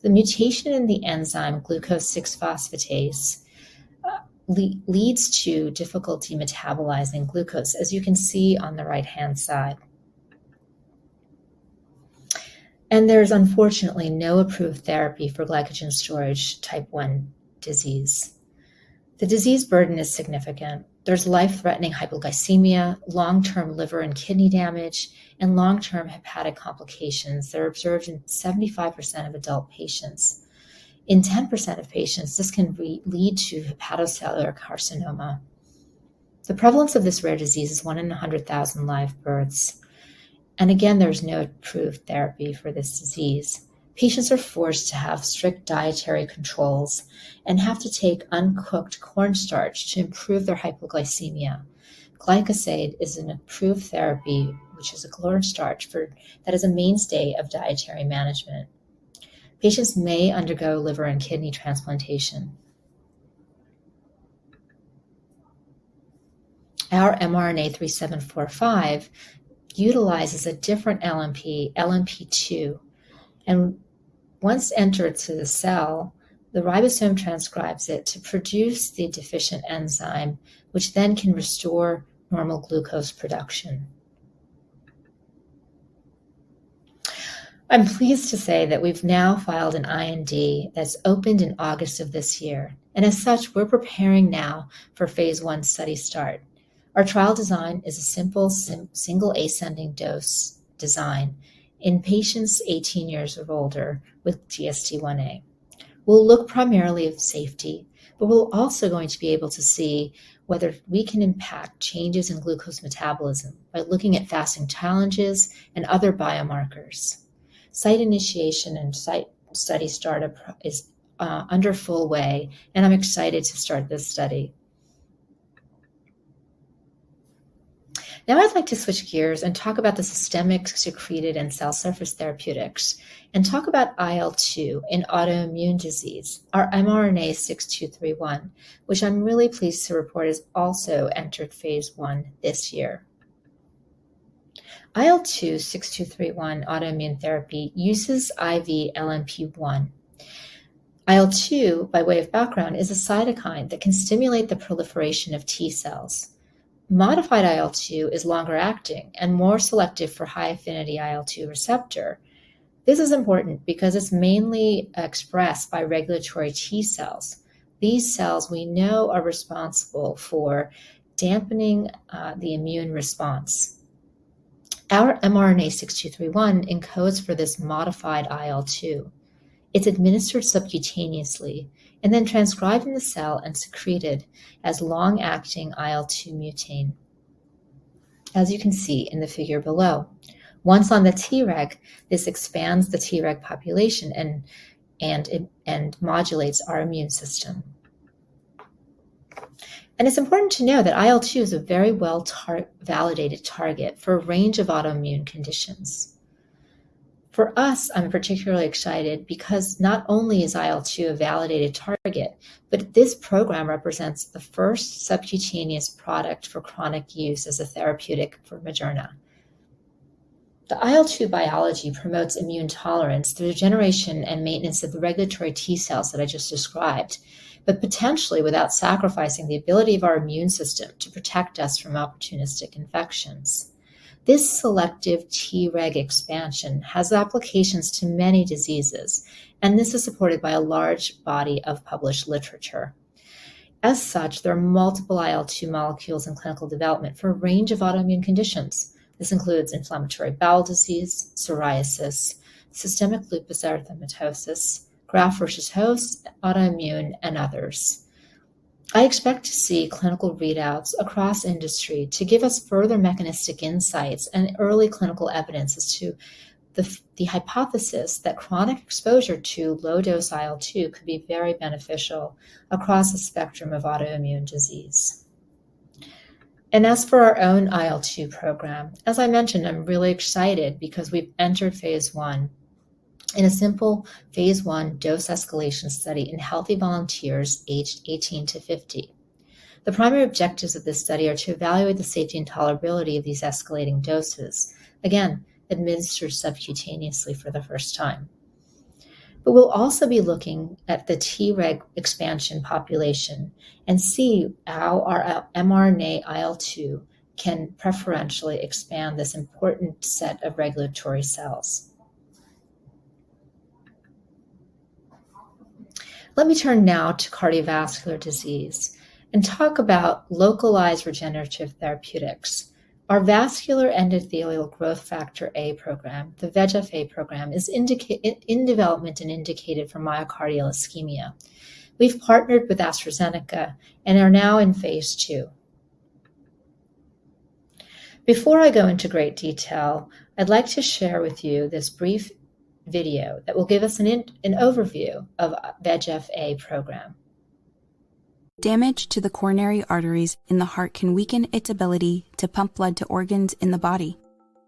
The mutation in the enzyme glucose-6-phosphatase leads to difficulty metabolizing glucose, as you can see on the right-hand side. There's unfortunately no approved therapy for glycogen storage disease type 1a. The disease burden is significant. There's life-threatening hypoglycemia, long-term liver and kidney damage, and long-term hepatic complications that are observed in 75% of adult patients. In 10% of patients, this can lead to hepatocellular carcinoma. The prevalence of this rare disease is one in 100,000 live births. Again, there's no approved therapy for this disease. Patients are forced to have strict dietary controls and have to take uncooked corn starch to improve their hypoglycemia. Glycosade is an approved therapy, which is a corn starch that is a mainstay of dietary management. Patients may undergo liver and kidney transplantation. Our mRNA-3745 utilizes a different LNP, LNP002, and once entered to the cell, the ribosome transcribes it to produce the deficient enzyme, which then can restore normal glucose production. I'm pleased to say that we've now filed an IND that's opened in August of this year, and as such, we're preparing now for phase I study start. Our trial design is a simple single ascending dose design in patients 18 years or older with GSD1a. We'll look primarily at safety, but we're also going to be able to see whether we can impact changes in glucose metabolism by looking at fasting challenges and other biomarkers. Site initiation and site study start is under full way, and I'm excited to start this study. I'd like to switch gears and talk about the systemic secreted and cell surface therapeutics, and talk about IL-2 in autoimmune disease, our mRNA-6231, which I'm really pleased to report has also entered phase I this year. IL-2 6231 autoimmune therapy uses IV LNP001. IL-2, by way of background, is a cytokine that can stimulate the proliferation of T cells. Modified IL-2 is longer acting and more selective for high affinity IL-2 receptor. This is important because it's mainly expressed by regulatory T cells. These cells we know are responsible for dampening the immune response. Our mRNA-6231 encodes for this modified IL-2. It's administered subcutaneously and then transcribed in the cell and secreted as long-acting IL-2 mutein, as you can see in the figure below. Once on the Treg, this expands the Treg population and modulates our immune system. It's important to know that IL-2 is a very well-validated target for a range of autoimmune conditions. For us, I'm particularly excited because not only is IL-2 a validated target, but this program represents the first subcutaneous product for chronic use as a therapeutic for Moderna. The IL-2 biology promotes immune tolerance through the generation and maintenance of the regulatory T cells that I just described, but potentially without sacrificing the ability of our immune system to protect us from opportunistic infections. This selective Treg expansion has applications to many diseases, and this is supported by a large body of published literature. As such, there are multiple IL-2 molecules in clinical development for a range of autoimmune conditions. This includes inflammatory bowel disease, psoriasis, systemic lupus erythematosus, graft versus host, autoimmune, and others. I expect to see clinical readouts across industry to give us further mechanistic insights and early clinical evidence as to the hypothesis that chronic exposure to low dose IL-2 could be very beneficial across the spectrum of autoimmune disease. As for our own IL-2 program, as I mentioned, I'm really excited because we've entered phase I in a simple phase I dose escalation study in healthy volunteers aged 18-50. The primary objectives of this study are to evaluate the safety and tolerability of these escalating doses, again, administered subcutaneously for the first time. We'll also be looking at the Treg expansion population and see how our mRNA IL-2 can preferentially expand this important set of regulatory cells. Let me turn now to cardiovascular disease and talk about localized regenerative therapeutics. Our vascular endothelial growth factor A program, the VEGF-A program, is in development and indicated for myocardial ischemia. We've partnered with AstraZeneca and are now in phase II. Before I go into great detail, I'd like to share with you this brief video that will give us an overview of VEGF-A program. Damage to the coronary arteries in the heart can weaken its ability to pump blood to organs in the body.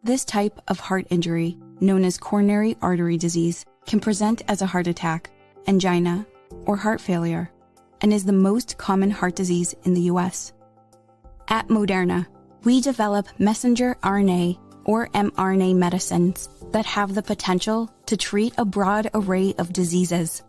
This type of heart injury, known as coronary artery disease, can present as a heart attack, angina, or heart failure, and is the most common heart disease in the U.S. At Moderna, we develop messenger RNA, or mRNA medicines, that have the potential to treat a broad array of diseases.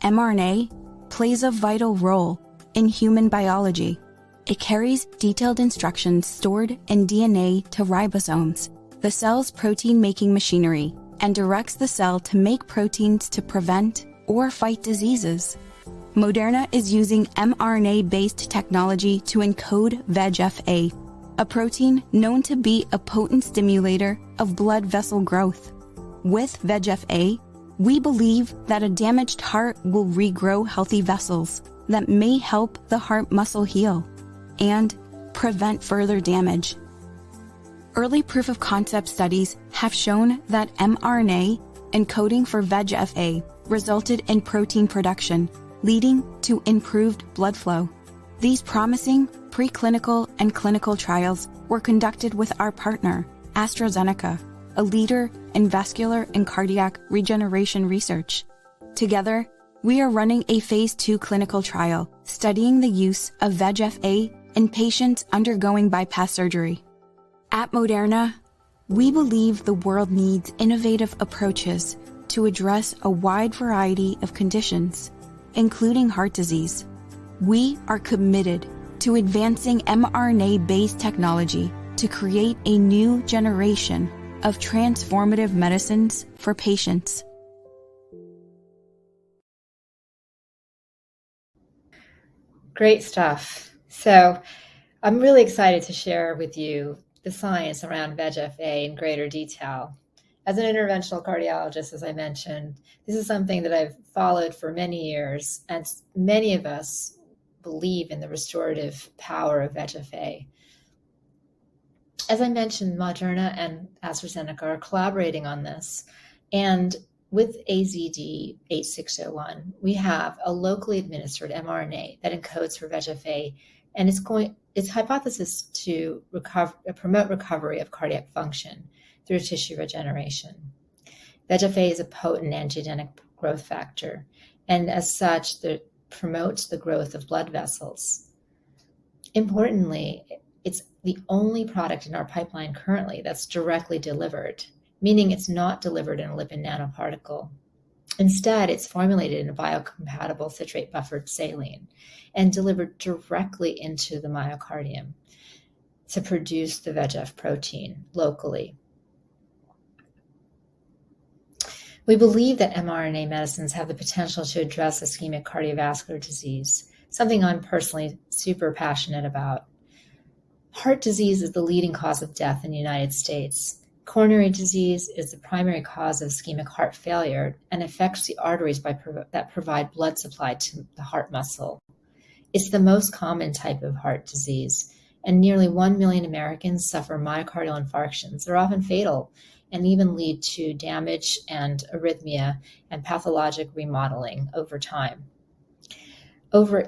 mRNA plays a vital role in human biology. It carries detailed instructions stored in DNA to ribosomes, the cell's protein-making machinery, and directs the cell to make proteins to prevent or fight diseases. Moderna is using mRNA-based technology to encode VEGF-A, a protein known to be a potent stimulator of blood vessel growth. With VEGF-A, we believe that a damaged heart will regrow healthy vessels that may help the heart muscle heal and prevent further damage. Early proof-of-concept studies have shown that mRNA encoding for VEGF-A resulted in protein production, leading to improved blood flow. These promising preclinical and clinical trials were conducted with our partner, AstraZeneca, a leader in vascular and cardiac regeneration research. Together, we are running a phase II clinical trial studying the use of VEGF-A in patients undergoing bypass surgery. At Moderna, we believe the world needs innovative approaches to address a wide variety of conditions, including heart disease. We are committed to advancing mRNA-based technology to create a new generation of transformative medicines for patients. Great stuff. I'm really excited to share with you the science around VEGF-A in greater detail. As an interventional cardiologist, as I mentioned, this is something that I've followed for many years, and many of us believe in the restorative power of VEGF-A. As I mentioned, Moderna and AstraZeneca are collaborating on this, and with AZD8601, we have a locally administered mRNA that encodes for VEGF-A, and its hypothesis to promote recovery of cardiac function through tissue regeneration. VEGF-A is a potent angiogenic growth factor, and as such, it promotes the growth of blood vessels. Importantly, it's the only product in our pipeline currently that's directly delivered, meaning it's not delivered in a lipid nanoparticle. Instead, it's formulated in a biocompatible citrate buffered saline and delivered directly into the myocardium to produce the VEGF protein locally. We believe that mRNA medicines have the potential to address ischemic cardiovascular disease, something I'm personally super passionate about. Heart disease is the leading cause of death in the U.S. Coronary disease is the primary cause of ischemic heart failure and affects the arteries that provide blood supply to the heart muscle. It's the most common type of heart disease, and nearly 1 million Americans suffer myocardial infarctions that are often fatal and even lead to damage and arrhythmia and pathologic remodeling over time. Over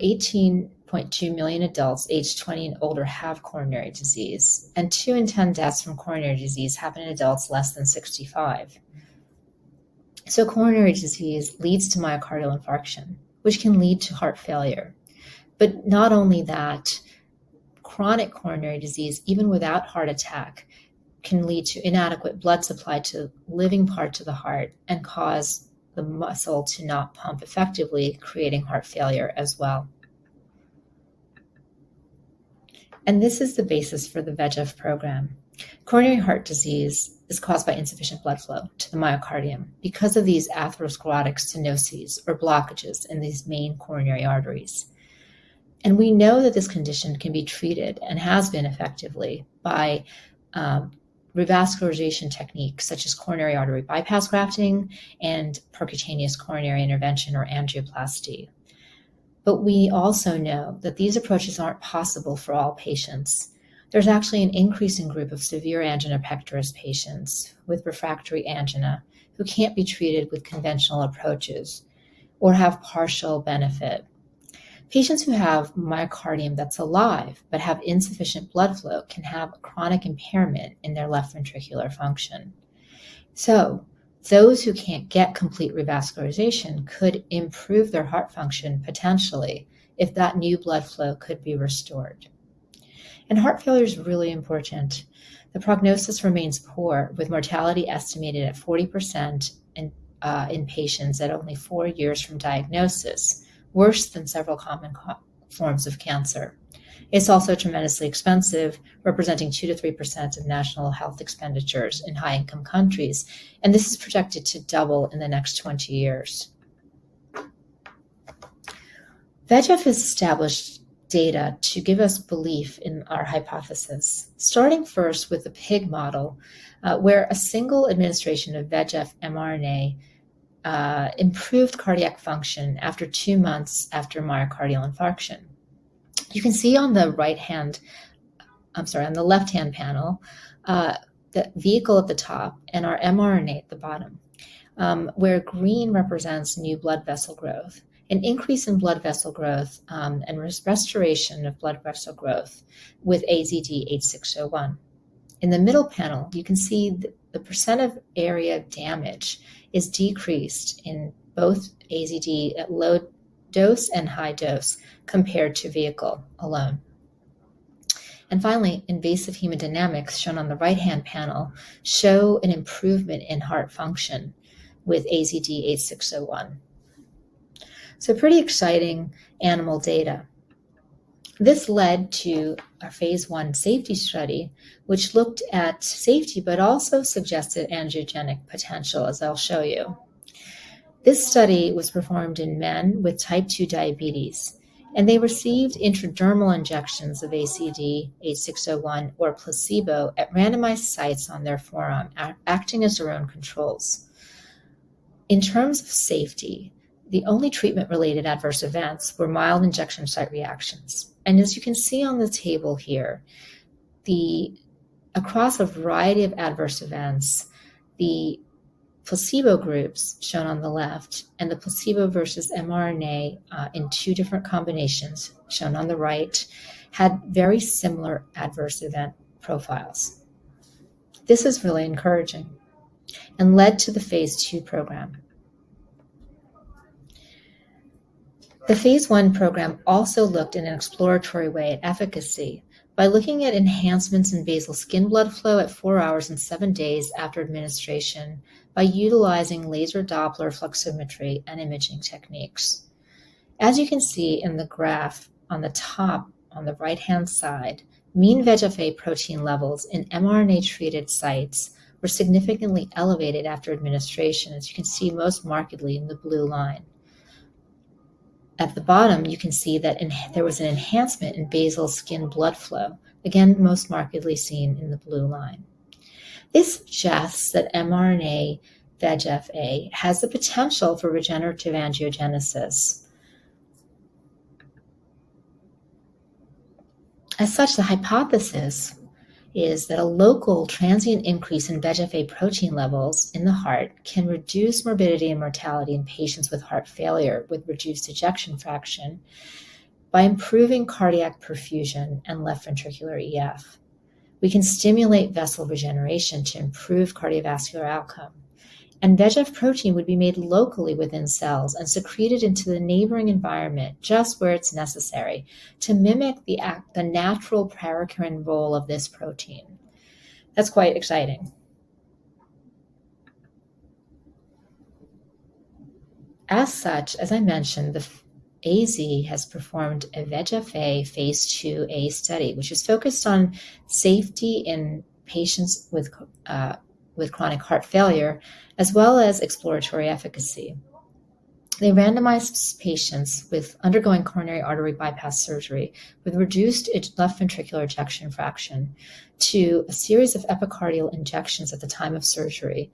18.2 million adults aged 20 and older have coronary disease, and two in 10 deaths from coronary disease happen in adults less than 65. Coronary disease leads to myocardial infarction, which can lead to heart failure. Not only that, chronic coronary disease, even without heart attack, can lead to inadequate blood supply to the living part of the heart and cause the muscle to not pump effectively, creating heart failure as well. This is the basis for the VEGF program. Coronary heart disease is caused by insufficient blood flow to the myocardium because of these atherosclerotic stenoses or blockages in these main coronary arteries. We know that this condition can be treated, and has been effectively, by revascularization techniques such as coronary artery bypass grafting and percutaneous coronary intervention or angioplasty. We also know that these approaches aren't possible for all patients. There's actually an increasing group of severe angina pectoris patients with refractory angina who can't be treated with conventional approaches or have partial benefit. Patients who have myocardium that's alive but have insufficient blood flow can have chronic impairment in their left ventricular function. Those who can't get complete revascularization could improve their heart function, potentially, if that new blood flow could be restored. Heart failure is really important. The prognosis remains poor, with mortality estimated at 40% in patients at only four years from diagnosis, worse than several common forms of cancer. It's also tremendously expensive, representing 2%-3% of national health expenditures in high-income countries, and this is projected to double in the next 20 years. VEGF has established data to give us belief in our hypothesis, starting first with the pig model, where a single administration of VEGF mRNA improved cardiac function two months after myocardial infarction. You can see on the left-hand panel, the vehicle at the top and our mRNA at the bottom, where green represents new blood vessel growth, an increase in blood vessel growth, and restoration of blood vessel growth with AZD8601. In the middle panel, you can see the % of area damage is decreased in both AZD at low dose and high dose compared to vehicle alone. Finally, invasive hemodynamics, shown on the right-hand panel, show an improvement in heart function with AZD8601. Pretty exciting animal data. This led to our phase I safety study, which looked at safety but also suggested angiogenic potential, as I'll show you. This study was performed in men with type 2 diabetes, they received intradermal injections of AZD8601 or a placebo at randomized sites on their forearm, acting as their own controls. In terms of safety, the only treatment-related adverse events were mild injection site reactions, and as you can see on the table here, across a variety of adverse events, the placebo groups, shown on the left, and the placebo versus mRNA in two different combinations, shown on the right, had very similar adverse event profiles. This is really encouraging and led to the phase II program. The phase I program also looked in an exploratory way at efficacy by looking at enhancements in basal skin blood flow at four hours and seven days after administration by utilizing laser Doppler fluximetry and imaging techniques. As you can see in the graph on the top, on the right-hand side, mean VEGF-A protein levels in mRNA-treated sites were significantly elevated after administration, as you can see most markedly in the blue line. At the bottom, you can see that there was an enhancement in basal skin blood flow, again, most markedly seen in the blue line. This suggests that mRNA VEGF-A has the potential for regenerative angiogenesis. The hypothesis is that a local transient increase in VEGF-A protein levels in the heart can reduce morbidity and mortality in patients with heart failure with reduced ejection fraction by improving cardiac perfusion and left ventricular EF. We can stimulate vessel regeneration to improve cardiovascular outcome. VEGF protein would be made locally within cells and secreted into the neighboring environment, just where it's necessary to mimic the natural paracrine role of this protein. That's quite exciting. As I mentioned, AZ has performed a VEGF-A phase II-A study, which is focused on safety in patients with chronic heart failure, as well as exploratory efficacy. They randomized patients undergoing coronary artery bypass surgery with reduced left ventricular ejection fraction to a series of epicardial injections at the time of surgery,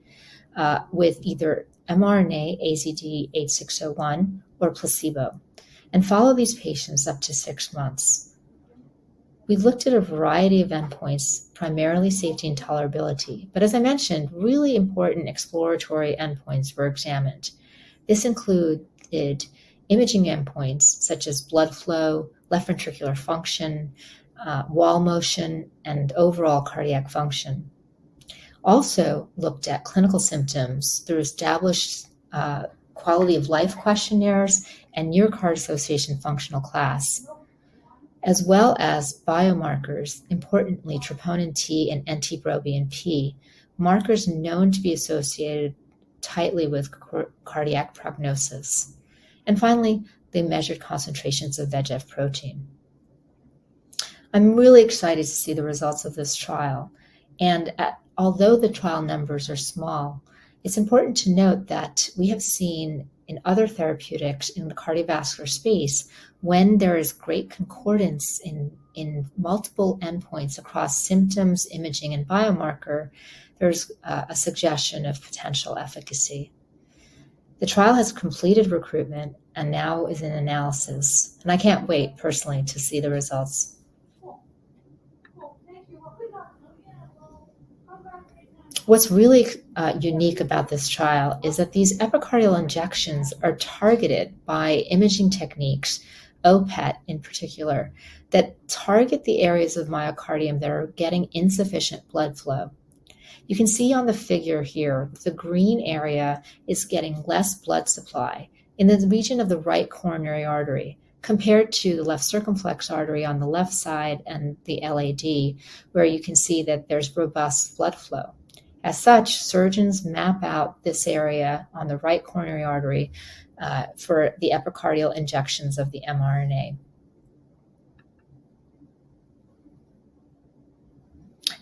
with either mRNA AZD8601 or a placebo, and follow these patients up to six months. We looked at a variety of endpoints, primarily safety and tolerability, but as I mentioned, really important exploratory endpoints were examined. This included imaging endpoints such as blood flow, left ventricular function, wall motion, and overall cardiac function. Also looked at clinical symptoms through established quality of life questionnaires and New York Heart Association functional class, as well as biomarkers, importantly troponin T and NT-proBNP, markers known to be associated tightly with cardiac prognosis. Finally, they measured concentrations of VEGF protein. I'm really excited to see the results of this trial, and although the trial numbers are small, it's important to note that we have seen in other therapeutics in the cardiovascular space when there is great concordance in multiple endpoints across symptoms, imaging, and biomarker, there's a suggestion of potential efficacy. The trial has completed recruitment and now is in analysis, and I can't wait personally to see the results. What's really unique about this trial is that these epicardial injections are targeted by imaging techniques, O-PET in particular, that target the areas of myocardium that are getting insufficient blood flow. You can see on the figure here, the green area is getting less blood supply in the region of the right coronary artery compared to the left circumflex artery on the left side and the LAD, where you can see that there's robust blood flow. As such, surgeons map out this area on the right coronary artery for the epicardial injections of the mRNA.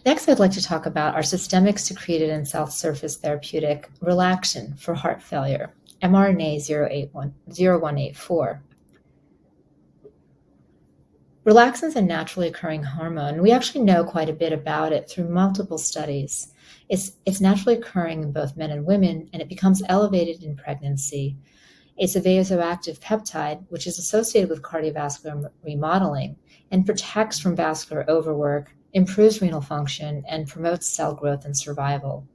Next, I'd like to talk about our systemically secreted and cell surface therapeutic relaxin for heart failure, mRNA-0184. Relaxin is a naturally occurring hormone. We actually know quite a bit about it through multiple studies. It's naturally occurring in both men and women, and it becomes elevated in pregnancy. It's a vasoactive peptide, which is associated with cardiovascular remodeling and protects from vascular overwork, improves renal function, and promotes cell growth and survival.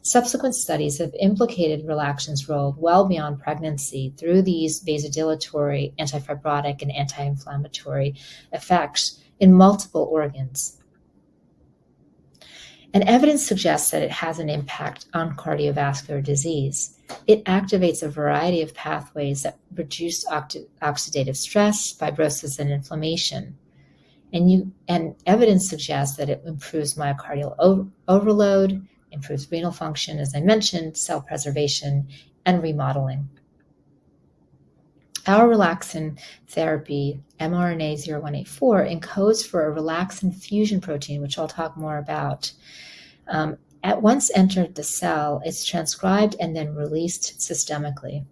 Subsequent studies have implicated relaxin's role well beyond pregnancy through these vasodilatory, anti-fibrotic, and anti-inflammatory effects in multiple organs. Evidence suggests that it has an impact on cardiovascular disease. It activates a variety of pathways that reduce oxidative stress, fibrosis, and inflammation. Evidence suggests that it improves myocardial overload, improves renal function, as I mentioned, cell preservation, and remodeling. Our relaxin therapy, mRNA-0184, encodes for a relaxin fusion protein, which I'll talk more about. At once entered the cell, it's transcribed and then released systemically.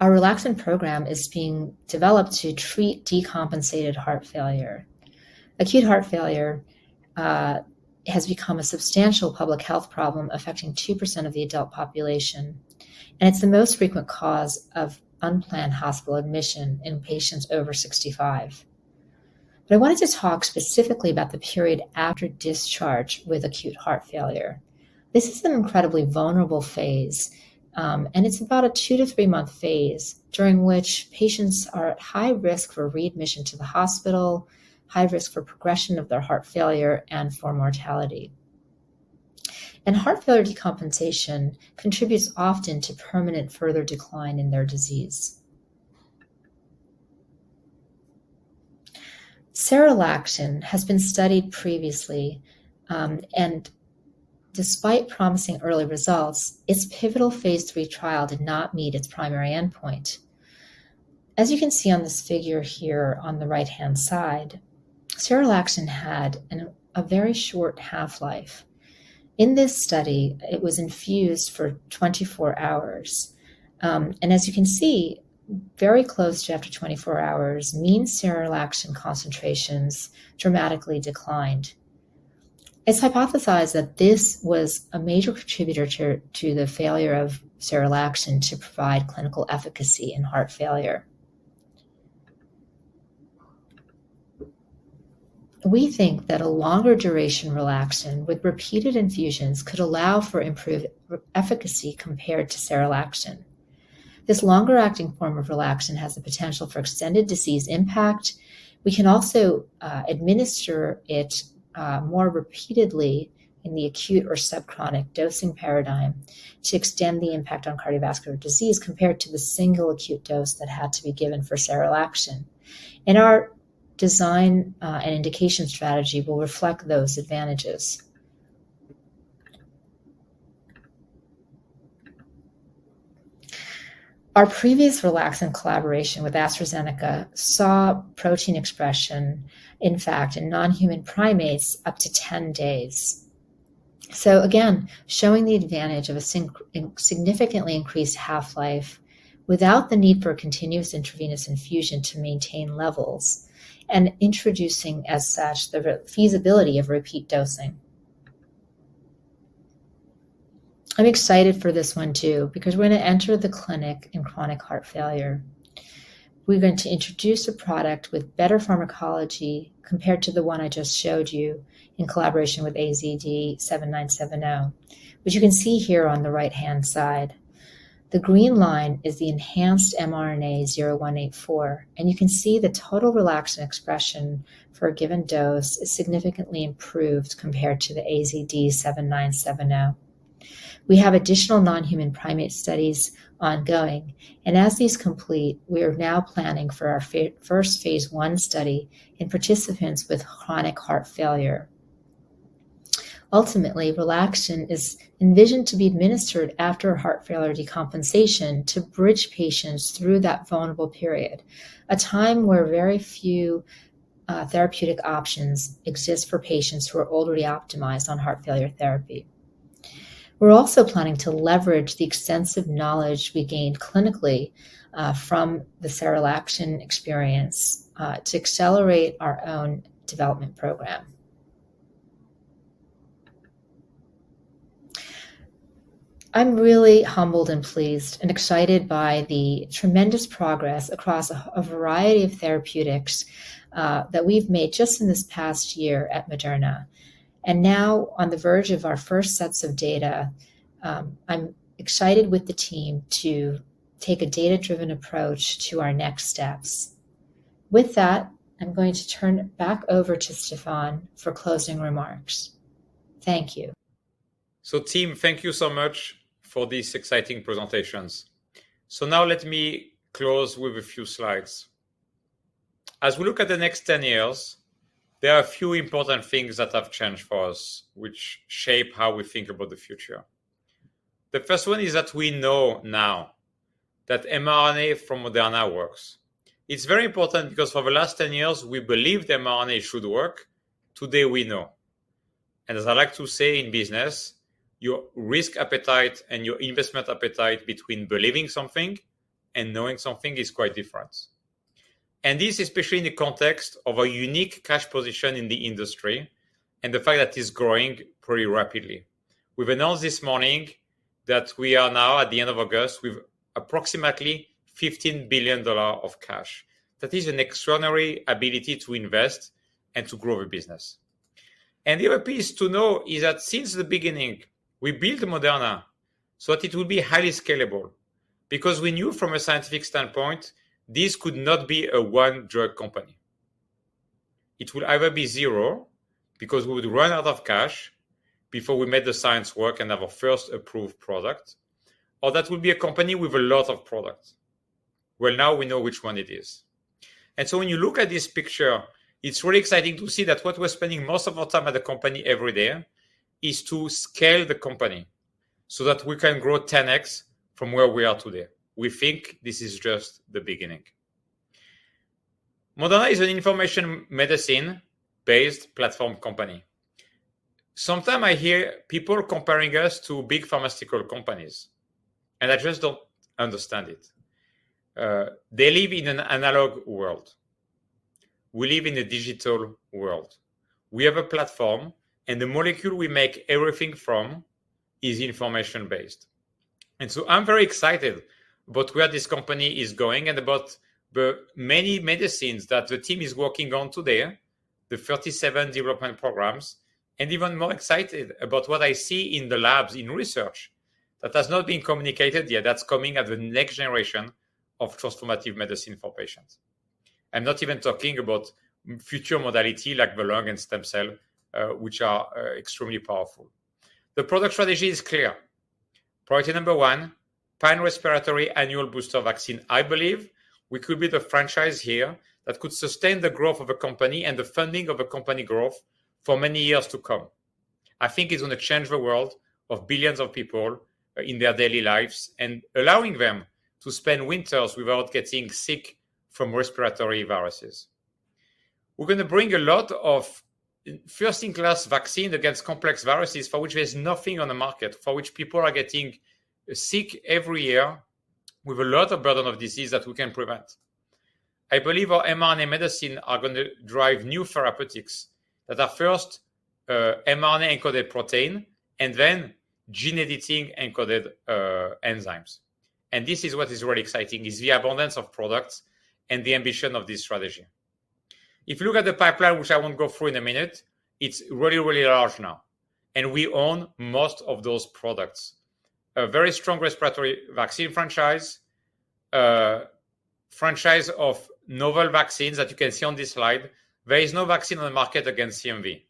Our relaxin program is being developed to treat decompensated heart failure. Acute heart failure has become a substantial public health problem affecting 2% of the adult population, and it's the most frequent cause of unplanned hospital admission in patients over 65. I wanted to talk specifically about the period after discharge with acute heart failure. This is an incredibly vulnerable phase, and it's about a two- to three-month phase during which patients are at high risk for readmission to the hospital, high risk for progression of their heart failure, and for mortality. Heart failure decompensation contributes often to permanent further decline in their disease. Serelaxin has been studied previously, and despite promising early results, its pivotal phase III trial did not meet its primary endpoint. As you can see on this figure here on the right-hand side, serelaxin had a very short half-life. In this study, it was infused for 24 hours. As you can see, very close to after 24 hours, mean serelaxin concentrations dramatically declined. It's hypothesized that this was a major contributor to the failure of serelaxin to provide clinical efficacy in heart failure. We think that a longer duration relaxin with repeated infusions could allow for improved efficacy compared to serelaxin. This longer-acting form of relaxin has the potential for extended disease impact. We can also administer it more repeatedly in the acute or subchronic dosing paradigm to extend the impact on cardiovascular disease compared to the single acute dose that had to be given for serelaxin. Our design and indication strategy will reflect those advantages. Our previous relaxin collaboration with AstraZeneca saw protein expression, in fact, in non-human primates up to 10 days. Again, showing the advantage of a significantly increased half-life without the need for continuous intravenous infusion to maintain levels, and introducing, as such, the feasibility of repeat dosing. I'm excited for this one too, because we're going to enter the clinic in chronic heart failure. We're going to introduce a product with better pharmacology compared to the one I just showed you in collaboration with AZD7970, which you can see here on the right-hand side. The green line is the enhanced mRNA-0184, and you can see the total relaxin expression for a given dose is significantly improved compared to the AZD7970. We have additional non-human primate studies ongoing. As these complete, we are now planning for our first phase I study in participants with chronic heart failure. Ultimately, relaxin is envisioned to be administered after heart failure decompensation to bridge patients through that vulnerable period, a time where very few therapeutic options exist for patients who are already optimized on heart failure therapy. We're also planning to leverage the extensive knowledge we gained clinically from the serelaxin experience to accelerate our own development program. I'm really humbled and pleased and excited by the tremendous progress across a variety of therapeutics that we've made just in this past year at Moderna. Now on the verge of our first sets of data, I'm excited with the team to take a data-driven approach to our next steps. With that, I'm going to turn it back over to Stéphane for closing remarks. Thank you. Team, thank you so much for these exciting presentations. Now let me close with a few slides. As we look at the next 10 years, there are a few important things that have changed for us, which shape how we think about the future. The first one is that we know now that mRNA from Moderna works. It's very important because for the last 10 years, we believe that mRNA should work. Today, we know. As I like to say in business, your risk appetite and your investment appetite between believing something and knowing something is quite different. This, especially in the context of a unique cash position in the industry and the fact that it's growing pretty rapidly. We've announced this morning that we are now at the end of August with approximately $15 billion of cash. That is an extraordinary ability to invest and to grow the business. The other piece to know is that since the beginning, we built Moderna so that it would be highly scalable because we knew from a scientific standpoint, this could not be a one-drug company. It would either be zero because we would run out of cash before we made the science work and have a first approved product, or that would be a company with a lot of products. Well, now we know which one it is. When you look at this picture, it's really exciting to see that what we're spending most of our time at the company every day is to scale the company so that we can grow 10x from where we are today. We think this is just the beginning. Moderna is an information medicine-based platform company. Sometimes I hear people comparing us to big pharmaceutical companies, and I just don't understand it. They live in an analog world. We live in a digital world. We have a platform, the molecule we make everything from is information-based. I'm very excited about where this company is going and about the many medicines that the team is working on today, the 37 development programs, and even more excited about what I see in the labs in research that has not been communicated yet, that's coming as the next generation of transformative medicine for patients. I'm not even talking about future modality like the lung and stem cell, which are extremely powerful. The product strategy is clear. Priority number one, pan-respiratory annual booster vaccine. I believe we could be the franchise here that could sustain the growth of a company and the funding of a company growth for many years to come. I think it's going to change the world of billions of people in their daily lives and allowing them to spend winters without getting sick from respiratory viruses. We're going to bring a lot of first-in-class vaccine against complex viruses for which there's nothing on the market, for which people are getting sick every year with a lot of burden of disease that we can prevent. I believe our mRNA medicine are going to drive new therapeutics that are first mRNA-encoded protein and then gene editing encoded enzymes. This is what is really exciting, is the abundance of products and the ambition of this strategy. If you look at the pipeline, which I won't go through in a minute, it's really, really large now, and we own most of those products. A very strong respiratory vaccine franchise of novel vaccines that you can see on this slide. There is no vaccine on the market against CMV.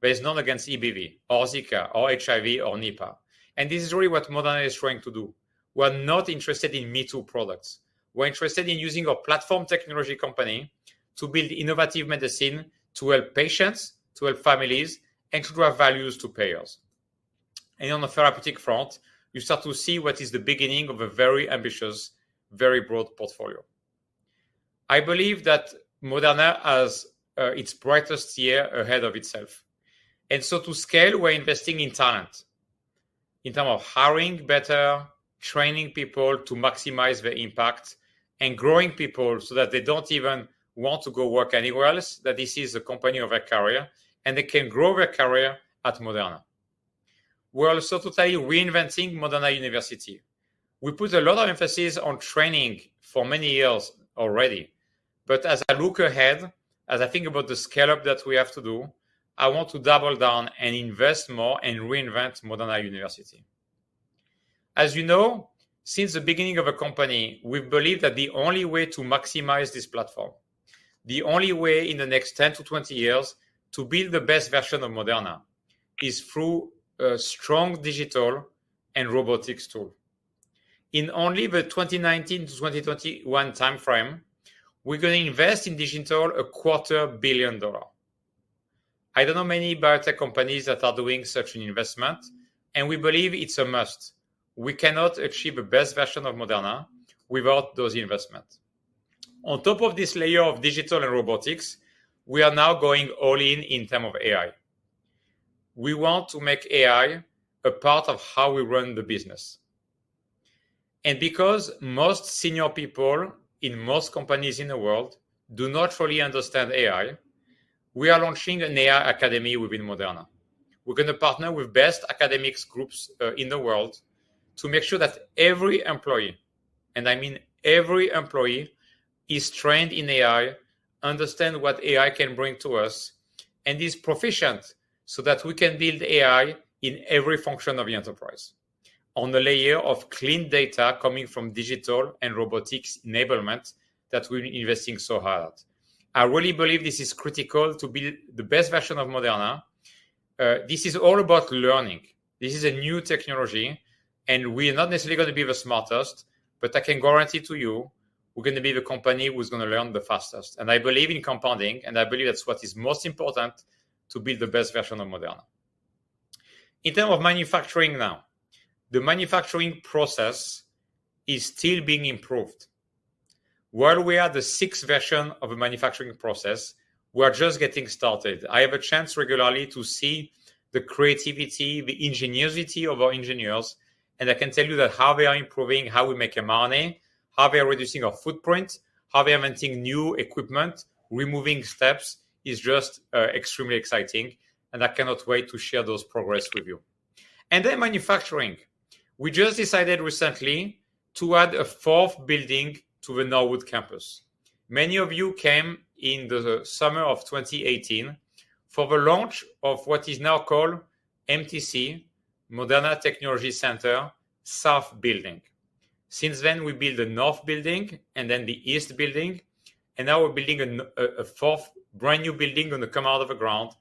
There is none against EBV or Zika or HIV or Nipah. This is really what Moderna is trying to do. We're not interested in me-too products. We're interested in using our platform technology company to build innovative medicine to help patients, to help families, and to grow values to payers. On the therapeutic front, you start to see what is the beginning of a very ambitious, very broad portfolio. I believe that Moderna has its brightest year ahead of itself. To scale, we're investing in talent, in terms of hiring better, training people to maximize their impact, and growing people so that they don't even want to go work anywhere else, that this is a company of a career, and they can grow their career at Moderna. We're also totally reinventing Moderna University. We put a lot of emphasis on training for many years already. As I look ahead, as I think about the scale-up that we have to do, I want to double down and invest more and reinvent Moderna University. As you know, since the beginning of our company, we believe that the only way to maximize this platform, the only way in the next 10-20 years to build the best version of Moderna, is through a strong digital and robotics tool. In only the 2019 to 2021 timeframe, we're going to invest in digital a quarter billion dollars. I don't know many biotech companies that are doing such an investment. We believe it's a must. We cannot achieve a best version of Moderna without those investments. On top of this layer of digital and robotics, we are now going all in in terms of AI. We want to make AI a part of how we run the business. Because most senior people in most companies in the world do not fully understand AI, we are launching an AI Academy within Moderna. We're going to partner with best academics groups in the world to make sure that every employee, and I mean every employee, is trained in AI, understand what AI can bring to us. Is proficient so that we can build AI in every function of the enterprise on the layer of clean data coming from digital and robotics enablement that we're investing so hard. I really believe this is critical to build the best version of Moderna. This is all about learning. This is a new technology, and we're not necessarily going to be the smartest, but I can guarantee to you we're going to be the company who's going to learn the fastest. I believe in compounding, and I believe that's what is most important to build the best version of Moderna. In terms of manufacturing now, the manufacturing process is still being improved. While we are the sixth version of a manufacturing process, we are just getting started. I have a chance regularly to see the creativity, the ingenuity of our engineers, and I can tell you that how they are improving, how we make mRNA, how they are reducing our footprint, how they are inventing new equipment, removing steps, is just extremely exciting, and I cannot wait to share those progress with you. Manufacturing. We just decided recently to add a fourth building to the Norwood Campus. Many of you came in the summer of 2018 for the launch of what is now called MTC, Moderna Technology Center, South Building. Since then, we built the north building and then the east building, and now we're building a fourth brand-new building, going to come out of the ground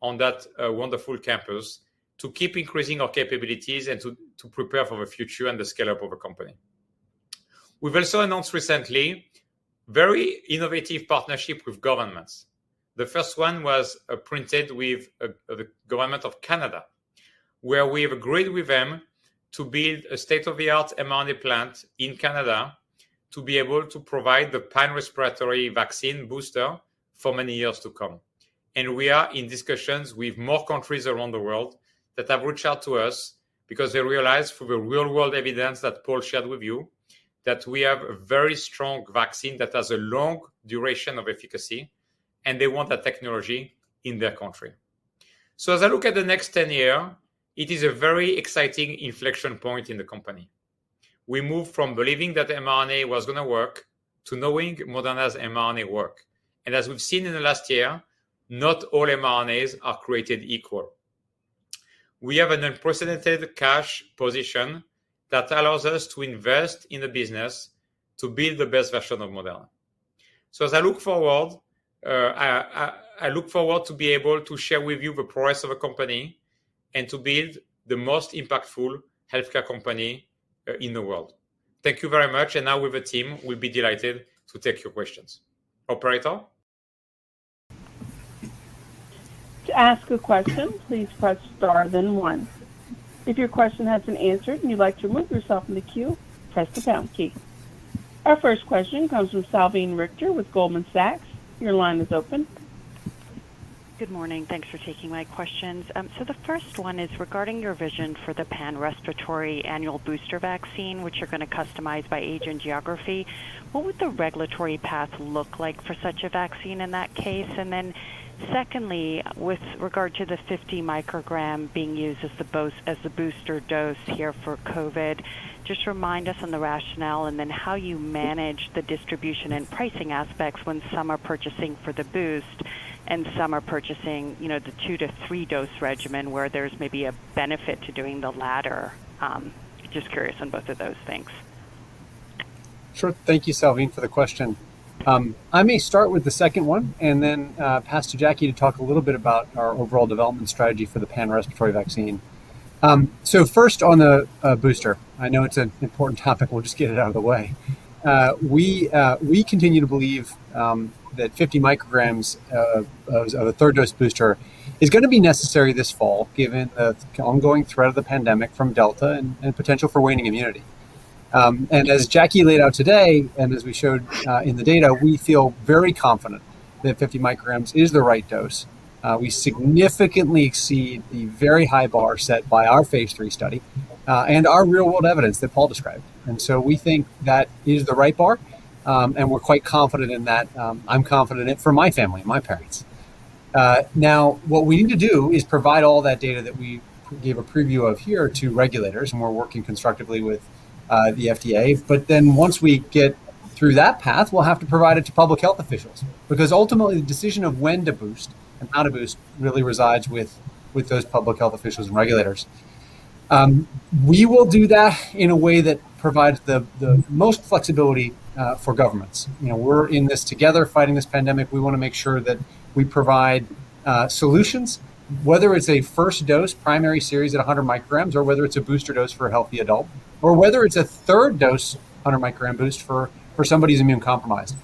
on that wonderful campus to keep increasing our capabilities and to prepare for the future and the scale-up of the company. We've also announced recently very innovative partnership with governments. The first one was partnered with the government of Canada, where we have agreed with them to build a state-of-the-art mRNA plant in Canada to be able to provide the pan-respiratory vaccine booster for many years to come. We are in discussions with more countries around the world that have reached out to us because they realize from the real-world evidence that Paul shared with you, that we have a very strong vaccine that has a long duration of efficacy, and they want that technology in their country. As I look at the next 10 year, it is a very exciting inflection point in the company. We moved from believing that mRNA was going to work to knowing Moderna's mRNA work. As we've seen in the last year, not all mRNAs are created equal. We have an unprecedented cash position that allows us to invest in the business to build the best version of Moderna. As I look forward, I look forward to be able to share with you the progress of the company and to build the most impactful healthcare company in the world. Thank you very much, and now with the team, we'll be delighted to take your questions. Operator? To ask a question, please press star, then one. If your question has been answered and would like to remove yourself from the queue, press pound key, Our first question comes from Salveen Richter with Goldman Sachs. Good morning. Thanks for taking my questions. The first one is regarding your vision for the pan-respiratory annual booster vaccine, which you're going to customize by age and geography. What would the regulatory path look like for such a vaccine in that case? Secondly, with regard to the 50 microgram being used as the booster dose here for COVID, just remind us on the rationale and how you manage the distribution and pricing aspects when some are purchasing for the boost and some are purchasing the two to three dose regimen where there's maybe a benefit to doing the latter. Just curious on both of those things. Sure. Thank you, Salveen, for the question. I may start with the second one and then pass to Jackie to talk a little bit about our overall development strategy for the pan-respiratory vaccine. First on the booster, I know it's an important topic, we'll just get it out of the way. We continue to believe that 50 micrograms of a third-dose booster is going to be necessary this fall, given the ongoing threat of the pandemic from Delta and potential for waning immunity. As Jackie laid out today, and as we showed in the data, we feel very confident that 50 micrograms is the right dose. We significantly exceed the very high bar set by our phase III study, and our real-world evidence that Paul described. We think that is the right bar, and we're quite confident in that. I'm confident in it for my family and my parents. What we need to do is provide all that data that we gave a preview of here to regulators, and we're working constructively with the FDA. Once we get through that path, we'll have to provide it to public health officials, because ultimately, the decision of when to boost and how to boost really resides with those public health officials and regulators. We will do that in a way that provides the most flexibility for governments. We're in this together, fighting this pandemic. We want to make sure that we provide solutions, whether it's a first dose primary series at 100 micrograms, or whether it's a booster dose for a healthy adult, or whether it's a third dose 100 microgram boost for somebody who's immunocompromised.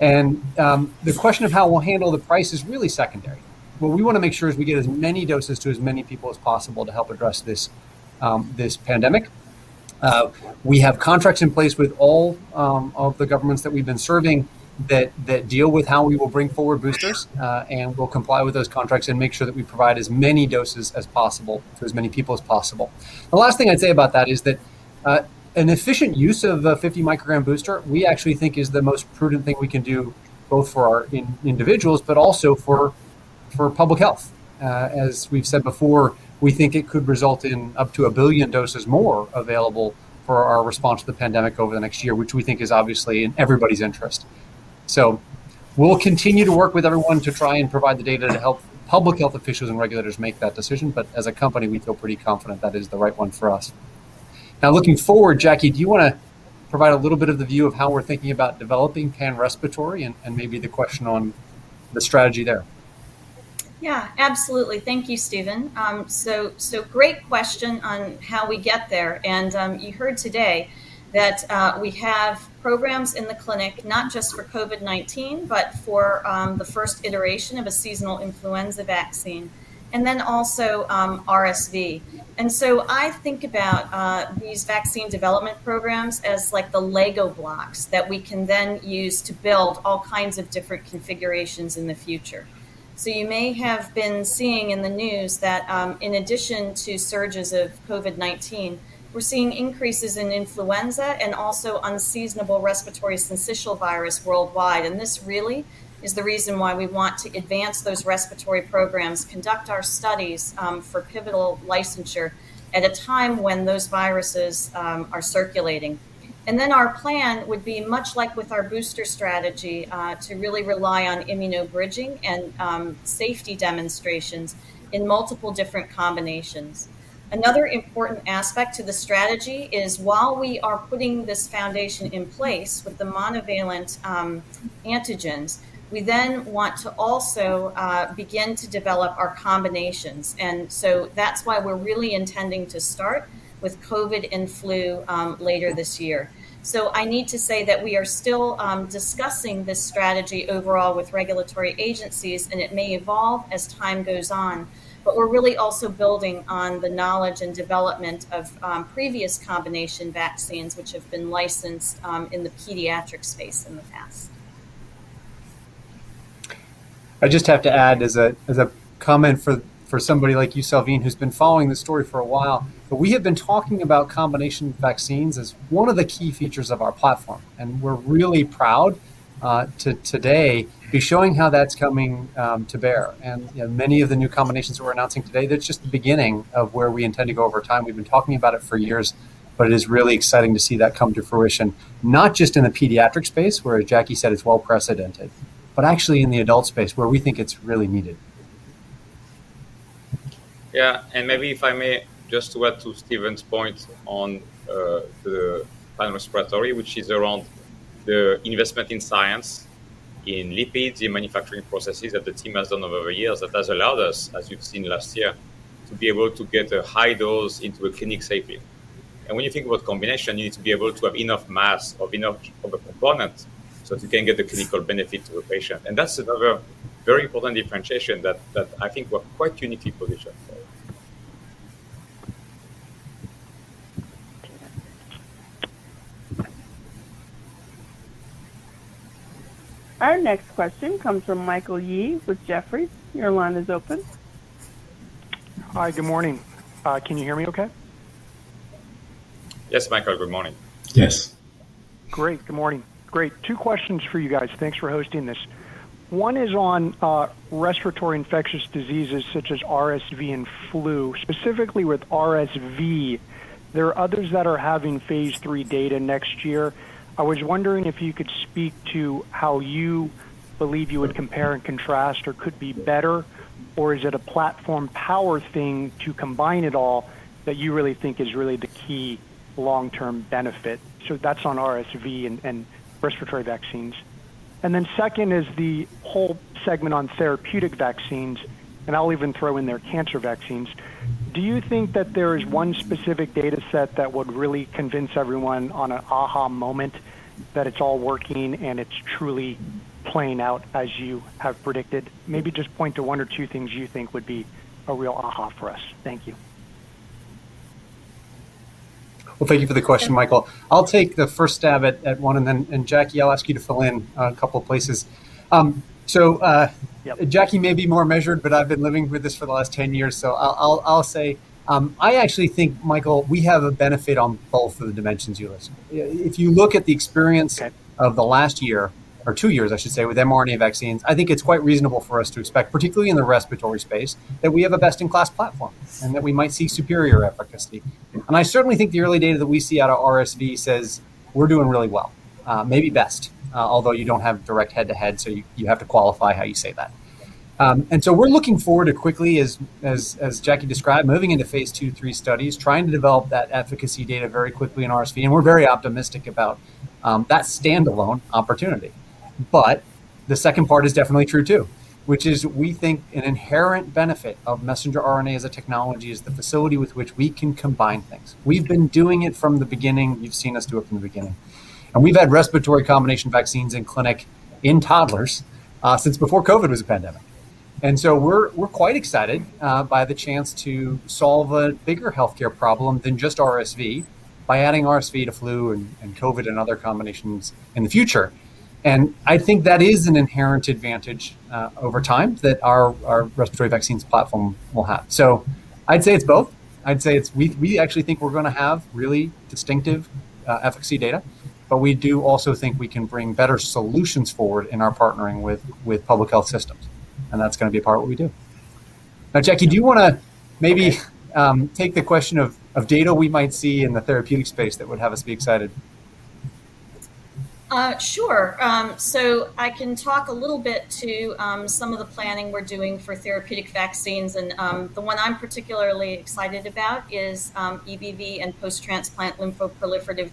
The question of how we'll handle the price is really secondary. What we want to make sure is we get as many doses to as many people as possible to help address this pandemic. We have contracts in place with all of the governments that we've been serving that deal with how we will bring forward boosters, and we'll comply with those contracts and make sure that we provide as many doses as possible to as many people as possible. The last thing I'd say about that is that an efficient use of a 50 microgram booster, we actually think is the most prudent thing we can do, both for our individuals, but also for public health. As we've said before, we think it could result in up to 1 billion doses more available for our response to the pandemic over the next year, which we think is obviously in everybody's interest. We'll continue to work with everyone to try and provide the data to help public health officials and regulators make that decision. As a company, we feel pretty confident that is the right one for us. Looking forward, Jackie, do you want to provide a little bit of the view of how we're thinking about developing pan-respiratory and maybe the question on the strategy there? Yeah, absolutely. Thank you, Stephen. Great question on how we get there. You heard today that we have programs in the clinic, not just for COVID-19, but for the first iteration of a seasonal influenza vaccine, and then also RSV. I think about these vaccine development programs as like the Lego blocks that we can then use to build all kinds of different configurations in the future. You may have been seeing in the news that in addition to surges of COVID-19, we're seeing increases in influenza and also unseasonable respiratory syncytial virus worldwide. This really is the reason why we want to advance those respiratory programs, conduct our studies for pivotal licensure at a time when those viruses are circulating. Our plan would be much like with our booster strategy to really rely on immunobridging and safety demonstrations in multiple different combinations. Another important aspect to the strategy is while we are putting this foundation in place with the monovalent antigens, we then want to also begin to develop our combinations. That's why we're really intending to start with COVID and flu later this year. I need to say that we are still discussing this strategy overall with regulatory agencies, and it may evolve as time goes on, We're really also building on the knowledge and development of previous combination vaccines, which have been licensed in the pediatric space in the past. I just have to add as a comment for somebody like you, Salveen, who's been following this story for a while, we have been talking about combination vaccines as one of the key features of our platform, we're really proud to today be showing how that's coming to bear. Many of the new combinations we're announcing today, that's just the beginning of where we intend to go over time. We've been talking about it for years, it is really exciting to see that come to fruition, not just in the pediatric space, where Jackie said it's well precedented, but actually in the adult space where we think it's really needed. Yeah, maybe if I may just to add to Stephen's point on the pan-respiratory, which is around the investment in science, in lipids, in manufacturing processes that the team has done over years, that has allowed us, as you've seen last year, to be able to get a high dose into a clinic safely. When you think about combination, you need to be able to have enough mass of a component so that you can get the clinical benefit to a patient. That's another very important differentiation that I think we're quite uniquely positioned for. Our next question comes from Yee with Jefferies. Your line is open. Hi, good morning. Can you hear me okay? Yes, Michael, good morning. Yes. Great. Good morning. Great. Two questions for you guys. Thanks for hosting this. One is on respiratory infectious diseases such as RSV and flu, specifically with RSV, there are others that are having phase III data next year. I was wondering if you could speak to how you believe you would compare and contrast or could be better, or is it a platform power thing to combine it all that you really think is really the key long-term benefit? That's on RSV and respiratory vaccines. Then second is the whole segment on therapeutic vaccines, and I'll even throw in there cancer vaccines. Do you think that there is one specific data set that would really convince everyone on an aha moment that it's all working and it's truly playing out as you have predicted? Maybe just point to one or two things you think would be a real aha for us. Thank you. Well, thank you for the question, Michael. I'll take the first stab at one and then, Jackie, I'll ask you to fill in a couple places. Yeah Jackie may be more measured, but I've been living with this for the last 10 years, so I'll say, I actually think, Michael, we have a benefit on both of the dimensions you listed. Okay of the last year, or two years, I should say, with mRNA vaccines, I think it's quite reasonable for us to expect, particularly in the respiratory space, that we have a best-in-class platform and that we might see superior efficacy. I certainly think the early data that we see out of RSV says we're doing really well, maybe best, although you don't have direct head-to-head, so you have to qualify how you say that. We're looking forward to quickly, as Jackie described, moving into phase II/III studies, trying to develop that efficacy data very quickly in RSV, and we're very optimistic about that standalone opportunity. The second part is definitely true, too, which is we think an inherent benefit of messenger RNA as a technology is the facility with which we can combine things. We've been doing it from the beginning. You've seen us do it from the beginning. We've had respiratory combination vaccines in clinic in toddlers since before COVID was a pandemic. We're quite excited by the chance to solve a bigger healthcare problem than just RSV by adding RSV to flu and COVID and other combinations in the future. I think that is an inherent advantage over time that our respiratory vaccines platform will have. I'd say it's both. We actually think we're going to have really distinctive efficacy data, but we do also think we can bring better solutions forward in our partnering with public health systems, and that's going to be a part of what we do. Now, Jackie, do you want to maybe take the question of data we might see in the therapeutic space that would have us be excited? Sure. I can talk a little bit to some of the planning we're doing for therapeutic vaccines, and the one I'm particularly excited about is EBV and post-transplant lymphoproliferative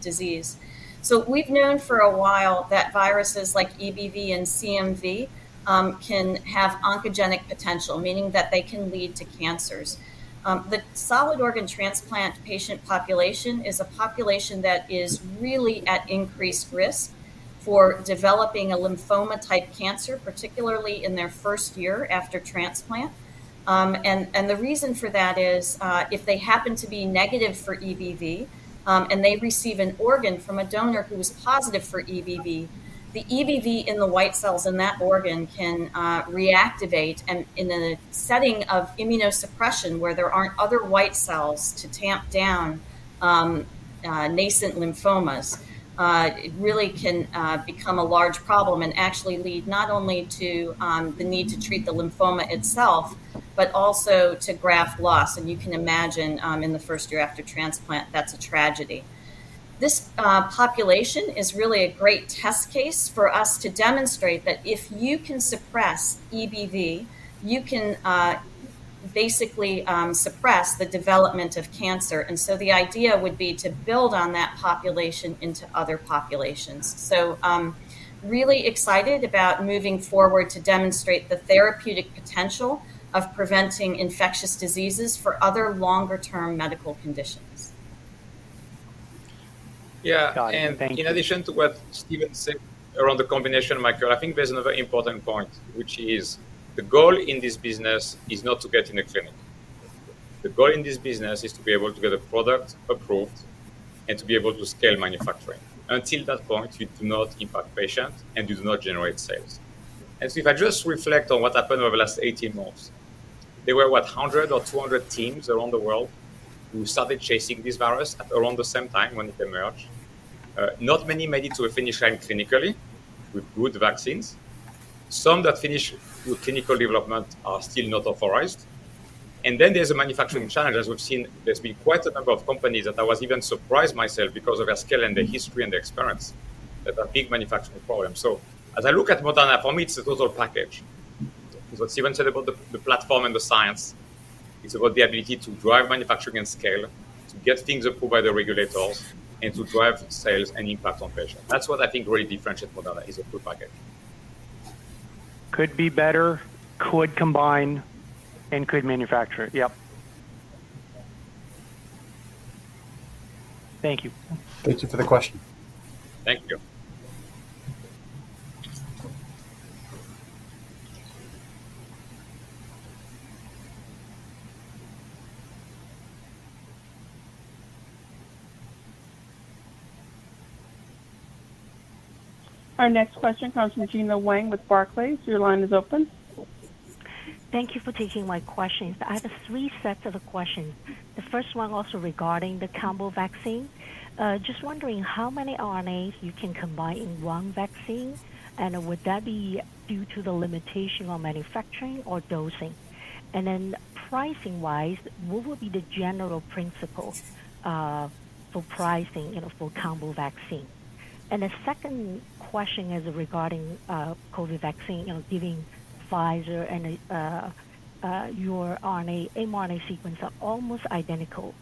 disorder. We've known for a while that viruses like EBV and CMV can have oncogenic potential, meaning that they can lead to cancers. The solid organ transplant patient population is a population that is really at increased risk for developing a lymphoma-type cancer, particularly in their first year after transplant. The reason for that is if they happen to be negative for EBV, and they receive an organ from a donor who is positive for EBV, the EBV in the white cells in that organ can reactivate. In a setting of immunosuppression where there aren't other white cells to tamp down nascent lymphomas, it really can become a large problem, and actually lead not only to the need to treat the lymphoma itself, but also to graft loss, and you can imagine, in the first year after transplant, that's a tragedy. This population is really a great test case for us to demonstrate that if you can suppress EBV, you can basically suppress the development of cancer. The idea would be to build on that population into other populations. Really excited about moving forward to demonstrate the therapeutic potential of preventing infectious diseases for other longer-term medical conditions. Yeah. Got it. Thank you. In addition to what Stephen Hoge said around the combination macro, I think there's another important point, which is the goal in this business is not to get in a clinic. The goal in this business is to be able to get a product approved and to be able to scale manufacturing. Until that point, you do not impact patients and you do not generate sales. If I just reflect on what happened over the last 18 months, there were, what, 100 or 200 teams around the world who started chasing this virus at around the same time when it emerged. Not many made it to a finish line clinically with good vaccines. Some that finished with clinical development are still not authorized. There's the manufacturing challenge, as we've seen, there's been quite a number of companies that I was even surprised myself because of their scale and their history and their experience, that are big manufacturing problems. As I look at Moderna, for me, it's the total package. It's what Stephen Hoge said about the platform and the science. It's about the ability to drive manufacturing and scale, to get things approved by the regulators, and to drive sales and impact on patients. That's what I think really differentiates Moderna, is a full package. Could be better, could combine, and could manufacture. Yep. Thank you. Thank you for the question. Thank you. Our next question comes from Gena Wang with Barclays. Your line is open. Thank you for taking my questions. I have three sets of questions. The first one also regarding the combo vaccine. Just wondering how many RNAs you can combine in one vaccine, and would that be due to the limitation on manufacturing or dosing? Pricing wise, what would be the general principles for pricing for combo vaccine? The second question is regarding COVID vaccine, giving Pfizer and your mRNA sequence are almost identical.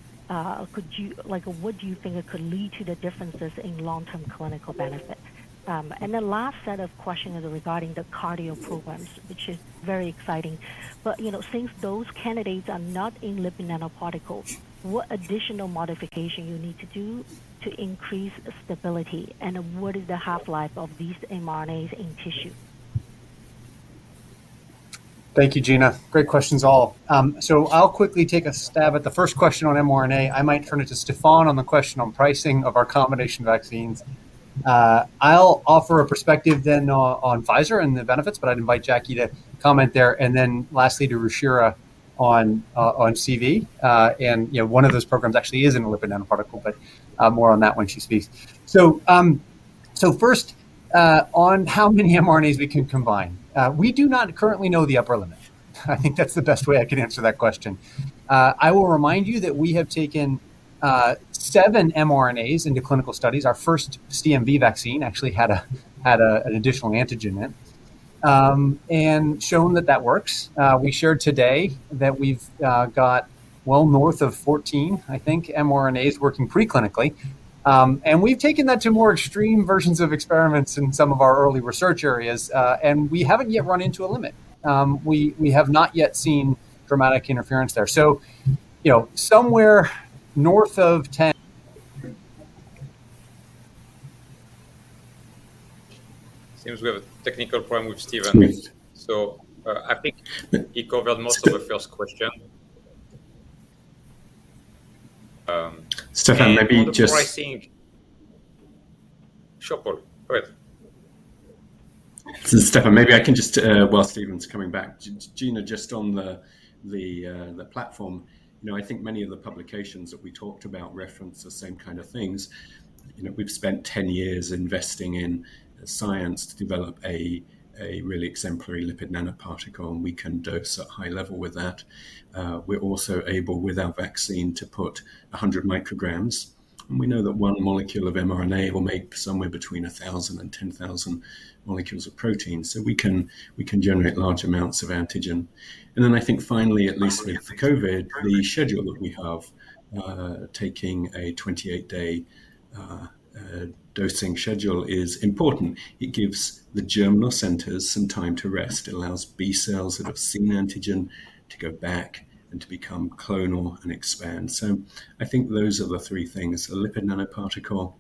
What do you think could lead to the differences in long-term clinical benefits? The last set of questions is regarding the cardio programs, which is very exciting. Since those candidates are not in lipid nanoparticles, what additional modification you need to do to increase stability, and what is the half-life of these mRNAs in tissue? Thank you, Gena. Great questions all. I'll quickly take a stab at the first question on mRNA. I might turn it to Stéphane on the question on pricing of our combination vaccines. I'll offer a perspective then on Pfizer and the benefits, I'd invite Jackie to comment there, and lastly, to Ruchira on CV. One of those programs actually is in a lipid nanoparticle, more on that when she speaks. First, on how many mRNAs we can combine. We do not currently know the upper limit. I think that's the best way I can answer that question. I will remind you that we have taken seven mRNAs into clinical studies. Our first CMV vaccine actually had an additional antigen in, shown that that works. We shared today that we've got well north of 14, I think, mRNAs working pre-clinically. We've taken that to more extreme versions of experiments in some of our early research areas, we haven't yet run into a limit. We have not yet seen dramatic interference there. Somewhere north of 10. Seems we have a technical problem with Stephen. Please. I think he covered most of the first question. Stéphane. On the pricing. Sure, Paul. Go ahead. Stéphane, maybe I can just, while Stephen's coming back, Gena, just on the platform, I think many of the publications that we talked about reference the same kind of things. We've spent 10 years investing in science to develop a really exemplary lipid nanoparticle, and we can dose at high level with that. We're also able, with our vaccine, to put 100 micrograms, and we know that one molecule of mRNA will make somewhere between 1,000 and 10,000 molecules of protein, so we can generate large amounts of antigen. I think finally, at least with COVID, the schedule that we have, taking a 28-day dosing schedule is important. It gives the germinal centers some time to rest. It allows B cells that have seen antigen to go back and to become clonal and expand. I think those are the three things, the lipid nanoparticle,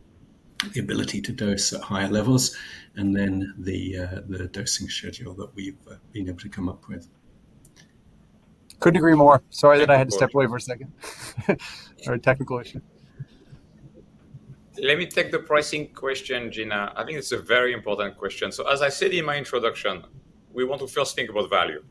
the ability to dose at higher levels, and then the dosing schedule that we've been able to come up with. Couldn't agree more. Sorry that I had to step away for a second. Had a technical issue. Let me take the pricing question, Gena. I think it's a very important question. As I said in my introduction, we want to first think about value.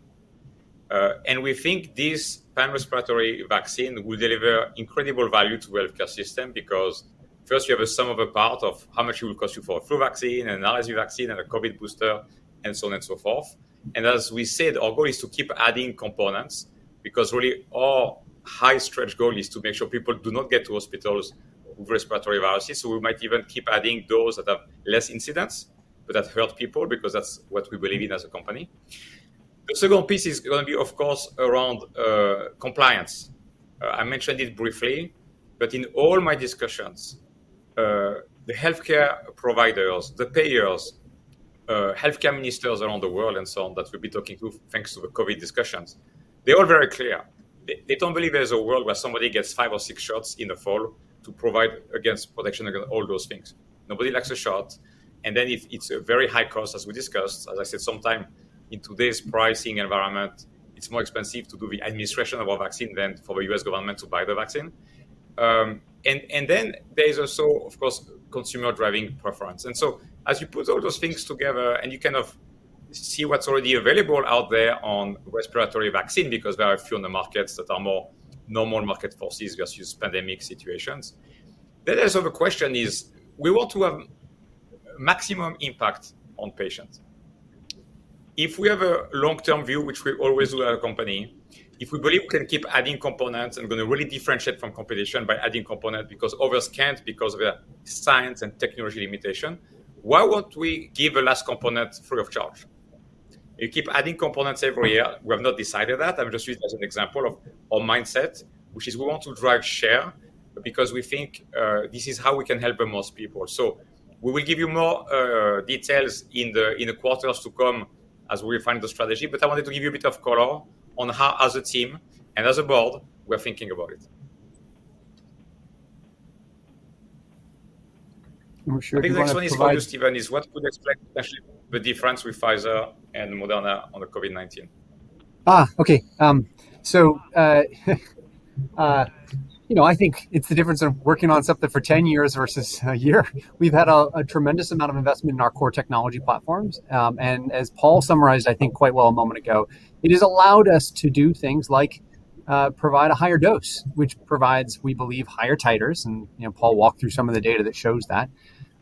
We think this pan-respiratory vaccine will deliver incredible value to the healthcare system because first you have a sum of a part of how much it will cost you for a flu vaccine, an RSV vaccine, and a COVID booster, and so on and so forth. As we said, our goal is to keep adding components, because really our high stretch goal is to make sure people do not get to hospitals with respiratory viruses. We might even keep adding those that have less incidents but that help people, because that's what we believe in as a company. The second piece is going to be, of course, around compliance. I mentioned it briefly, but in all my discussions, the healthcare providers, the payers, healthcare ministers around the world and so on that we'll be talking to, thanks to the COVID discussions, they're all very clear. They don't believe there's a world where somebody gets five or six shots in the fall to provide against protection against all those things. Nobody likes a shot, and then if it's a very high cost, as we discussed, as I said, sometime in today's pricing environment, it's more expensive to do the administration of a vaccine than for the U.S. government to buy the vaccine. There's also, of course, consumer driving preference. As you put all those things together and you kind of see what's already available out there on respiratory vaccine, because there are a few in the markets that are more normal market forces versus pandemic situations. Also, the question is, we want to have maximum impact on patients. If we have a long-term view, which we always will at our company, if we believe we can keep adding components and going to really differentiate from competition by adding components because others can't because of their science and technology limitation, why won't we give a last component free of charge? You keep adding components every year. We have not decided that. I've just used it as an example of our mindset, which is we want to drive share because we think this is how we can help the most people. We will give you more details in the quarters to come as we refine the strategy, but I wanted to give you a bit of color on how as a team and as a board, we are thinking about it. I'm not sure if you want to provide- I think the next one is for you, Stephen, is what we could expect potentially the difference with Pfizer and Moderna on the COVID-19. Okay. I think it's the difference of working on something for 10 years versus a year. We've had a tremendous amount of investment in our core technology platforms. As Paul summarized, I think quite well a moment ago, it has allowed us to do things like provide a higher dose, which provides, we believe, higher titers, and Paul walked through some of the data that shows that.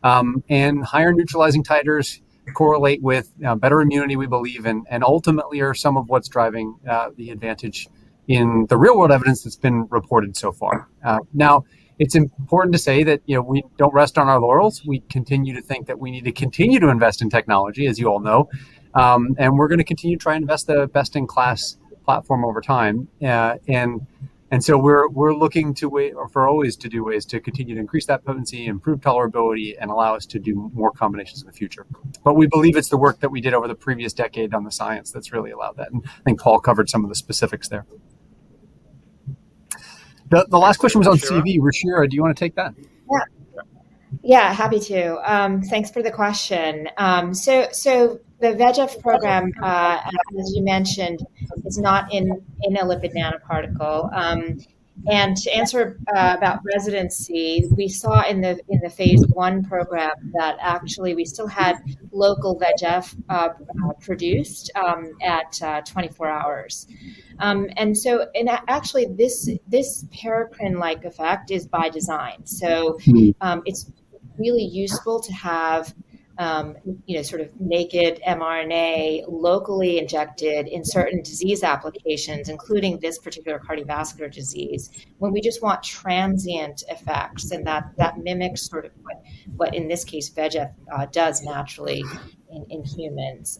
Higher neutralizing titers correlate with better immunity, we believe, and ultimately are some of what's driving the advantage in the real-world evidence that's been reported so far. Now, it's important to say that we don't rest on our laurels. We continue to think that we need to continue to invest in technology, as you all know. We're going to continue to try and invest in a best-in-class platform over time. We're looking for ways to continue to increase that potency, improve tolerability, and allow us to do more combinations in the future. We believe it's the work that we did over the previous decade on the science that's really allowed that, and I think Paul covered some of the specifics there. The last question was on CV. Ruchira, do you want to take that? Yeah. Happy to. Thanks for the question. The VEGF program, as you mentioned, is not in a lipid nanoparticle. To answer about residency, we saw in the phase I program that actually we still had local VEGF produced at 24 hours. Actually, this paracrine-like effect is by design. It's really useful to have sort of naked mRNA locally injected in certain disease applications, including this particular cardiovascular disease, when we just want transient effects, and that mimics sort of what in this case, VEGF does naturally in humans.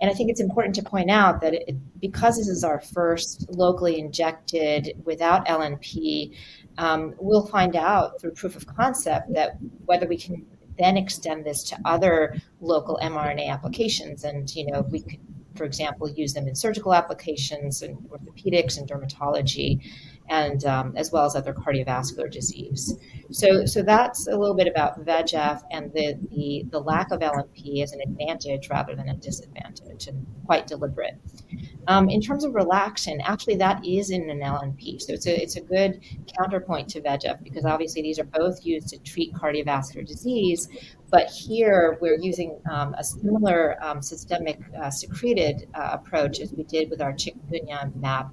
I think it's important to point out that because this is our first locally injected without LNP, we'll find out through proof of concept that whether we can then extend this to other local mRNA applications and if we could. For example, use them in surgical applications, in orthopedics and dermatology, as well as other cardiovascular disease. That's a little bit about VEGF and the lack of LNP as an advantage rather than a disadvantage, and quite deliberate. In terms of relaxin, actually, that is in an LNP. It's a good counterpoint to VEGF because obviously these are both used to treat cardiovascular disease. Here we're using a similar systemic secreted approach as we did with our Chikungunya mAb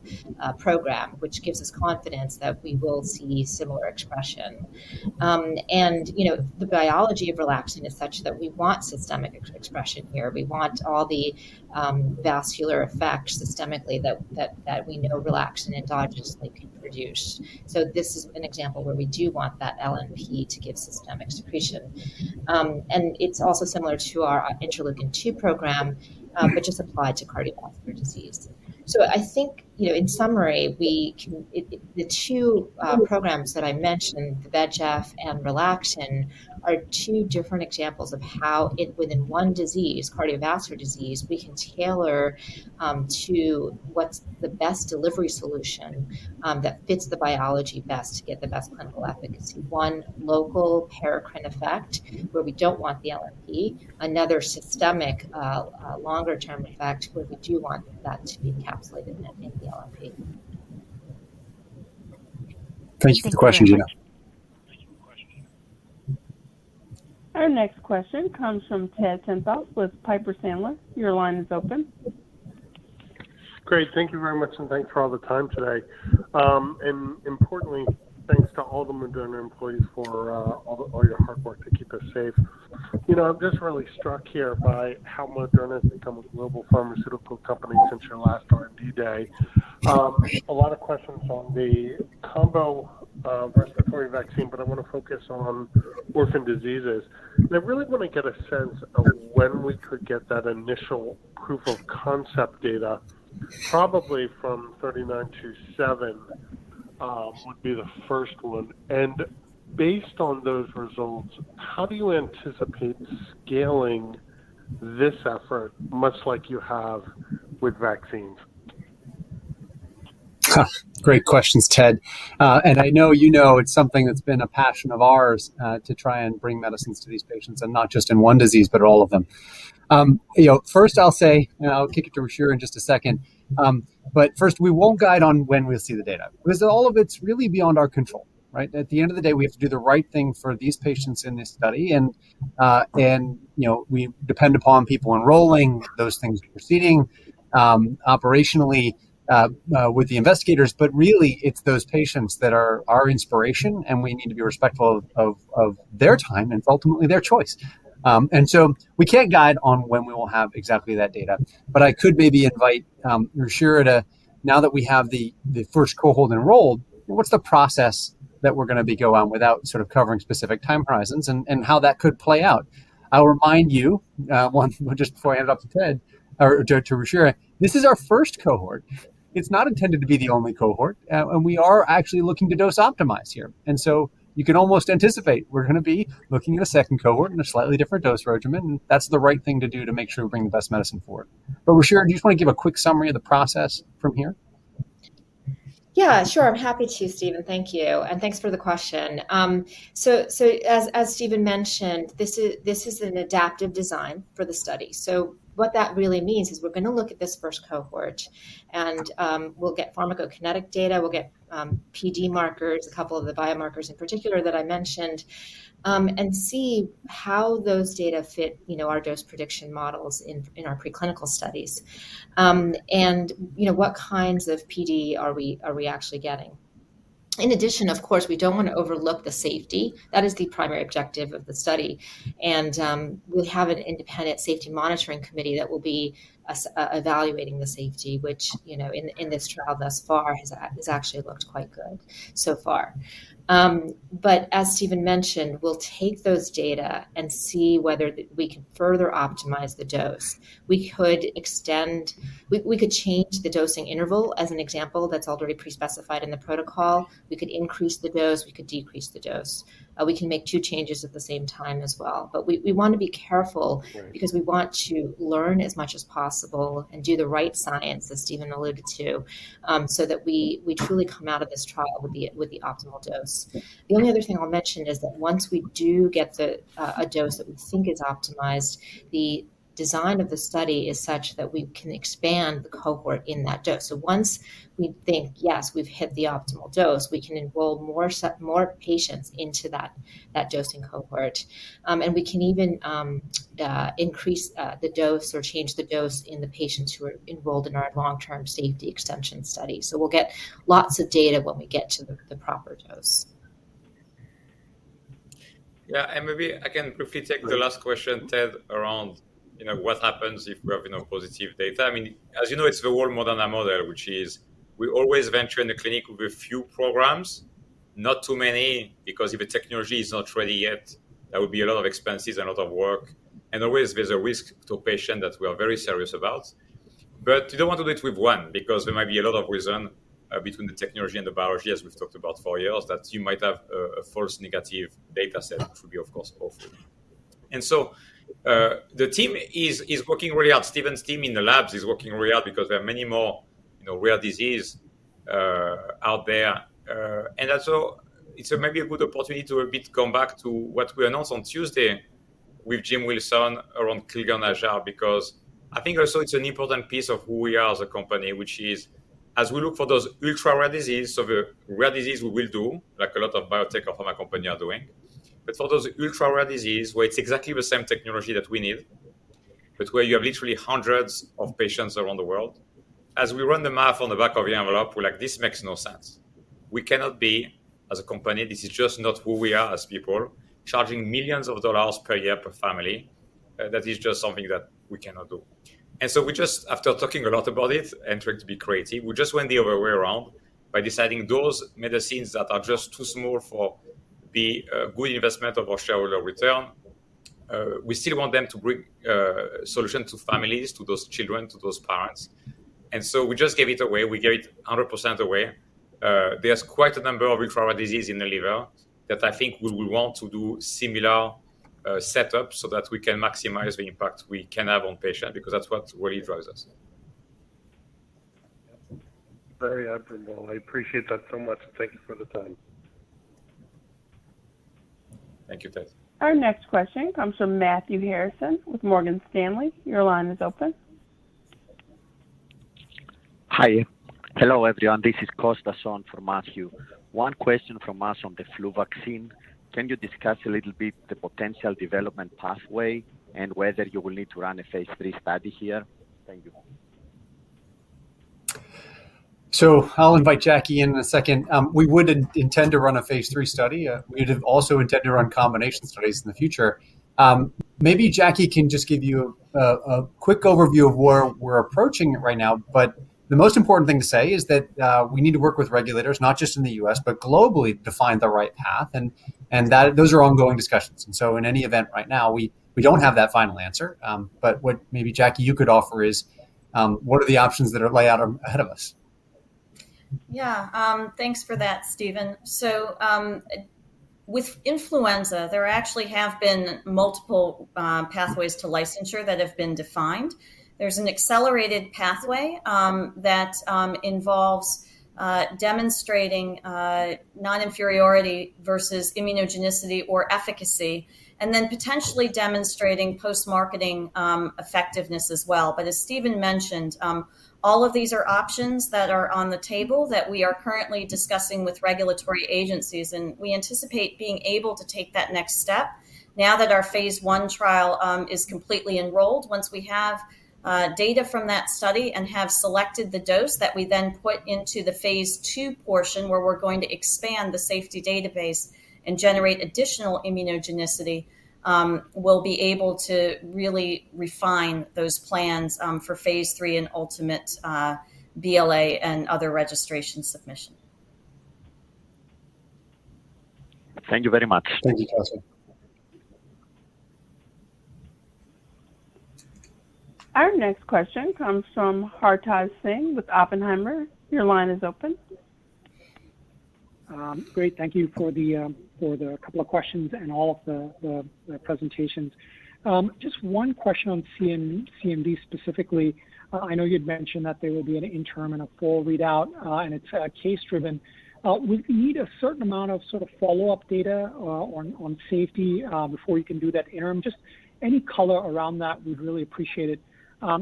program, which gives us confidence that we will see similar expression. The biology of relaxin is such that we want systemic expression here. We want all the vascular effects systemically that we know relaxin endogenously can produce. This is an example where we do want that LNP to give systemic secretion. It's also similar to our interleukin-2 program, but just applied to cardiovascular disease. I think, in summary, the two programs that I mentioned, the VEGF and relaxin, are two different examples of how within one disease, cardiovascular disease, we can tailor to what's the best delivery solution that fits the biology best to get the best clinical efficacy. One local paracrine effect where we don't want the LNP, another systemic longer-term effect where we do want that to be encapsulated in the LNP. Thank you for the question, Gena. Our next question comes from Ted Tenthoff with Piper Sandler. Your line is open. Great. Thank you very much, and thanks for all the time today. Importantly, thanks to all the Moderna employees for all your hard work to keep us safe. I'm just really struck here by how Moderna has become a global pharmaceutical company since your last R&D Day. A lot of questions on the combo respiratory vaccine, but I want to focus on orphan diseases. I really want to get a sense of when we could get that initial proof of concept data, probably from 39-27 would be the first one. Based on those results, how do you anticipate scaling this effort, much like you have with vaccines? Great questions, Ted. I know you know it's something that's been a passion of ours to try and bring medicines to these patients, not just in one disease, but all of them. First I'll say, I'll kick it to Ruchira in just a second, first, we won't guide on when we'll see the data because all of it's really beyond our control, right? At the end of the day, we have to do the right thing for these patients in this study, we depend upon people enrolling and those things proceeding operationally with the investigators. Really, it's those patients that are our inspiration, we need to be respectful of their time and ultimately their choice. We can't guide on when we will have exactly that data. I could maybe invite Ruchira to, now that we have the first cohort enrolled, what's the process that we're going to be going on without sort of covering specific time horizons and how that could play out? I'll remind you, just before I hand it off to Ruchira, this is our first cohort. It's not intended to be the only cohort, and we are actually looking to dose optimize here. You can almost anticipate we're going to be looking at a second cohort and a slightly different dose regimen, and that's the right thing to do to make sure we bring the best medicine forward. Ruchira, do you just want to give a quick summary of the process from here? Yeah, sure. I'm happy to, Stephen. Thank you, and thanks for the question. As Stephen mentioned, this is an adaptive design for the study. What that really means is we're going to look at this first cohort, and we'll get pharmacokinetic data, we'll get PD markers, a couple of the biomarkers in particular that I mentioned, and see how those data fit our dose prediction models in our preclinical studies. What kinds of PD are we actually getting? In addition, of course, we don't want to overlook the safety. That is the primary objective of the study. We have an independent safety monitoring committee that will be evaluating the safety, which in this trial thus far has actually looked quite good so far. As Stephen mentioned, we'll take those data and see whether we can further optimize the dose. We could change the dosing interval as an example that's already pre-specified in the protocol. We could increase the dose. We could decrease the dose. We can make two changes at the same time as well. We want to be careful because we want to learn as much as possible and do the right science, as Stephen alluded to, so that we truly come out of this trial with the optimal dose. The only other thing I'll mention is that once we do get a dose that we think is optimized, the design of the study is such that we can expand the cohort in that dose. Once we think, yes, we've hit the optimal dose, we can enroll more patients into that dosing cohort, and we can even increase the dose or change the dose in the patients who are enrolled in our long-term safety extension study. We'll get lots of data when we get to the proper dose. Yeah. Maybe I can briefly take the last question, Ted, around what happens if we have no positive data. As you know, it's the whole Moderna model, which is we always venture in the clinic with a few programs, not too many, because if a technology is not ready yet, that would be a lot of expenses and a lot of work. Always there's a risk to patient that we are very serious about. You don't want to do it with one, because there might be a lot of reason between the technology and the biology, as we've talked about for years, that you might have a false negative data set, which would be, of course, awful. The team is working really hard. Stephen's team in the labs is working really hard because there are many more rare disease out there. Also, it is maybe a good opportunity to a bit come back to what we announced on Tuesday with Jim Wilson around Crigler-Najjar, because I think also it is an important piece of who we are as a company, which is as we look for those ultra-rare disease, so the rare disease we will do, like a lot of biotech or pharma company are doing. For those ultra-rare disease, where it is exactly the same technology that we need, but where you have literally hundreds of patients around the world, as we run the math on the back of the envelope, we are like, "This makes no sense." We cannot be, as a company, this is just not who we are as people, charging millions of dollars per year per family. That is just something that we cannot do. We just, after talking a lot about it and trying to be creative, we just went the other way around by deciding those medicines that are just too small for the good investment of our shareholder return, we still want them to bring solution to families, to those children, to those parents. We just gave it away. We gave it 100% away. There's quite a number of ultra-rare disease in the liver that I think we will want to do similar setup so that we can maximize the impact we can have on patient, because that's what really drives us. Very admirable. I appreciate that so much. Thank you for the time. Thank you, Ted. Our next question comes from Matthew Harrison with Morgan Stanley. Your line is open. Hi. Hello, everyone. This is Costa on for Matthew. One question from us on the flu vaccine. Can you discuss a little bit the potential development pathway and whether you will need to run a phase III study here? Thank you. I'll invite Jackie in a second. We would intend to run a phase III study. We'd have also intend to run combination studies in the future. Maybe Jackie can just give you a quick overview of where we're approaching it right now. The most important thing to say is that we need to work with regulators, not just in the U.S., but globally, to find the right path, and those are ongoing discussions. In any event right now, we don't have that final answer. What maybe Jackie, you could offer is, what are the options that are laid out ahead of us? Yeah. Thanks for that, Stephen. With influenza, there actually have been multiple pathways to licensure that have been defined. There's an accelerated pathway that involves demonstrating non-inferiority versus immunogenicity or efficacy, and then potentially demonstrating post-marketing effectiveness as well. As Stephen mentioned, all of these are options that are on the table that we are currently discussing with regulatory agencies, and we anticipate being able to take that next step now that our phase I trial is completely enrolled. Once we have data from that study and have selected the dose that we then put into the phase II portion, where we're going to expand the safety database and generate additional immunogenicity, we'll be able to really refine those plans for phase III and ultimate BLA and other registration submission. Thank you very much. Thank you, Costa. Our next question comes from Hartaj Singh with Oppenheimer. Your line is open. Great. Thank you for the couple of questions and all of the presentations. Just one question on CMV specifically. I know you'd mentioned that there will be an interim and a full readout, and it's case-driven. Would you need a certain amount of sort of follow-up data on safety before you can do that interim? Just any color around that, we'd really appreciate it. A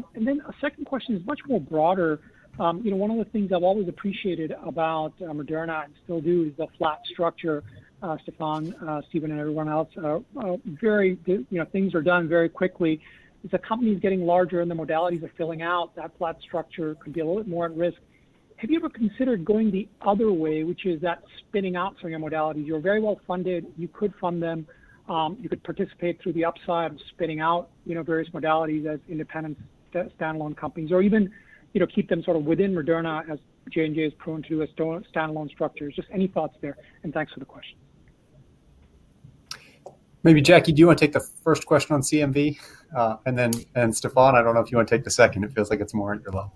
second question is much more broader. One of the things I've always appreciated about Moderna and still do is the flat structure, Stéphane, Stephen, and everyone else. Things are done very quickly. As the company's getting larger and the modalities are filling out, that flat structure could be a little bit more at risk. Have you ever considered going the other way, which is that spinning out some of your modalities? You're very well funded. You could fund them. You could participate through the upside of spinning out various modalities as independent standalone companies, or even keep them sort of within Moderna as J&J is prone to as standalone structures. Just any thoughts there, and thanks for the question. Maybe Jackie, do you want to take the first question on CMV? Stéphane, I don't know if you want to take the second. It feels like it's more at your level.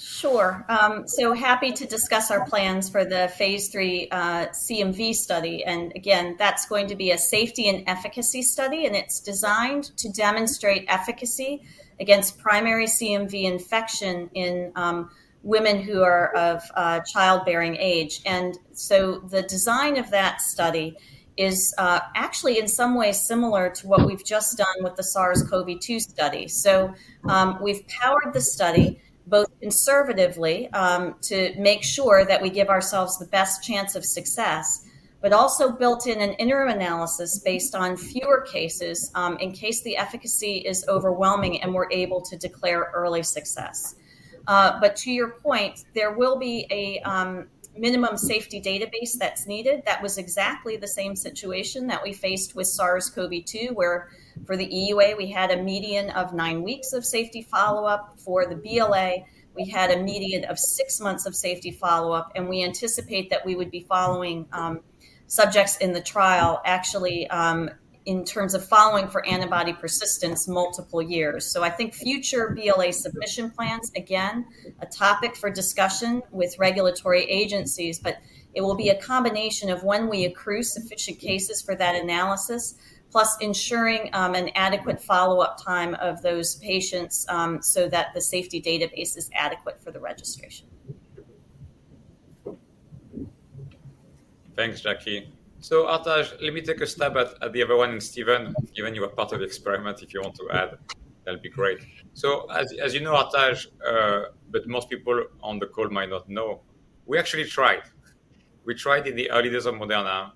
Sure. Happy to discuss our plans for the phase III CMV study. Again, that's going to be a safety and efficacy study, and it's designed to demonstrate efficacy against primary CMV infection in women who are of childbearing age. The design of that study is actually in some ways similar to what we've just done with the SARS-CoV-2 study. We've powered the study both conservatively, to make sure that we give ourselves the best chance of success, but also built in an interim analysis based on fewer cases, in case the efficacy is overwhelming and we're able to declare early success. To your point, there will be a minimum safety database that's needed. That was exactly the same situation that we faced with SARS-CoV-2, where for the EUA, we had a median of nine weeks of safety follow-up. For the BLA, we had a median of six months of safety follow-up, and we anticipate that we would be following subjects in the trial actually in terms of following for antibody persistence multiple years. I think future BLA submission plans, again, a topic for discussion with regulatory agencies, but it will be a combination of when we accrue sufficient cases for that analysis, plus ensuring an adequate follow-up time of those patients so that the safety database is adequate for the registration. Thanks, Jackie. Hartaj, let me take a stab at the other one, and Stephen, given you are part of the experiment, if you want to add, that'd be great. As you know, Hartaj, but most people on the call might not know, we actually tried. We tried in the early days of Moderna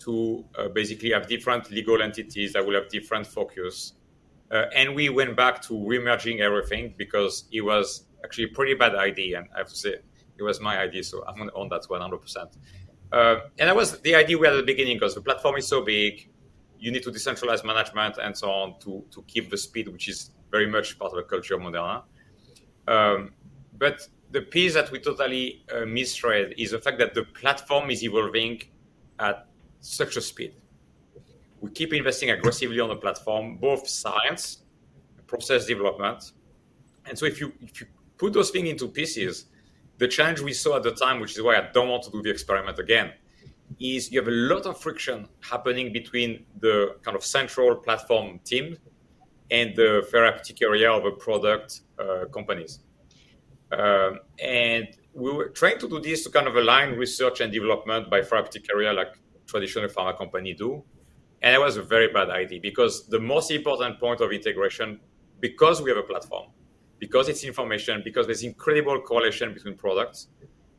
to basically have different legal entities that will have different focus. We went back to reimagining everything because it was actually a pretty bad idea, and I have to say, it was my idea, so I'm going to own that 100%. That was the idea we had at the beginning, because the platform is so big, you need to decentralize management and so on to keep the speed, which is very much part of the culture of Moderna. The piece that we totally misread is the fact that the platform is evolving at such a speed. We keep investing aggressively on the platform, both science, process development. If you put those things into pieces, the challenge we saw at the time, which is why I don't want to do the experiment again, is you have a lot of friction happening between the central platform team and the therapeutic area of product companies. We were trying to do this to kind of align research and development by therapeutic area, like traditional pharma company do. It was a very bad idea because the most important point of integration, because we have a platform, because it's information, because there's incredible correlation between products,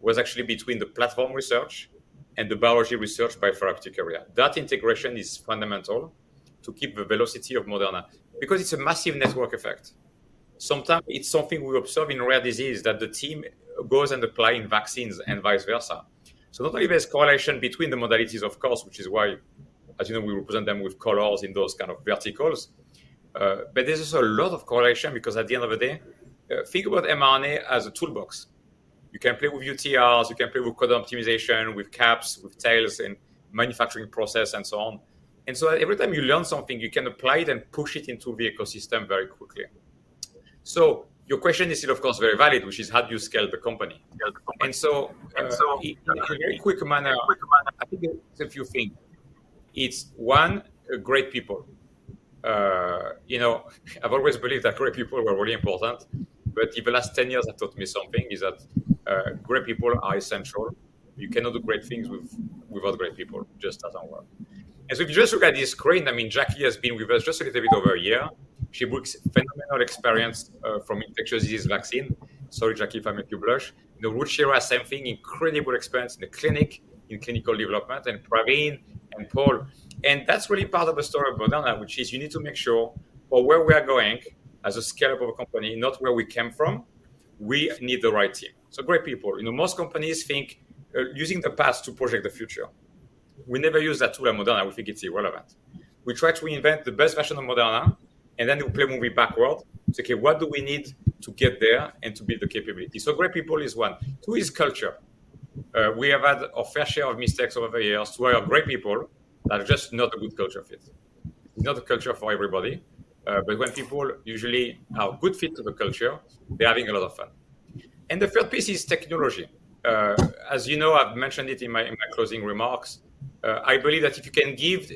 was actually between the platform research and the biology research by therapeutic area. That integration is fundamental to keep the velocity of Moderna, because it's a massive network effect. Sometimes it's something we observe in rare disease, that the team goes and apply in vaccines and vice versa. Not only there's correlation between the modalities, of course, which is why, as you know, we represent them with colors in those kind of verticals, but there's just a lot of correlation because at the end of the day, think about mRNA as a toolbox. You can play with UTRs, you can play with code optimization, with caps, with tails, and manufacturing process, and so on. Every time you learn something, you can apply it and push it into the ecosystem very quickly. Your question is still of course, very valid, which is how do you scale the company? Scale the company. In a very quick manner, I think there's a few things. It's, one, great people. I've always believed that great people were really important, but the last 10 years have taught me something, is that great people are essential. You cannot do great things without great people. Just doesn't work. If you just look at this screen, Jackie has been with us just a little bit over a year. She brings phenomenal experience from infectious disease vaccine. Sorry, Jackie, if I make you blush. Ruchira, same thing, incredible experience in the clinic, in clinical development, and Praveen and Paul. That's really part of the story of Moderna, which is you need to make sure for where we are going as a scalable company, not where we came from, we need the right team. Great people. Most companies think using the past to project the future. We never use that tool at Moderna. We think it's irrelevant. We try to reinvent the best version of Moderna, and then we play movie backward and say, "Okay, what do we need to get there and to build the capability?" Great people is one. Two is culture. We have had our fair share of mistakes over the years where great people are just not a good culture fit, not a culture for everybody. When people usually are good fit to the culture, they're having a lot of fun. The third piece is technology. As you know, I've mentioned it in my closing remarks, I believe that if you can give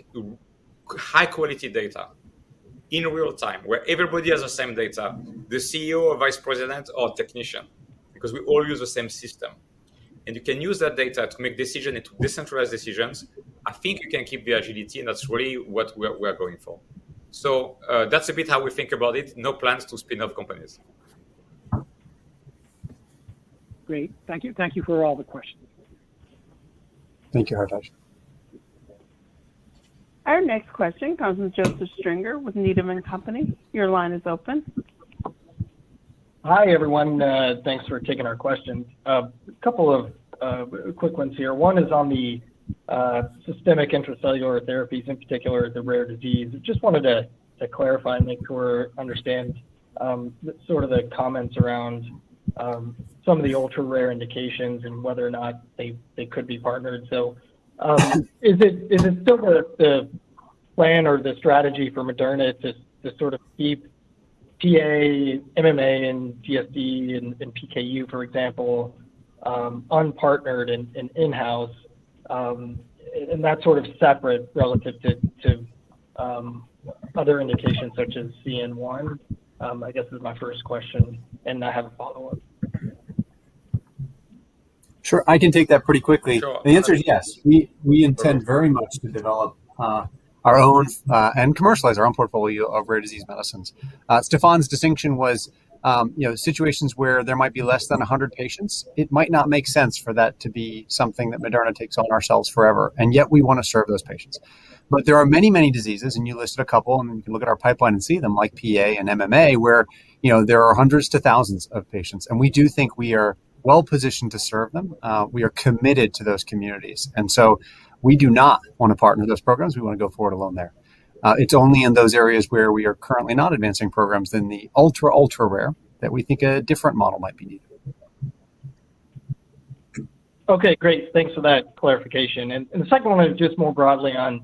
high quality data in real time, where everybody has the same data, the CEO or vice president or technician, because we all use the same system, and you can use that data to make decisions and to decentralize decisions, I think you can keep the agility, and that's really what we're going for. That's a bit how we think about it. No plans to spin off companies. Great. Thank you. Thank you for all the questions. Thank you, Hartaj. Our next question comes from Joseph Stringer with Needham & Company. Your line is open. Hi, everyone. Thanks for taking our questions. A couple of quick ones here. One is on the systemic intracellular therapies, in particular, the rare disease. Just wanted to clarify and make sure I understand sort of the comments around some of the ultra-rare indications and whether or not they could be partnered. Is it still the plan or the strategy for Moderna to sort of keep PA, MMA, and GSD, and PKU, for example, unpartnered and in-house, and that sort of separate relative to other indications such as CN1? I guess is my first question, and I have a follow-up. Sure. I can take that pretty quickly. Sure. The answer is yes. We intend very much to develop our own, and commercialize our own portfolio of rare disease medicines. Stéphane's distinction was situations where there might be less than 100 patients, it might not make sense for that to be something that Moderna takes on ourselves forever, and yet we want to serve those patients. There are many, many diseases, and you listed a couple, and you can look at our pipeline and see them, like PA and MMA, where there are hundreds to thousands of patients, and we do think we are well-positioned to serve them. We are committed to those communities. We do not want to partner those programs. We want to go forward alone there. It's only in those areas where we are currently not advancing programs in the ultra rare that we think a different model might be needed. Okay, great. Thanks for that clarification. The second one is just more broadly on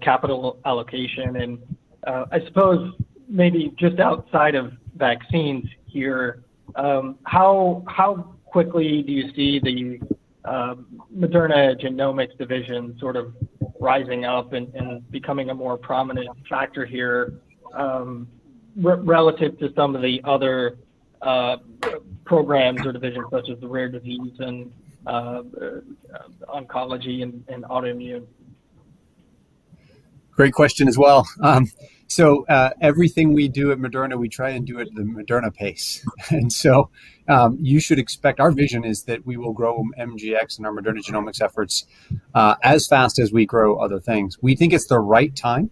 capital allocation, and I suppose maybe just outside of vaccines here, how quickly do you see the Moderna Genomics division sort of rising up and becoming a more prominent factor here relative to some of the other programs or divisions such as the rare disease and oncology and autoimmune? Great question as well. Everything we do at Moderna, we try and do at the Moderna pace. You should expect our vision is that we will grow MGX and our Moderna Genomics efforts as fast as we grow other things. We think it's the right time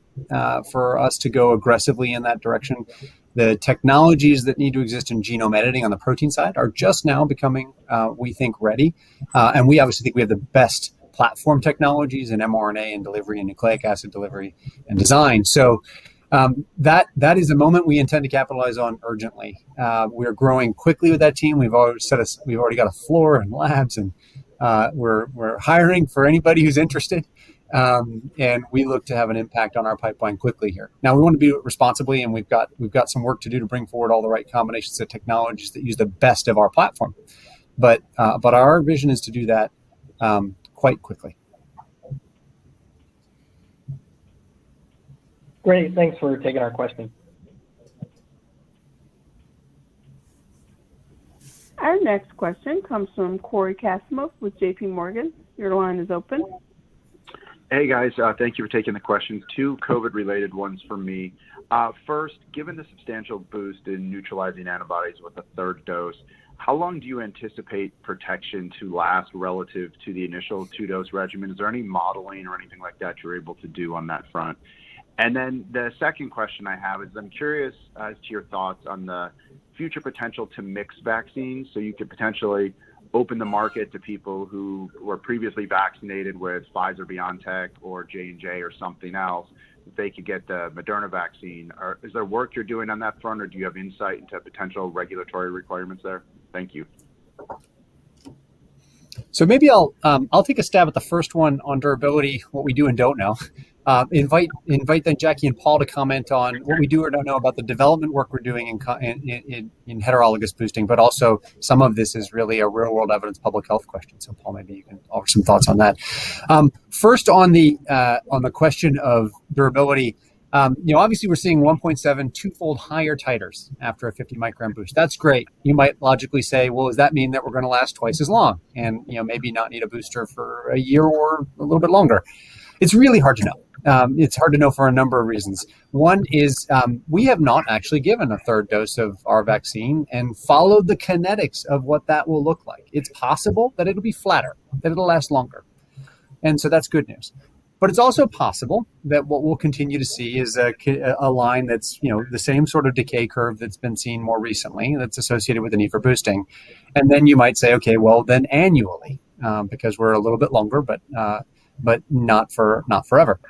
for us to go aggressively in that direction. The technologies that need to exist in genome editing on the protein side are just now becoming, we think, ready. We obviously think we have the best platform technologies in mRNA and delivery in nucleic acid delivery and design. That is a moment we intend to capitalize on urgently. We are growing quickly with that team. We've already got a floor and labs and we're hiring for anybody who's interested. We look to have an impact on our pipeline quickly here. Now we want to do it responsibly, and we've got some work to do to bring forward all the right combinations of technologies that use the best of our platform. Our vision is to do that quite quickly. Great, thanks for taking our question. Our next question comes from Cory Kasimov with JPMorgan. Your line is open. Hey, guys. Thank you for taking the question. Two COVID related ones for me. Given the substantial boost in neutralizing antibodies with the third dose, how long do you anticipate protection to last relative to the initial two-dose regimen? Is there any modeling or anything like that you're able to do on that front? The second question I have is I'm curious as to your thoughts on the future potential to mix vaccines so you could potentially open the market to people who were previously vaccinated with Pfizer-BioNTech or J&J or something else, if they could get the Moderna vaccine. Is there work you're doing on that front, do you have insight into potential regulatory requirements there? Thank you. Maybe I'll take a stab at the first one on durability, what we do and don't know. Invite then Jackie and Paul to comment on what we do or don't know about the development work we're doing in heterologous boosting. Also some of this is really a real-world evidence public health question. Paul, maybe you can offer some thoughts on that. First on the question of durability. Obviously we're seeing 1.72-fold higher titers after a 50-microgram boost. That's great. You might logically say, "Well, does that mean that we're going to last twice as long? Maybe not need a booster for a year or a little bit longer." It's really hard to know. It's hard to know for a number of reasons. One is we have not actually given a third dose of our vaccine and followed the kinetics of what that will look like. It's possible that it'll be flatter, that it'll last longer. That's good news. It's also possible that what we'll continue to see is a line that's the same sort of decay curve that's been seen more recently, that's associated with the need for boosting, and then you might say, "Okay, well annually," because we're a little bit longer, but not forever.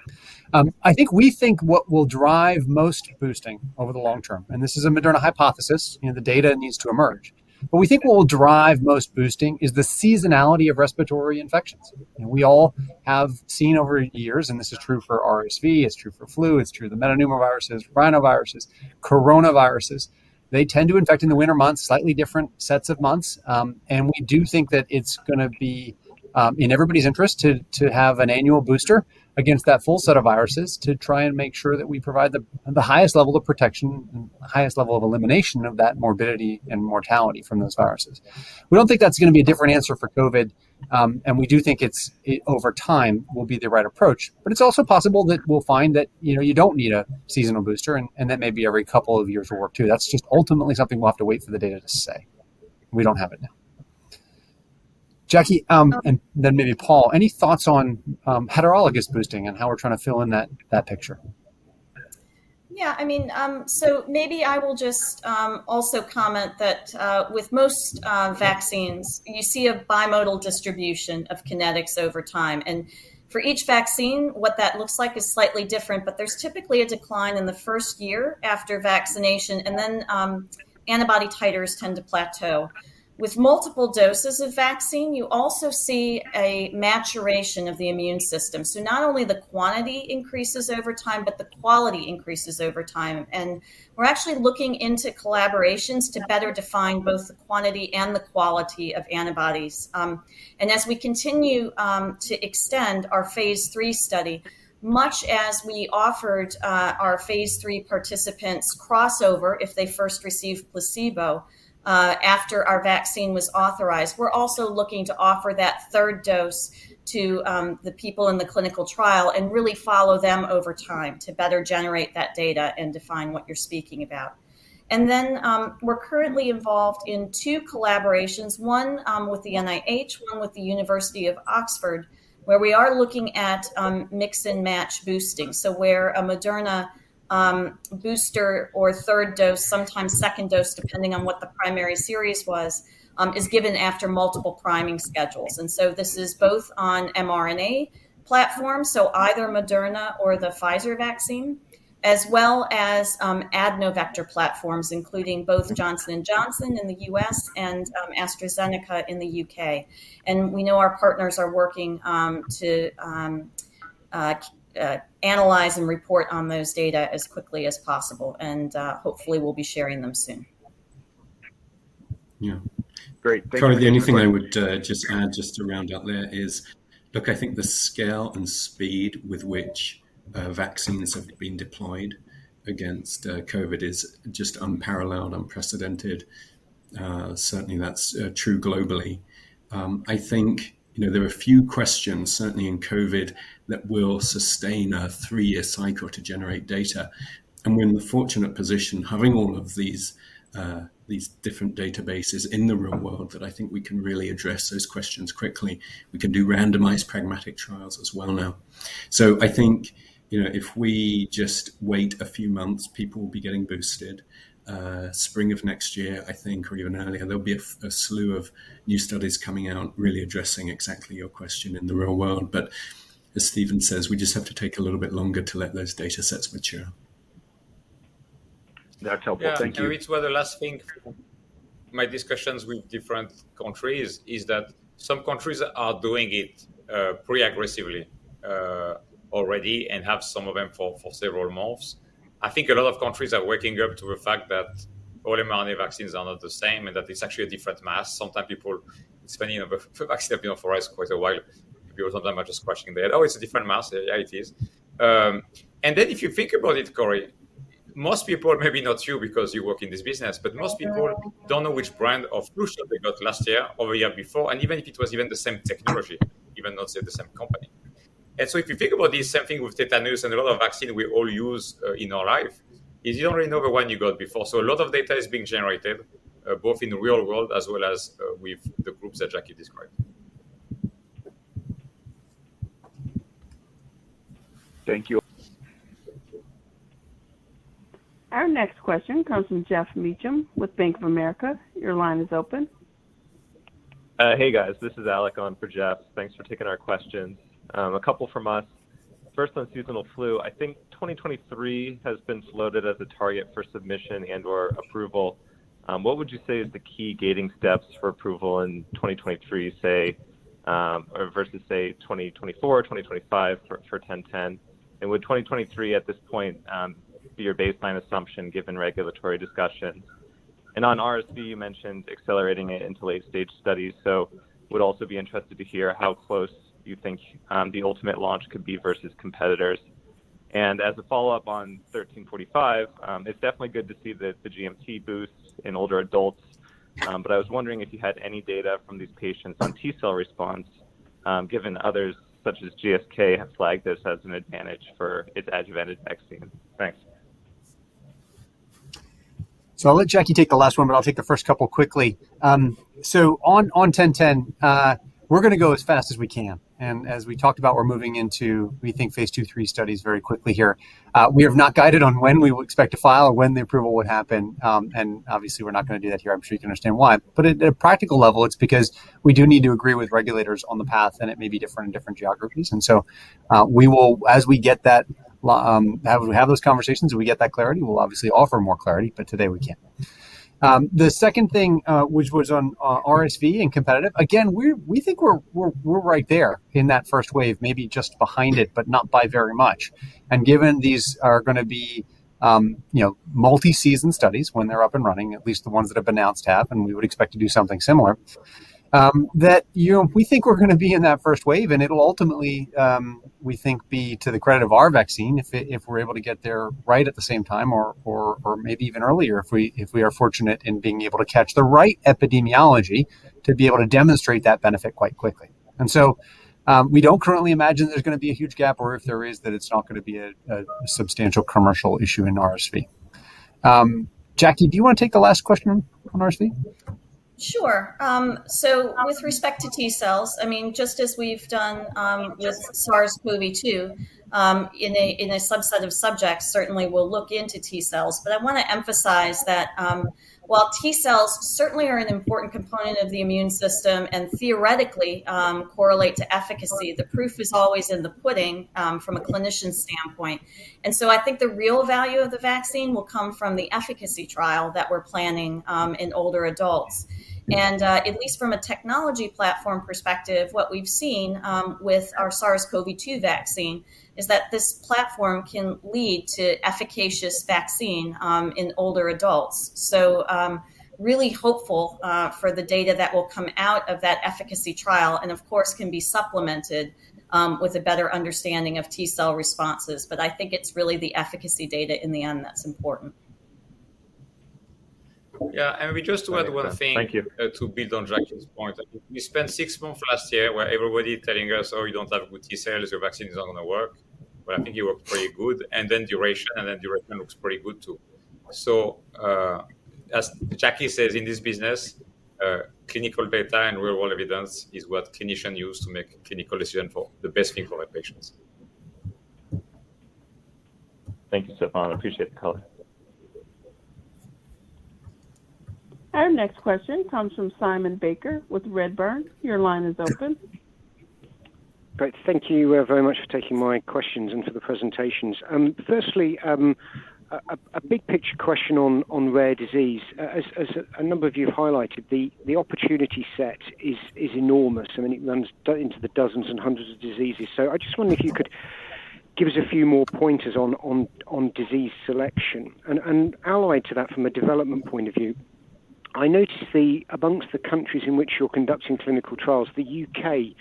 I think we think what will drive most boosting over the long term, and this is a Moderna hypothesis, the data needs to emerge. What we think will drive most boosting is the seasonality of respiratory infections. We all have seen over years, and this is true for RSV, it's true for flu, it's true the metapneumoviruses, rhinoviruses, coronaviruses, they tend to infect in the winter months, slightly different sets of months. We do think that it's going to be in everybody's interest to have an annual booster against that full set of viruses to try and make sure that we provide the highest level of protection and the highest level of elimination of that morbidity and mortality from those viruses. We don't think that's going to be a different answer for COVID, we do think it, over time, will be the right approach. It's also possible that we'll find that you don't need a seasonal booster, that may be every couple of years will work, too. That's just ultimately something we'll have to wait for the data to say. We don't have it now. Jackie, then maybe Paul, any thoughts on heterologous boosting and how we're trying to fill in that picture? Maybe I will just also comment that with most vaccines, you see a bimodal distribution of kinetics over time. For each vaccine, what that looks like is slightly different, but there's typically a decline in the first year after vaccination, and then antibody titers tend to plateau. With multiple doses of vaccine, you also see a maturation of the immune system. Not only the quantity increases over time, but the quality increases over time. We're actually looking into collaborations to better define both the quantity and the quality of antibodies. As we continue to extend our phase III study, much as we offered our phase III participants crossover if they first received placebo after our vaccine was authorized, we're also looking to offer that third dose to the people in the clinical trial and really follow them over time to better generate that data and define what you're speaking about. We're currently involved in two collaborations, one with the NIH, one with the University of Oxford, where we are looking at mix and match boosting. Where a Moderna booster or third dose, sometimes second dose depending on what the primary series was, is given after multiple priming schedules. This is both on mRNA platforms, either Moderna or the Pfizer vaccine, as well as adeno-vector platforms, including both Johnson & Johnson in the U.S. and AstraZeneca in the U.K. We know our partners are working to analyze and report on those data as quickly as possible. Hopefully we'll be sharing them soon. Yeah. Great. Thank you. Cory, the only thing I would just add just to round out there is, look, I think the scale and speed with which vaccines have been deployed against COVID is just unparalleled, unprecedented. Certainly, that's true globally. I think there are a few questions, certainly in COVID, that will sustain a 3-year cycle to generate data. We're in the fortunate position, having all of these different databases in the real world, that I think we can really address those questions quickly. We can do randomized pragmatic trials as well now. I think, if we just wait a few months, people will be getting boosted. Spring of next year, I think, or even earlier, there'll be a slew of new studies coming out really addressing exactly your question in the real world. As Stéphane says, we just have to take a little bit longer to let those data sets mature. That's helpful. Thank you. Yeah. It's where the last thing, my discussions with different countries is that some countries are doing it pretty aggressively already and have some of them for several months. I think a lot of countries are waking up to the fact that all mRNA vaccines are not the same, and that it's actually a different class. Sometimes people, it's been an vaccine for RSV quite a while. People sometimes are just questioning that. Oh, it's a different class. Yeah, it is. Then if you think about it, Cory, most people, maybe not you because you work in this business, but most people don't know which brand of booster they got last year or the year before, and even if it was the same technology, even though, say, the same company. If you think about this same thing with tetanus and a lot of vaccine we all use in our life is you don't really know the one you got before. A lot of data is being generated, both in the real world as well as with the groups that Jackie described. Thank you. Our next question comes from Geoff Meacham with Bank of America. Your line is open. Hey, guys. This is Alec on for Geoff. Thanks for taking our questions. A couple from us. First, on seasonal flu, I think 2023 has been floated as a target for submission and/or approval. What would you say is the key gating steps for approval in 2023 versus, say, 2024 or 2025 for mRNA-1010? Would 2023 at this point be your baseline assumption given regulatory discussions? On RSV, you mentioned accelerating it into late-stage studies, so would also be interested to hear how close you think the ultimate launch could be versus competitors. As a follow-up on mRNA-1345, it's definitely good to see the GMT boosts in older adults. I was wondering if you had any data from these patients on T-cell response, given others such as GSK have flagged this as an advantage for its adjuvanted vaccine. Thanks. I'll let Jackie take the last one, but I'll take the first couple quickly. On 1010, we're going to go as fast as we can, and as we talked about, we're moving into, we think, phase II, III studies very quickly here. We have not guided on when we will expect to file or when the approval would happen, obviously we're not going to do that here. I'm sure you can understand why. At a practical level, it's because we do need to agree with regulators on the path, and it may be different in different geographies. As we have those conversations and we get that clarity, we'll obviously offer more clarity, but today we can't. The second thing, which was on RSV and competitive, again, we think we're right there in that first wave, maybe just behind it, but not by very much. Given these are going to be multi-season studies when they're up and running, at least the ones that have announced have, and we would expect to do something similar, that we think we're going to be in that first wave, and it'll ultimately, we think, be to the credit of our vaccine if we're able to get there right at the same time or maybe even earlier if we are fortunate in being able to catch the right epidemiology to be able to demonstrate that benefit quite quickly. We don't currently imagine there's going to be a huge gap, or if there is, that it's not going to be a substantial commercial issue in RSV. Jackie, do you want to take the last question on RSV? Sure. With respect to T cells, just as we've done with SARS-CoV-2, in a subset of subjects, certainly we'll look into T cells. I want to emphasize that while T cells certainly are an important component of the immune system and theoretically correlate to efficacy, the proof is always in the pudding from a clinician standpoint. I think the real value of the vaccine will come from the efficacy trial that we're planning in older adults. At least from a technology platform perspective, what we've seen with our SARS-CoV-2 vaccine is that this platform can lead to efficacious vaccine in older adults. Really hopeful for the data that will come out of that efficacy trial, and of course, can be supplemented with a better understanding of T-cell responses. I think it's really the efficacy data in the end that's important. Yeah. Just to add one thing. Thank you. To build on Jackie's point. We spent six months last year where everybody telling us, "Oh, you don't have good T-cells. Your vaccine is not going to work." I think it worked pretty good, and then duration looks pretty good too. As Jackie says, in this business, clinical data and real-world evidence is what clinicians use to make clinical decisions for the best thing for their patients. Thank you, Stéphane. I appreciate the color. Our next question comes from Simon Baker with Redburn. Your line is open. Great. Thank you very much for taking my questions and for the presentations. Firstly, a big-picture question on rare disease. As a number of you have highlighted, the opportunity set is enormous. It runs into the dozens and hundreds of diseases. I just wonder if you could give us a few more pointers on disease selection. Allied to that from a development point of view, I notice amongst the countries in which you're conducting clinical trials, the U.K.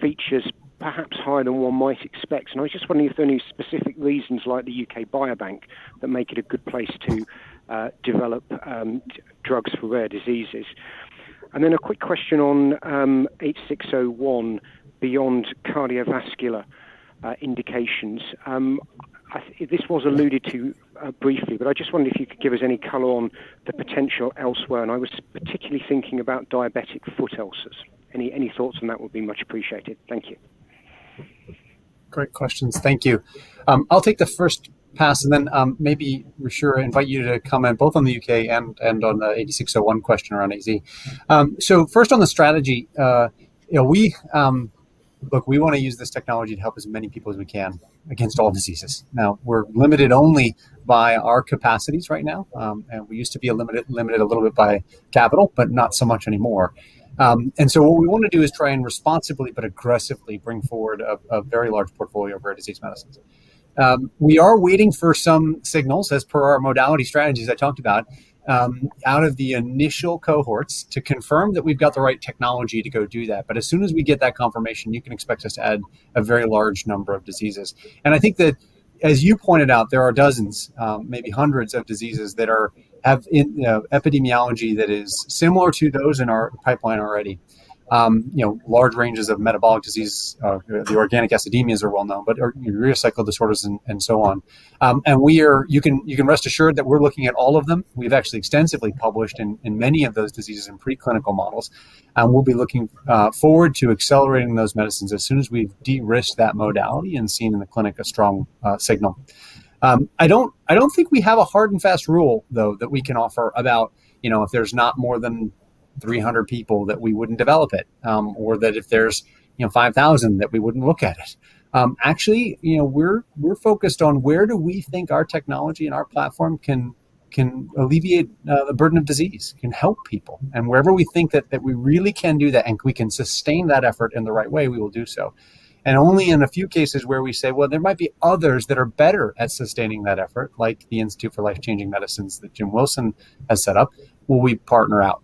features perhaps higher than one might expect, and I was just wondering if there are any specific reasons like the U.K. Biobank that make it a good place to develop drugs for rare diseases. Then a quick question on AZD8601 beyond cardiovascular indications. This was alluded to briefly, but I just wondered if you could give us any color on the potential elsewhere, and I was particularly thinking about diabetic foot ulcers. Any thoughts on that would be much appreciated. Thank you. Great questions. Thank you. Then maybe, Ruchira, invite you to comment both on the U.K. and on the 8601 question around AZ. First on the strategy, look, we want to use this technology to help as many people as we can against all diseases. Now, we're limited only by our capacities right now. We used to be limited a little bit by capital, not so much anymore. What we want to do is try and responsibly but aggressively bring forward a very large portfolio of rare disease medicines. We are waiting for some signals as per our modality strategies I talked about, out of the initial cohorts to confirm that we've got the right technology to go do that. As soon as we get that confirmation, you can expect us to add a very large number of diseases. I think that as you pointed out, there are dozens, maybe hundreds of diseases that have epidemiology that is similar to those in our pipeline already. Large ranges of metabolic disease, the organic acidemias are well known, but urea cycle disorders and so on. You can rest assured that we're looking at all of them. We've actually extensively published in many of those diseases in preclinical models, and we'll be looking forward to accelerating those medicines as soon as we've de-risked that modality and seen in the clinic a strong signal. I don't think we have a hard and fast rule, though, that we can offer about if there's not more than 300 people that we wouldn't develop it, or that if there's 5,000 that we wouldn't look at it. Actually, we are focused on where do we think our technology and our platform can alleviate the burden of disease, can help people, and wherever we think that we really can do that and we can sustain that effort in the right way, we will do so. Only in a few cases where we say, "Well, there might be others that are better at sustaining that effort," like The Institute for Life Changing Medicines that Jim Wilson has set up, will we partner out.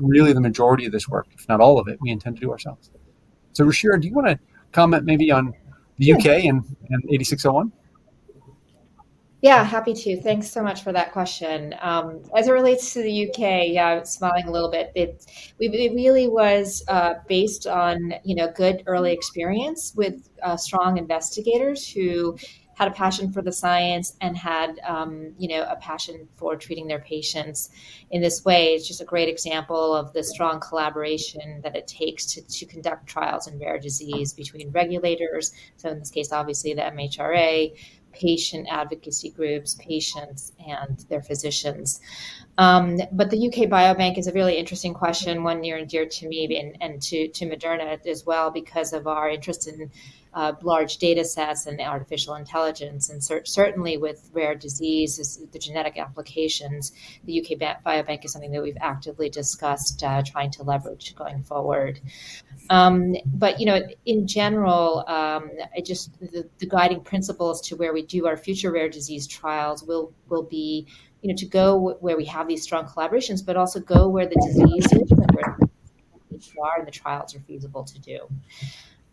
Really the majority of this work, if not all of it, we intend to do ourselves. Ruchira, do you want to comment maybe on the U.K. and 8601? Yeah, happy to. Thanks so much for that question. As it relates to the U.K., yeah, smiling a little bit. It really was based on good early experience with strong investigators who had a passion for the science and had a passion for treating their patients in this way. It's just a great example of the strong collaboration that it takes to conduct trials in rare disease between regulators, so in this case, obviously the MHRA, patient advocacy groups, patients, and their physicians. The U.K. Biobank is a really interesting question, one near and dear to me and to Moderna as well because of our interest in large data sets and artificial intelligence. Certainly, with rare disease is the genetic applications. The U.K. Biobank is something that we've actively discussed trying to leverage going forward. In general, the guiding principles to where we do our future rare disease trials will be to go where we have these strong collaborations, but also go where the disease [HFR and the trials are feasible to do.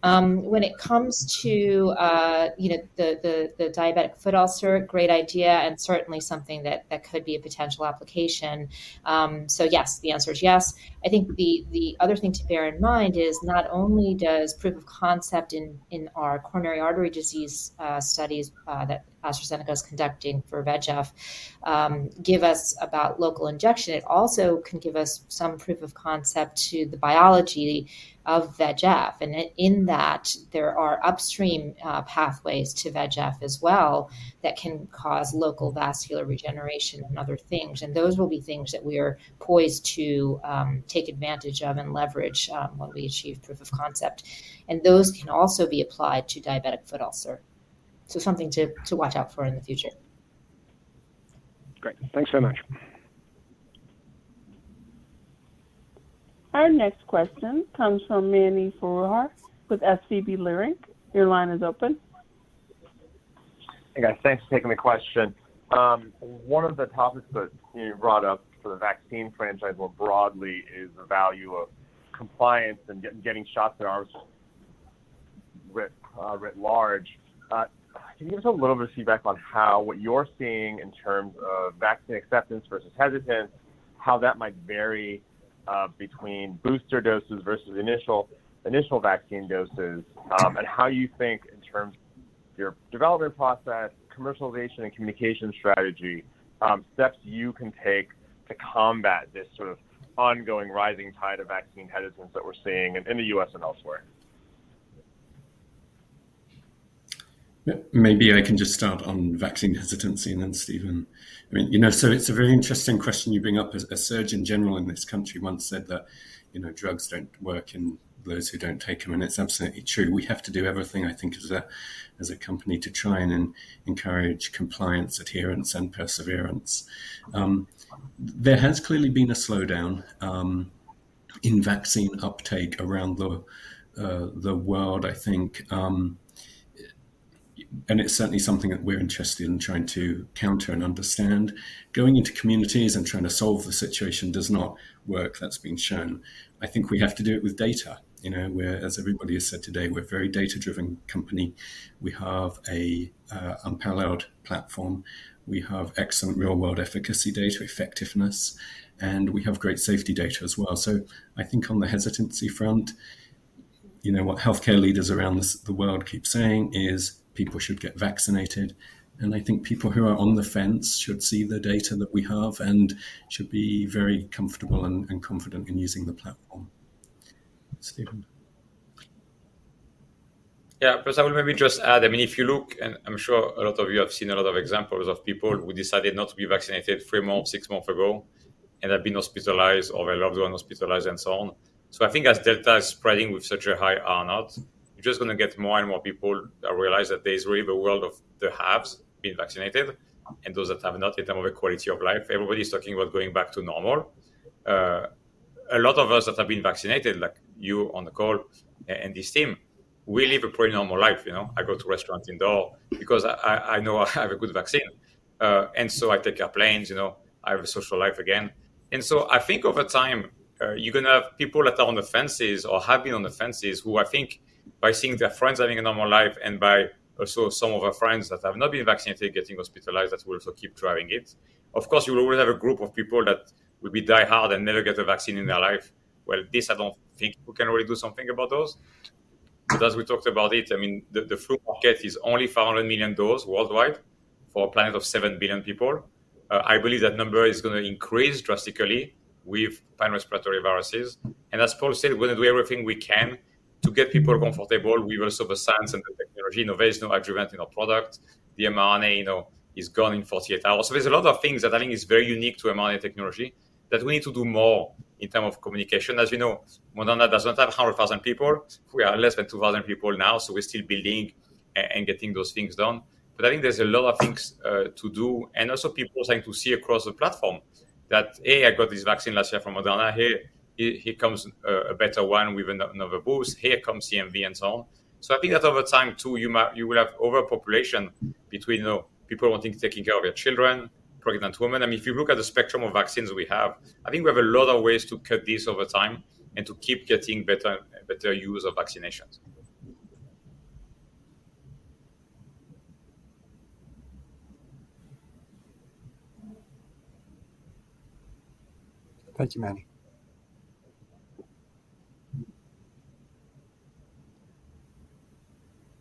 When it comes to the diabetic foot ulcer, great idea and certainly something that could be a potential application. Yes, the answer is yes. I think the other thing to bear in mind is not only does proof of concept in our coronary artery disease studies that AstraZeneca is conducting for VEGF give us about local injection, it also can give us some proof of concept to the biology of VEGF. In that, there are upstream pathways to VEGF as well that can cause local vascular regeneration and other things. Those will be things that we are poised to take advantage of and leverage when we achieve proof of concept. Those can also be applied to diabetic foot ulcer. Something to watch out for in the future. Great. Thanks so much. Our next question comes from Mani Foroohar with SVB Leerink. Your line is open. Hey, guys. Thanks for taking the question. One of the topics that you brought up for the vaccine franchise more broadly is the value of compliance and getting shots in arms writ large. Can you give us a little bit of feedback on how what you're seeing in terms of vaccine acceptance versus hesitance, how that might vary between booster doses versus initial vaccine doses, and how you think in terms of your development process, commercialization, and communication strategy, steps you can take to combat this sort of ongoing rising tide of vaccine hesitance that we're seeing in the U.S. and elsewhere? Maybe I can just start on vaccine hesitancy, and then Stephen. It's a very interesting question you bring up. A surgeon general in this country once said that drugs don't work in those who don't take them, and it's absolutely true. We have to do everything, I think, as a company to try and encourage compliance, adherence, and perseverance. There has clearly been a slowdown in vaccine uptake around the world, I think, and it's certainly something that we're interested in trying to counter and understand. Going into communities and trying to solve the situation does not work. That's been shown. I think we have to do it with data. Whereas everybody has said today, we're a very data-driven company. We have an unparalleled platform, we have excellent real-world efficacy data effectiveness, and we have great safety data as well. I think on the hesitancy front, what healthcare leaders around the world keep saying is people should get vaccinated, and I think people who are on the fence should see the data that we have and should be very comfortable and confident in using the platform. Stephen? Yeah. Plus, I will maybe just add, if you look, and I'm sure a lot of you have seen a lot of examples of people who decided not to be vaccinated three months, six months ago, and have been hospitalized, or their loved ones hospitalized, and so on. I think as Delta is spreading with such a high R0, you're just going to get more and more people that realize that there is really the world of the haves, being vaccinated, and those that have not in term of the quality of life. Everybody's talking about going back to normal. A lot of us that have been vaccinated, like you on the call and this team, we live a pretty normal life. I go to restaurants indoor because I know I have a good vaccine. I take airplanes, I have a social life again. I think over time, you're going to have people that are on the fences or have been on the fences who I think by seeing their friends having a normal life, and by also some of our friends that have not been vaccinated getting hospitalized, that will also keep driving it. Of course, you will always have a group of people that will be diehard and never get a vaccine in their life. Well, this, I don't think we can really do something about those. As we talked about it, the flu market is only 500 million doses worldwide for a planet of 7 billion people. I believe that number is going to increase drastically with viral respiratory viruses. As Paul said, we're going to do everything we can to get people comfortable with also the science and the technology innovation, adjuvant in our product. The mRNA is gone in 48 hours. There's a lot of things that I think is very unique to mRNA technology that we need to do more in term of communication. As you know, Moderna doesn't have 100,000 people. We are less than 2,000 people now, so we're still building and getting those things done. I think there's a lot of things to do, and also people trying to see across the platform that, A, I got this vaccine last year from Moderna. Here comes a better one with another boost. Here comes CMV and so on. I think that over time too, you will have overpopulation between people wanting taking care of their children, pregnant women. If you look at the spectrum of vaccines we have, I think we have a lot of ways to cut this over time and to keep getting better use of vaccinations. Thank you, Mani.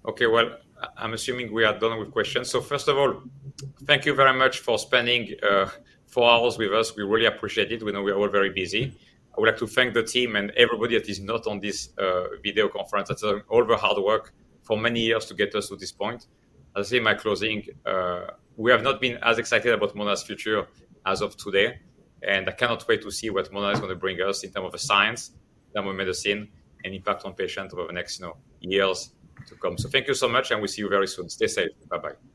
Okay, well, I'm assuming we are done with questions. First of all, thank you very much for spending four hours with us. We really appreciate it. We know we are all very busy. I would like to thank the team and everybody that is not on this video conference. That's all the hard work for many years to get us to this point. I'll say my closing. We have not been as excited about Moderna's future as of today. I cannot wait to see what Moderna is going to bring us in term of the science, then with medicine, and impact on patient over the next years to come. Thank you so much, we'll see you very soon. Stay safe. Bye-bye. Thank you.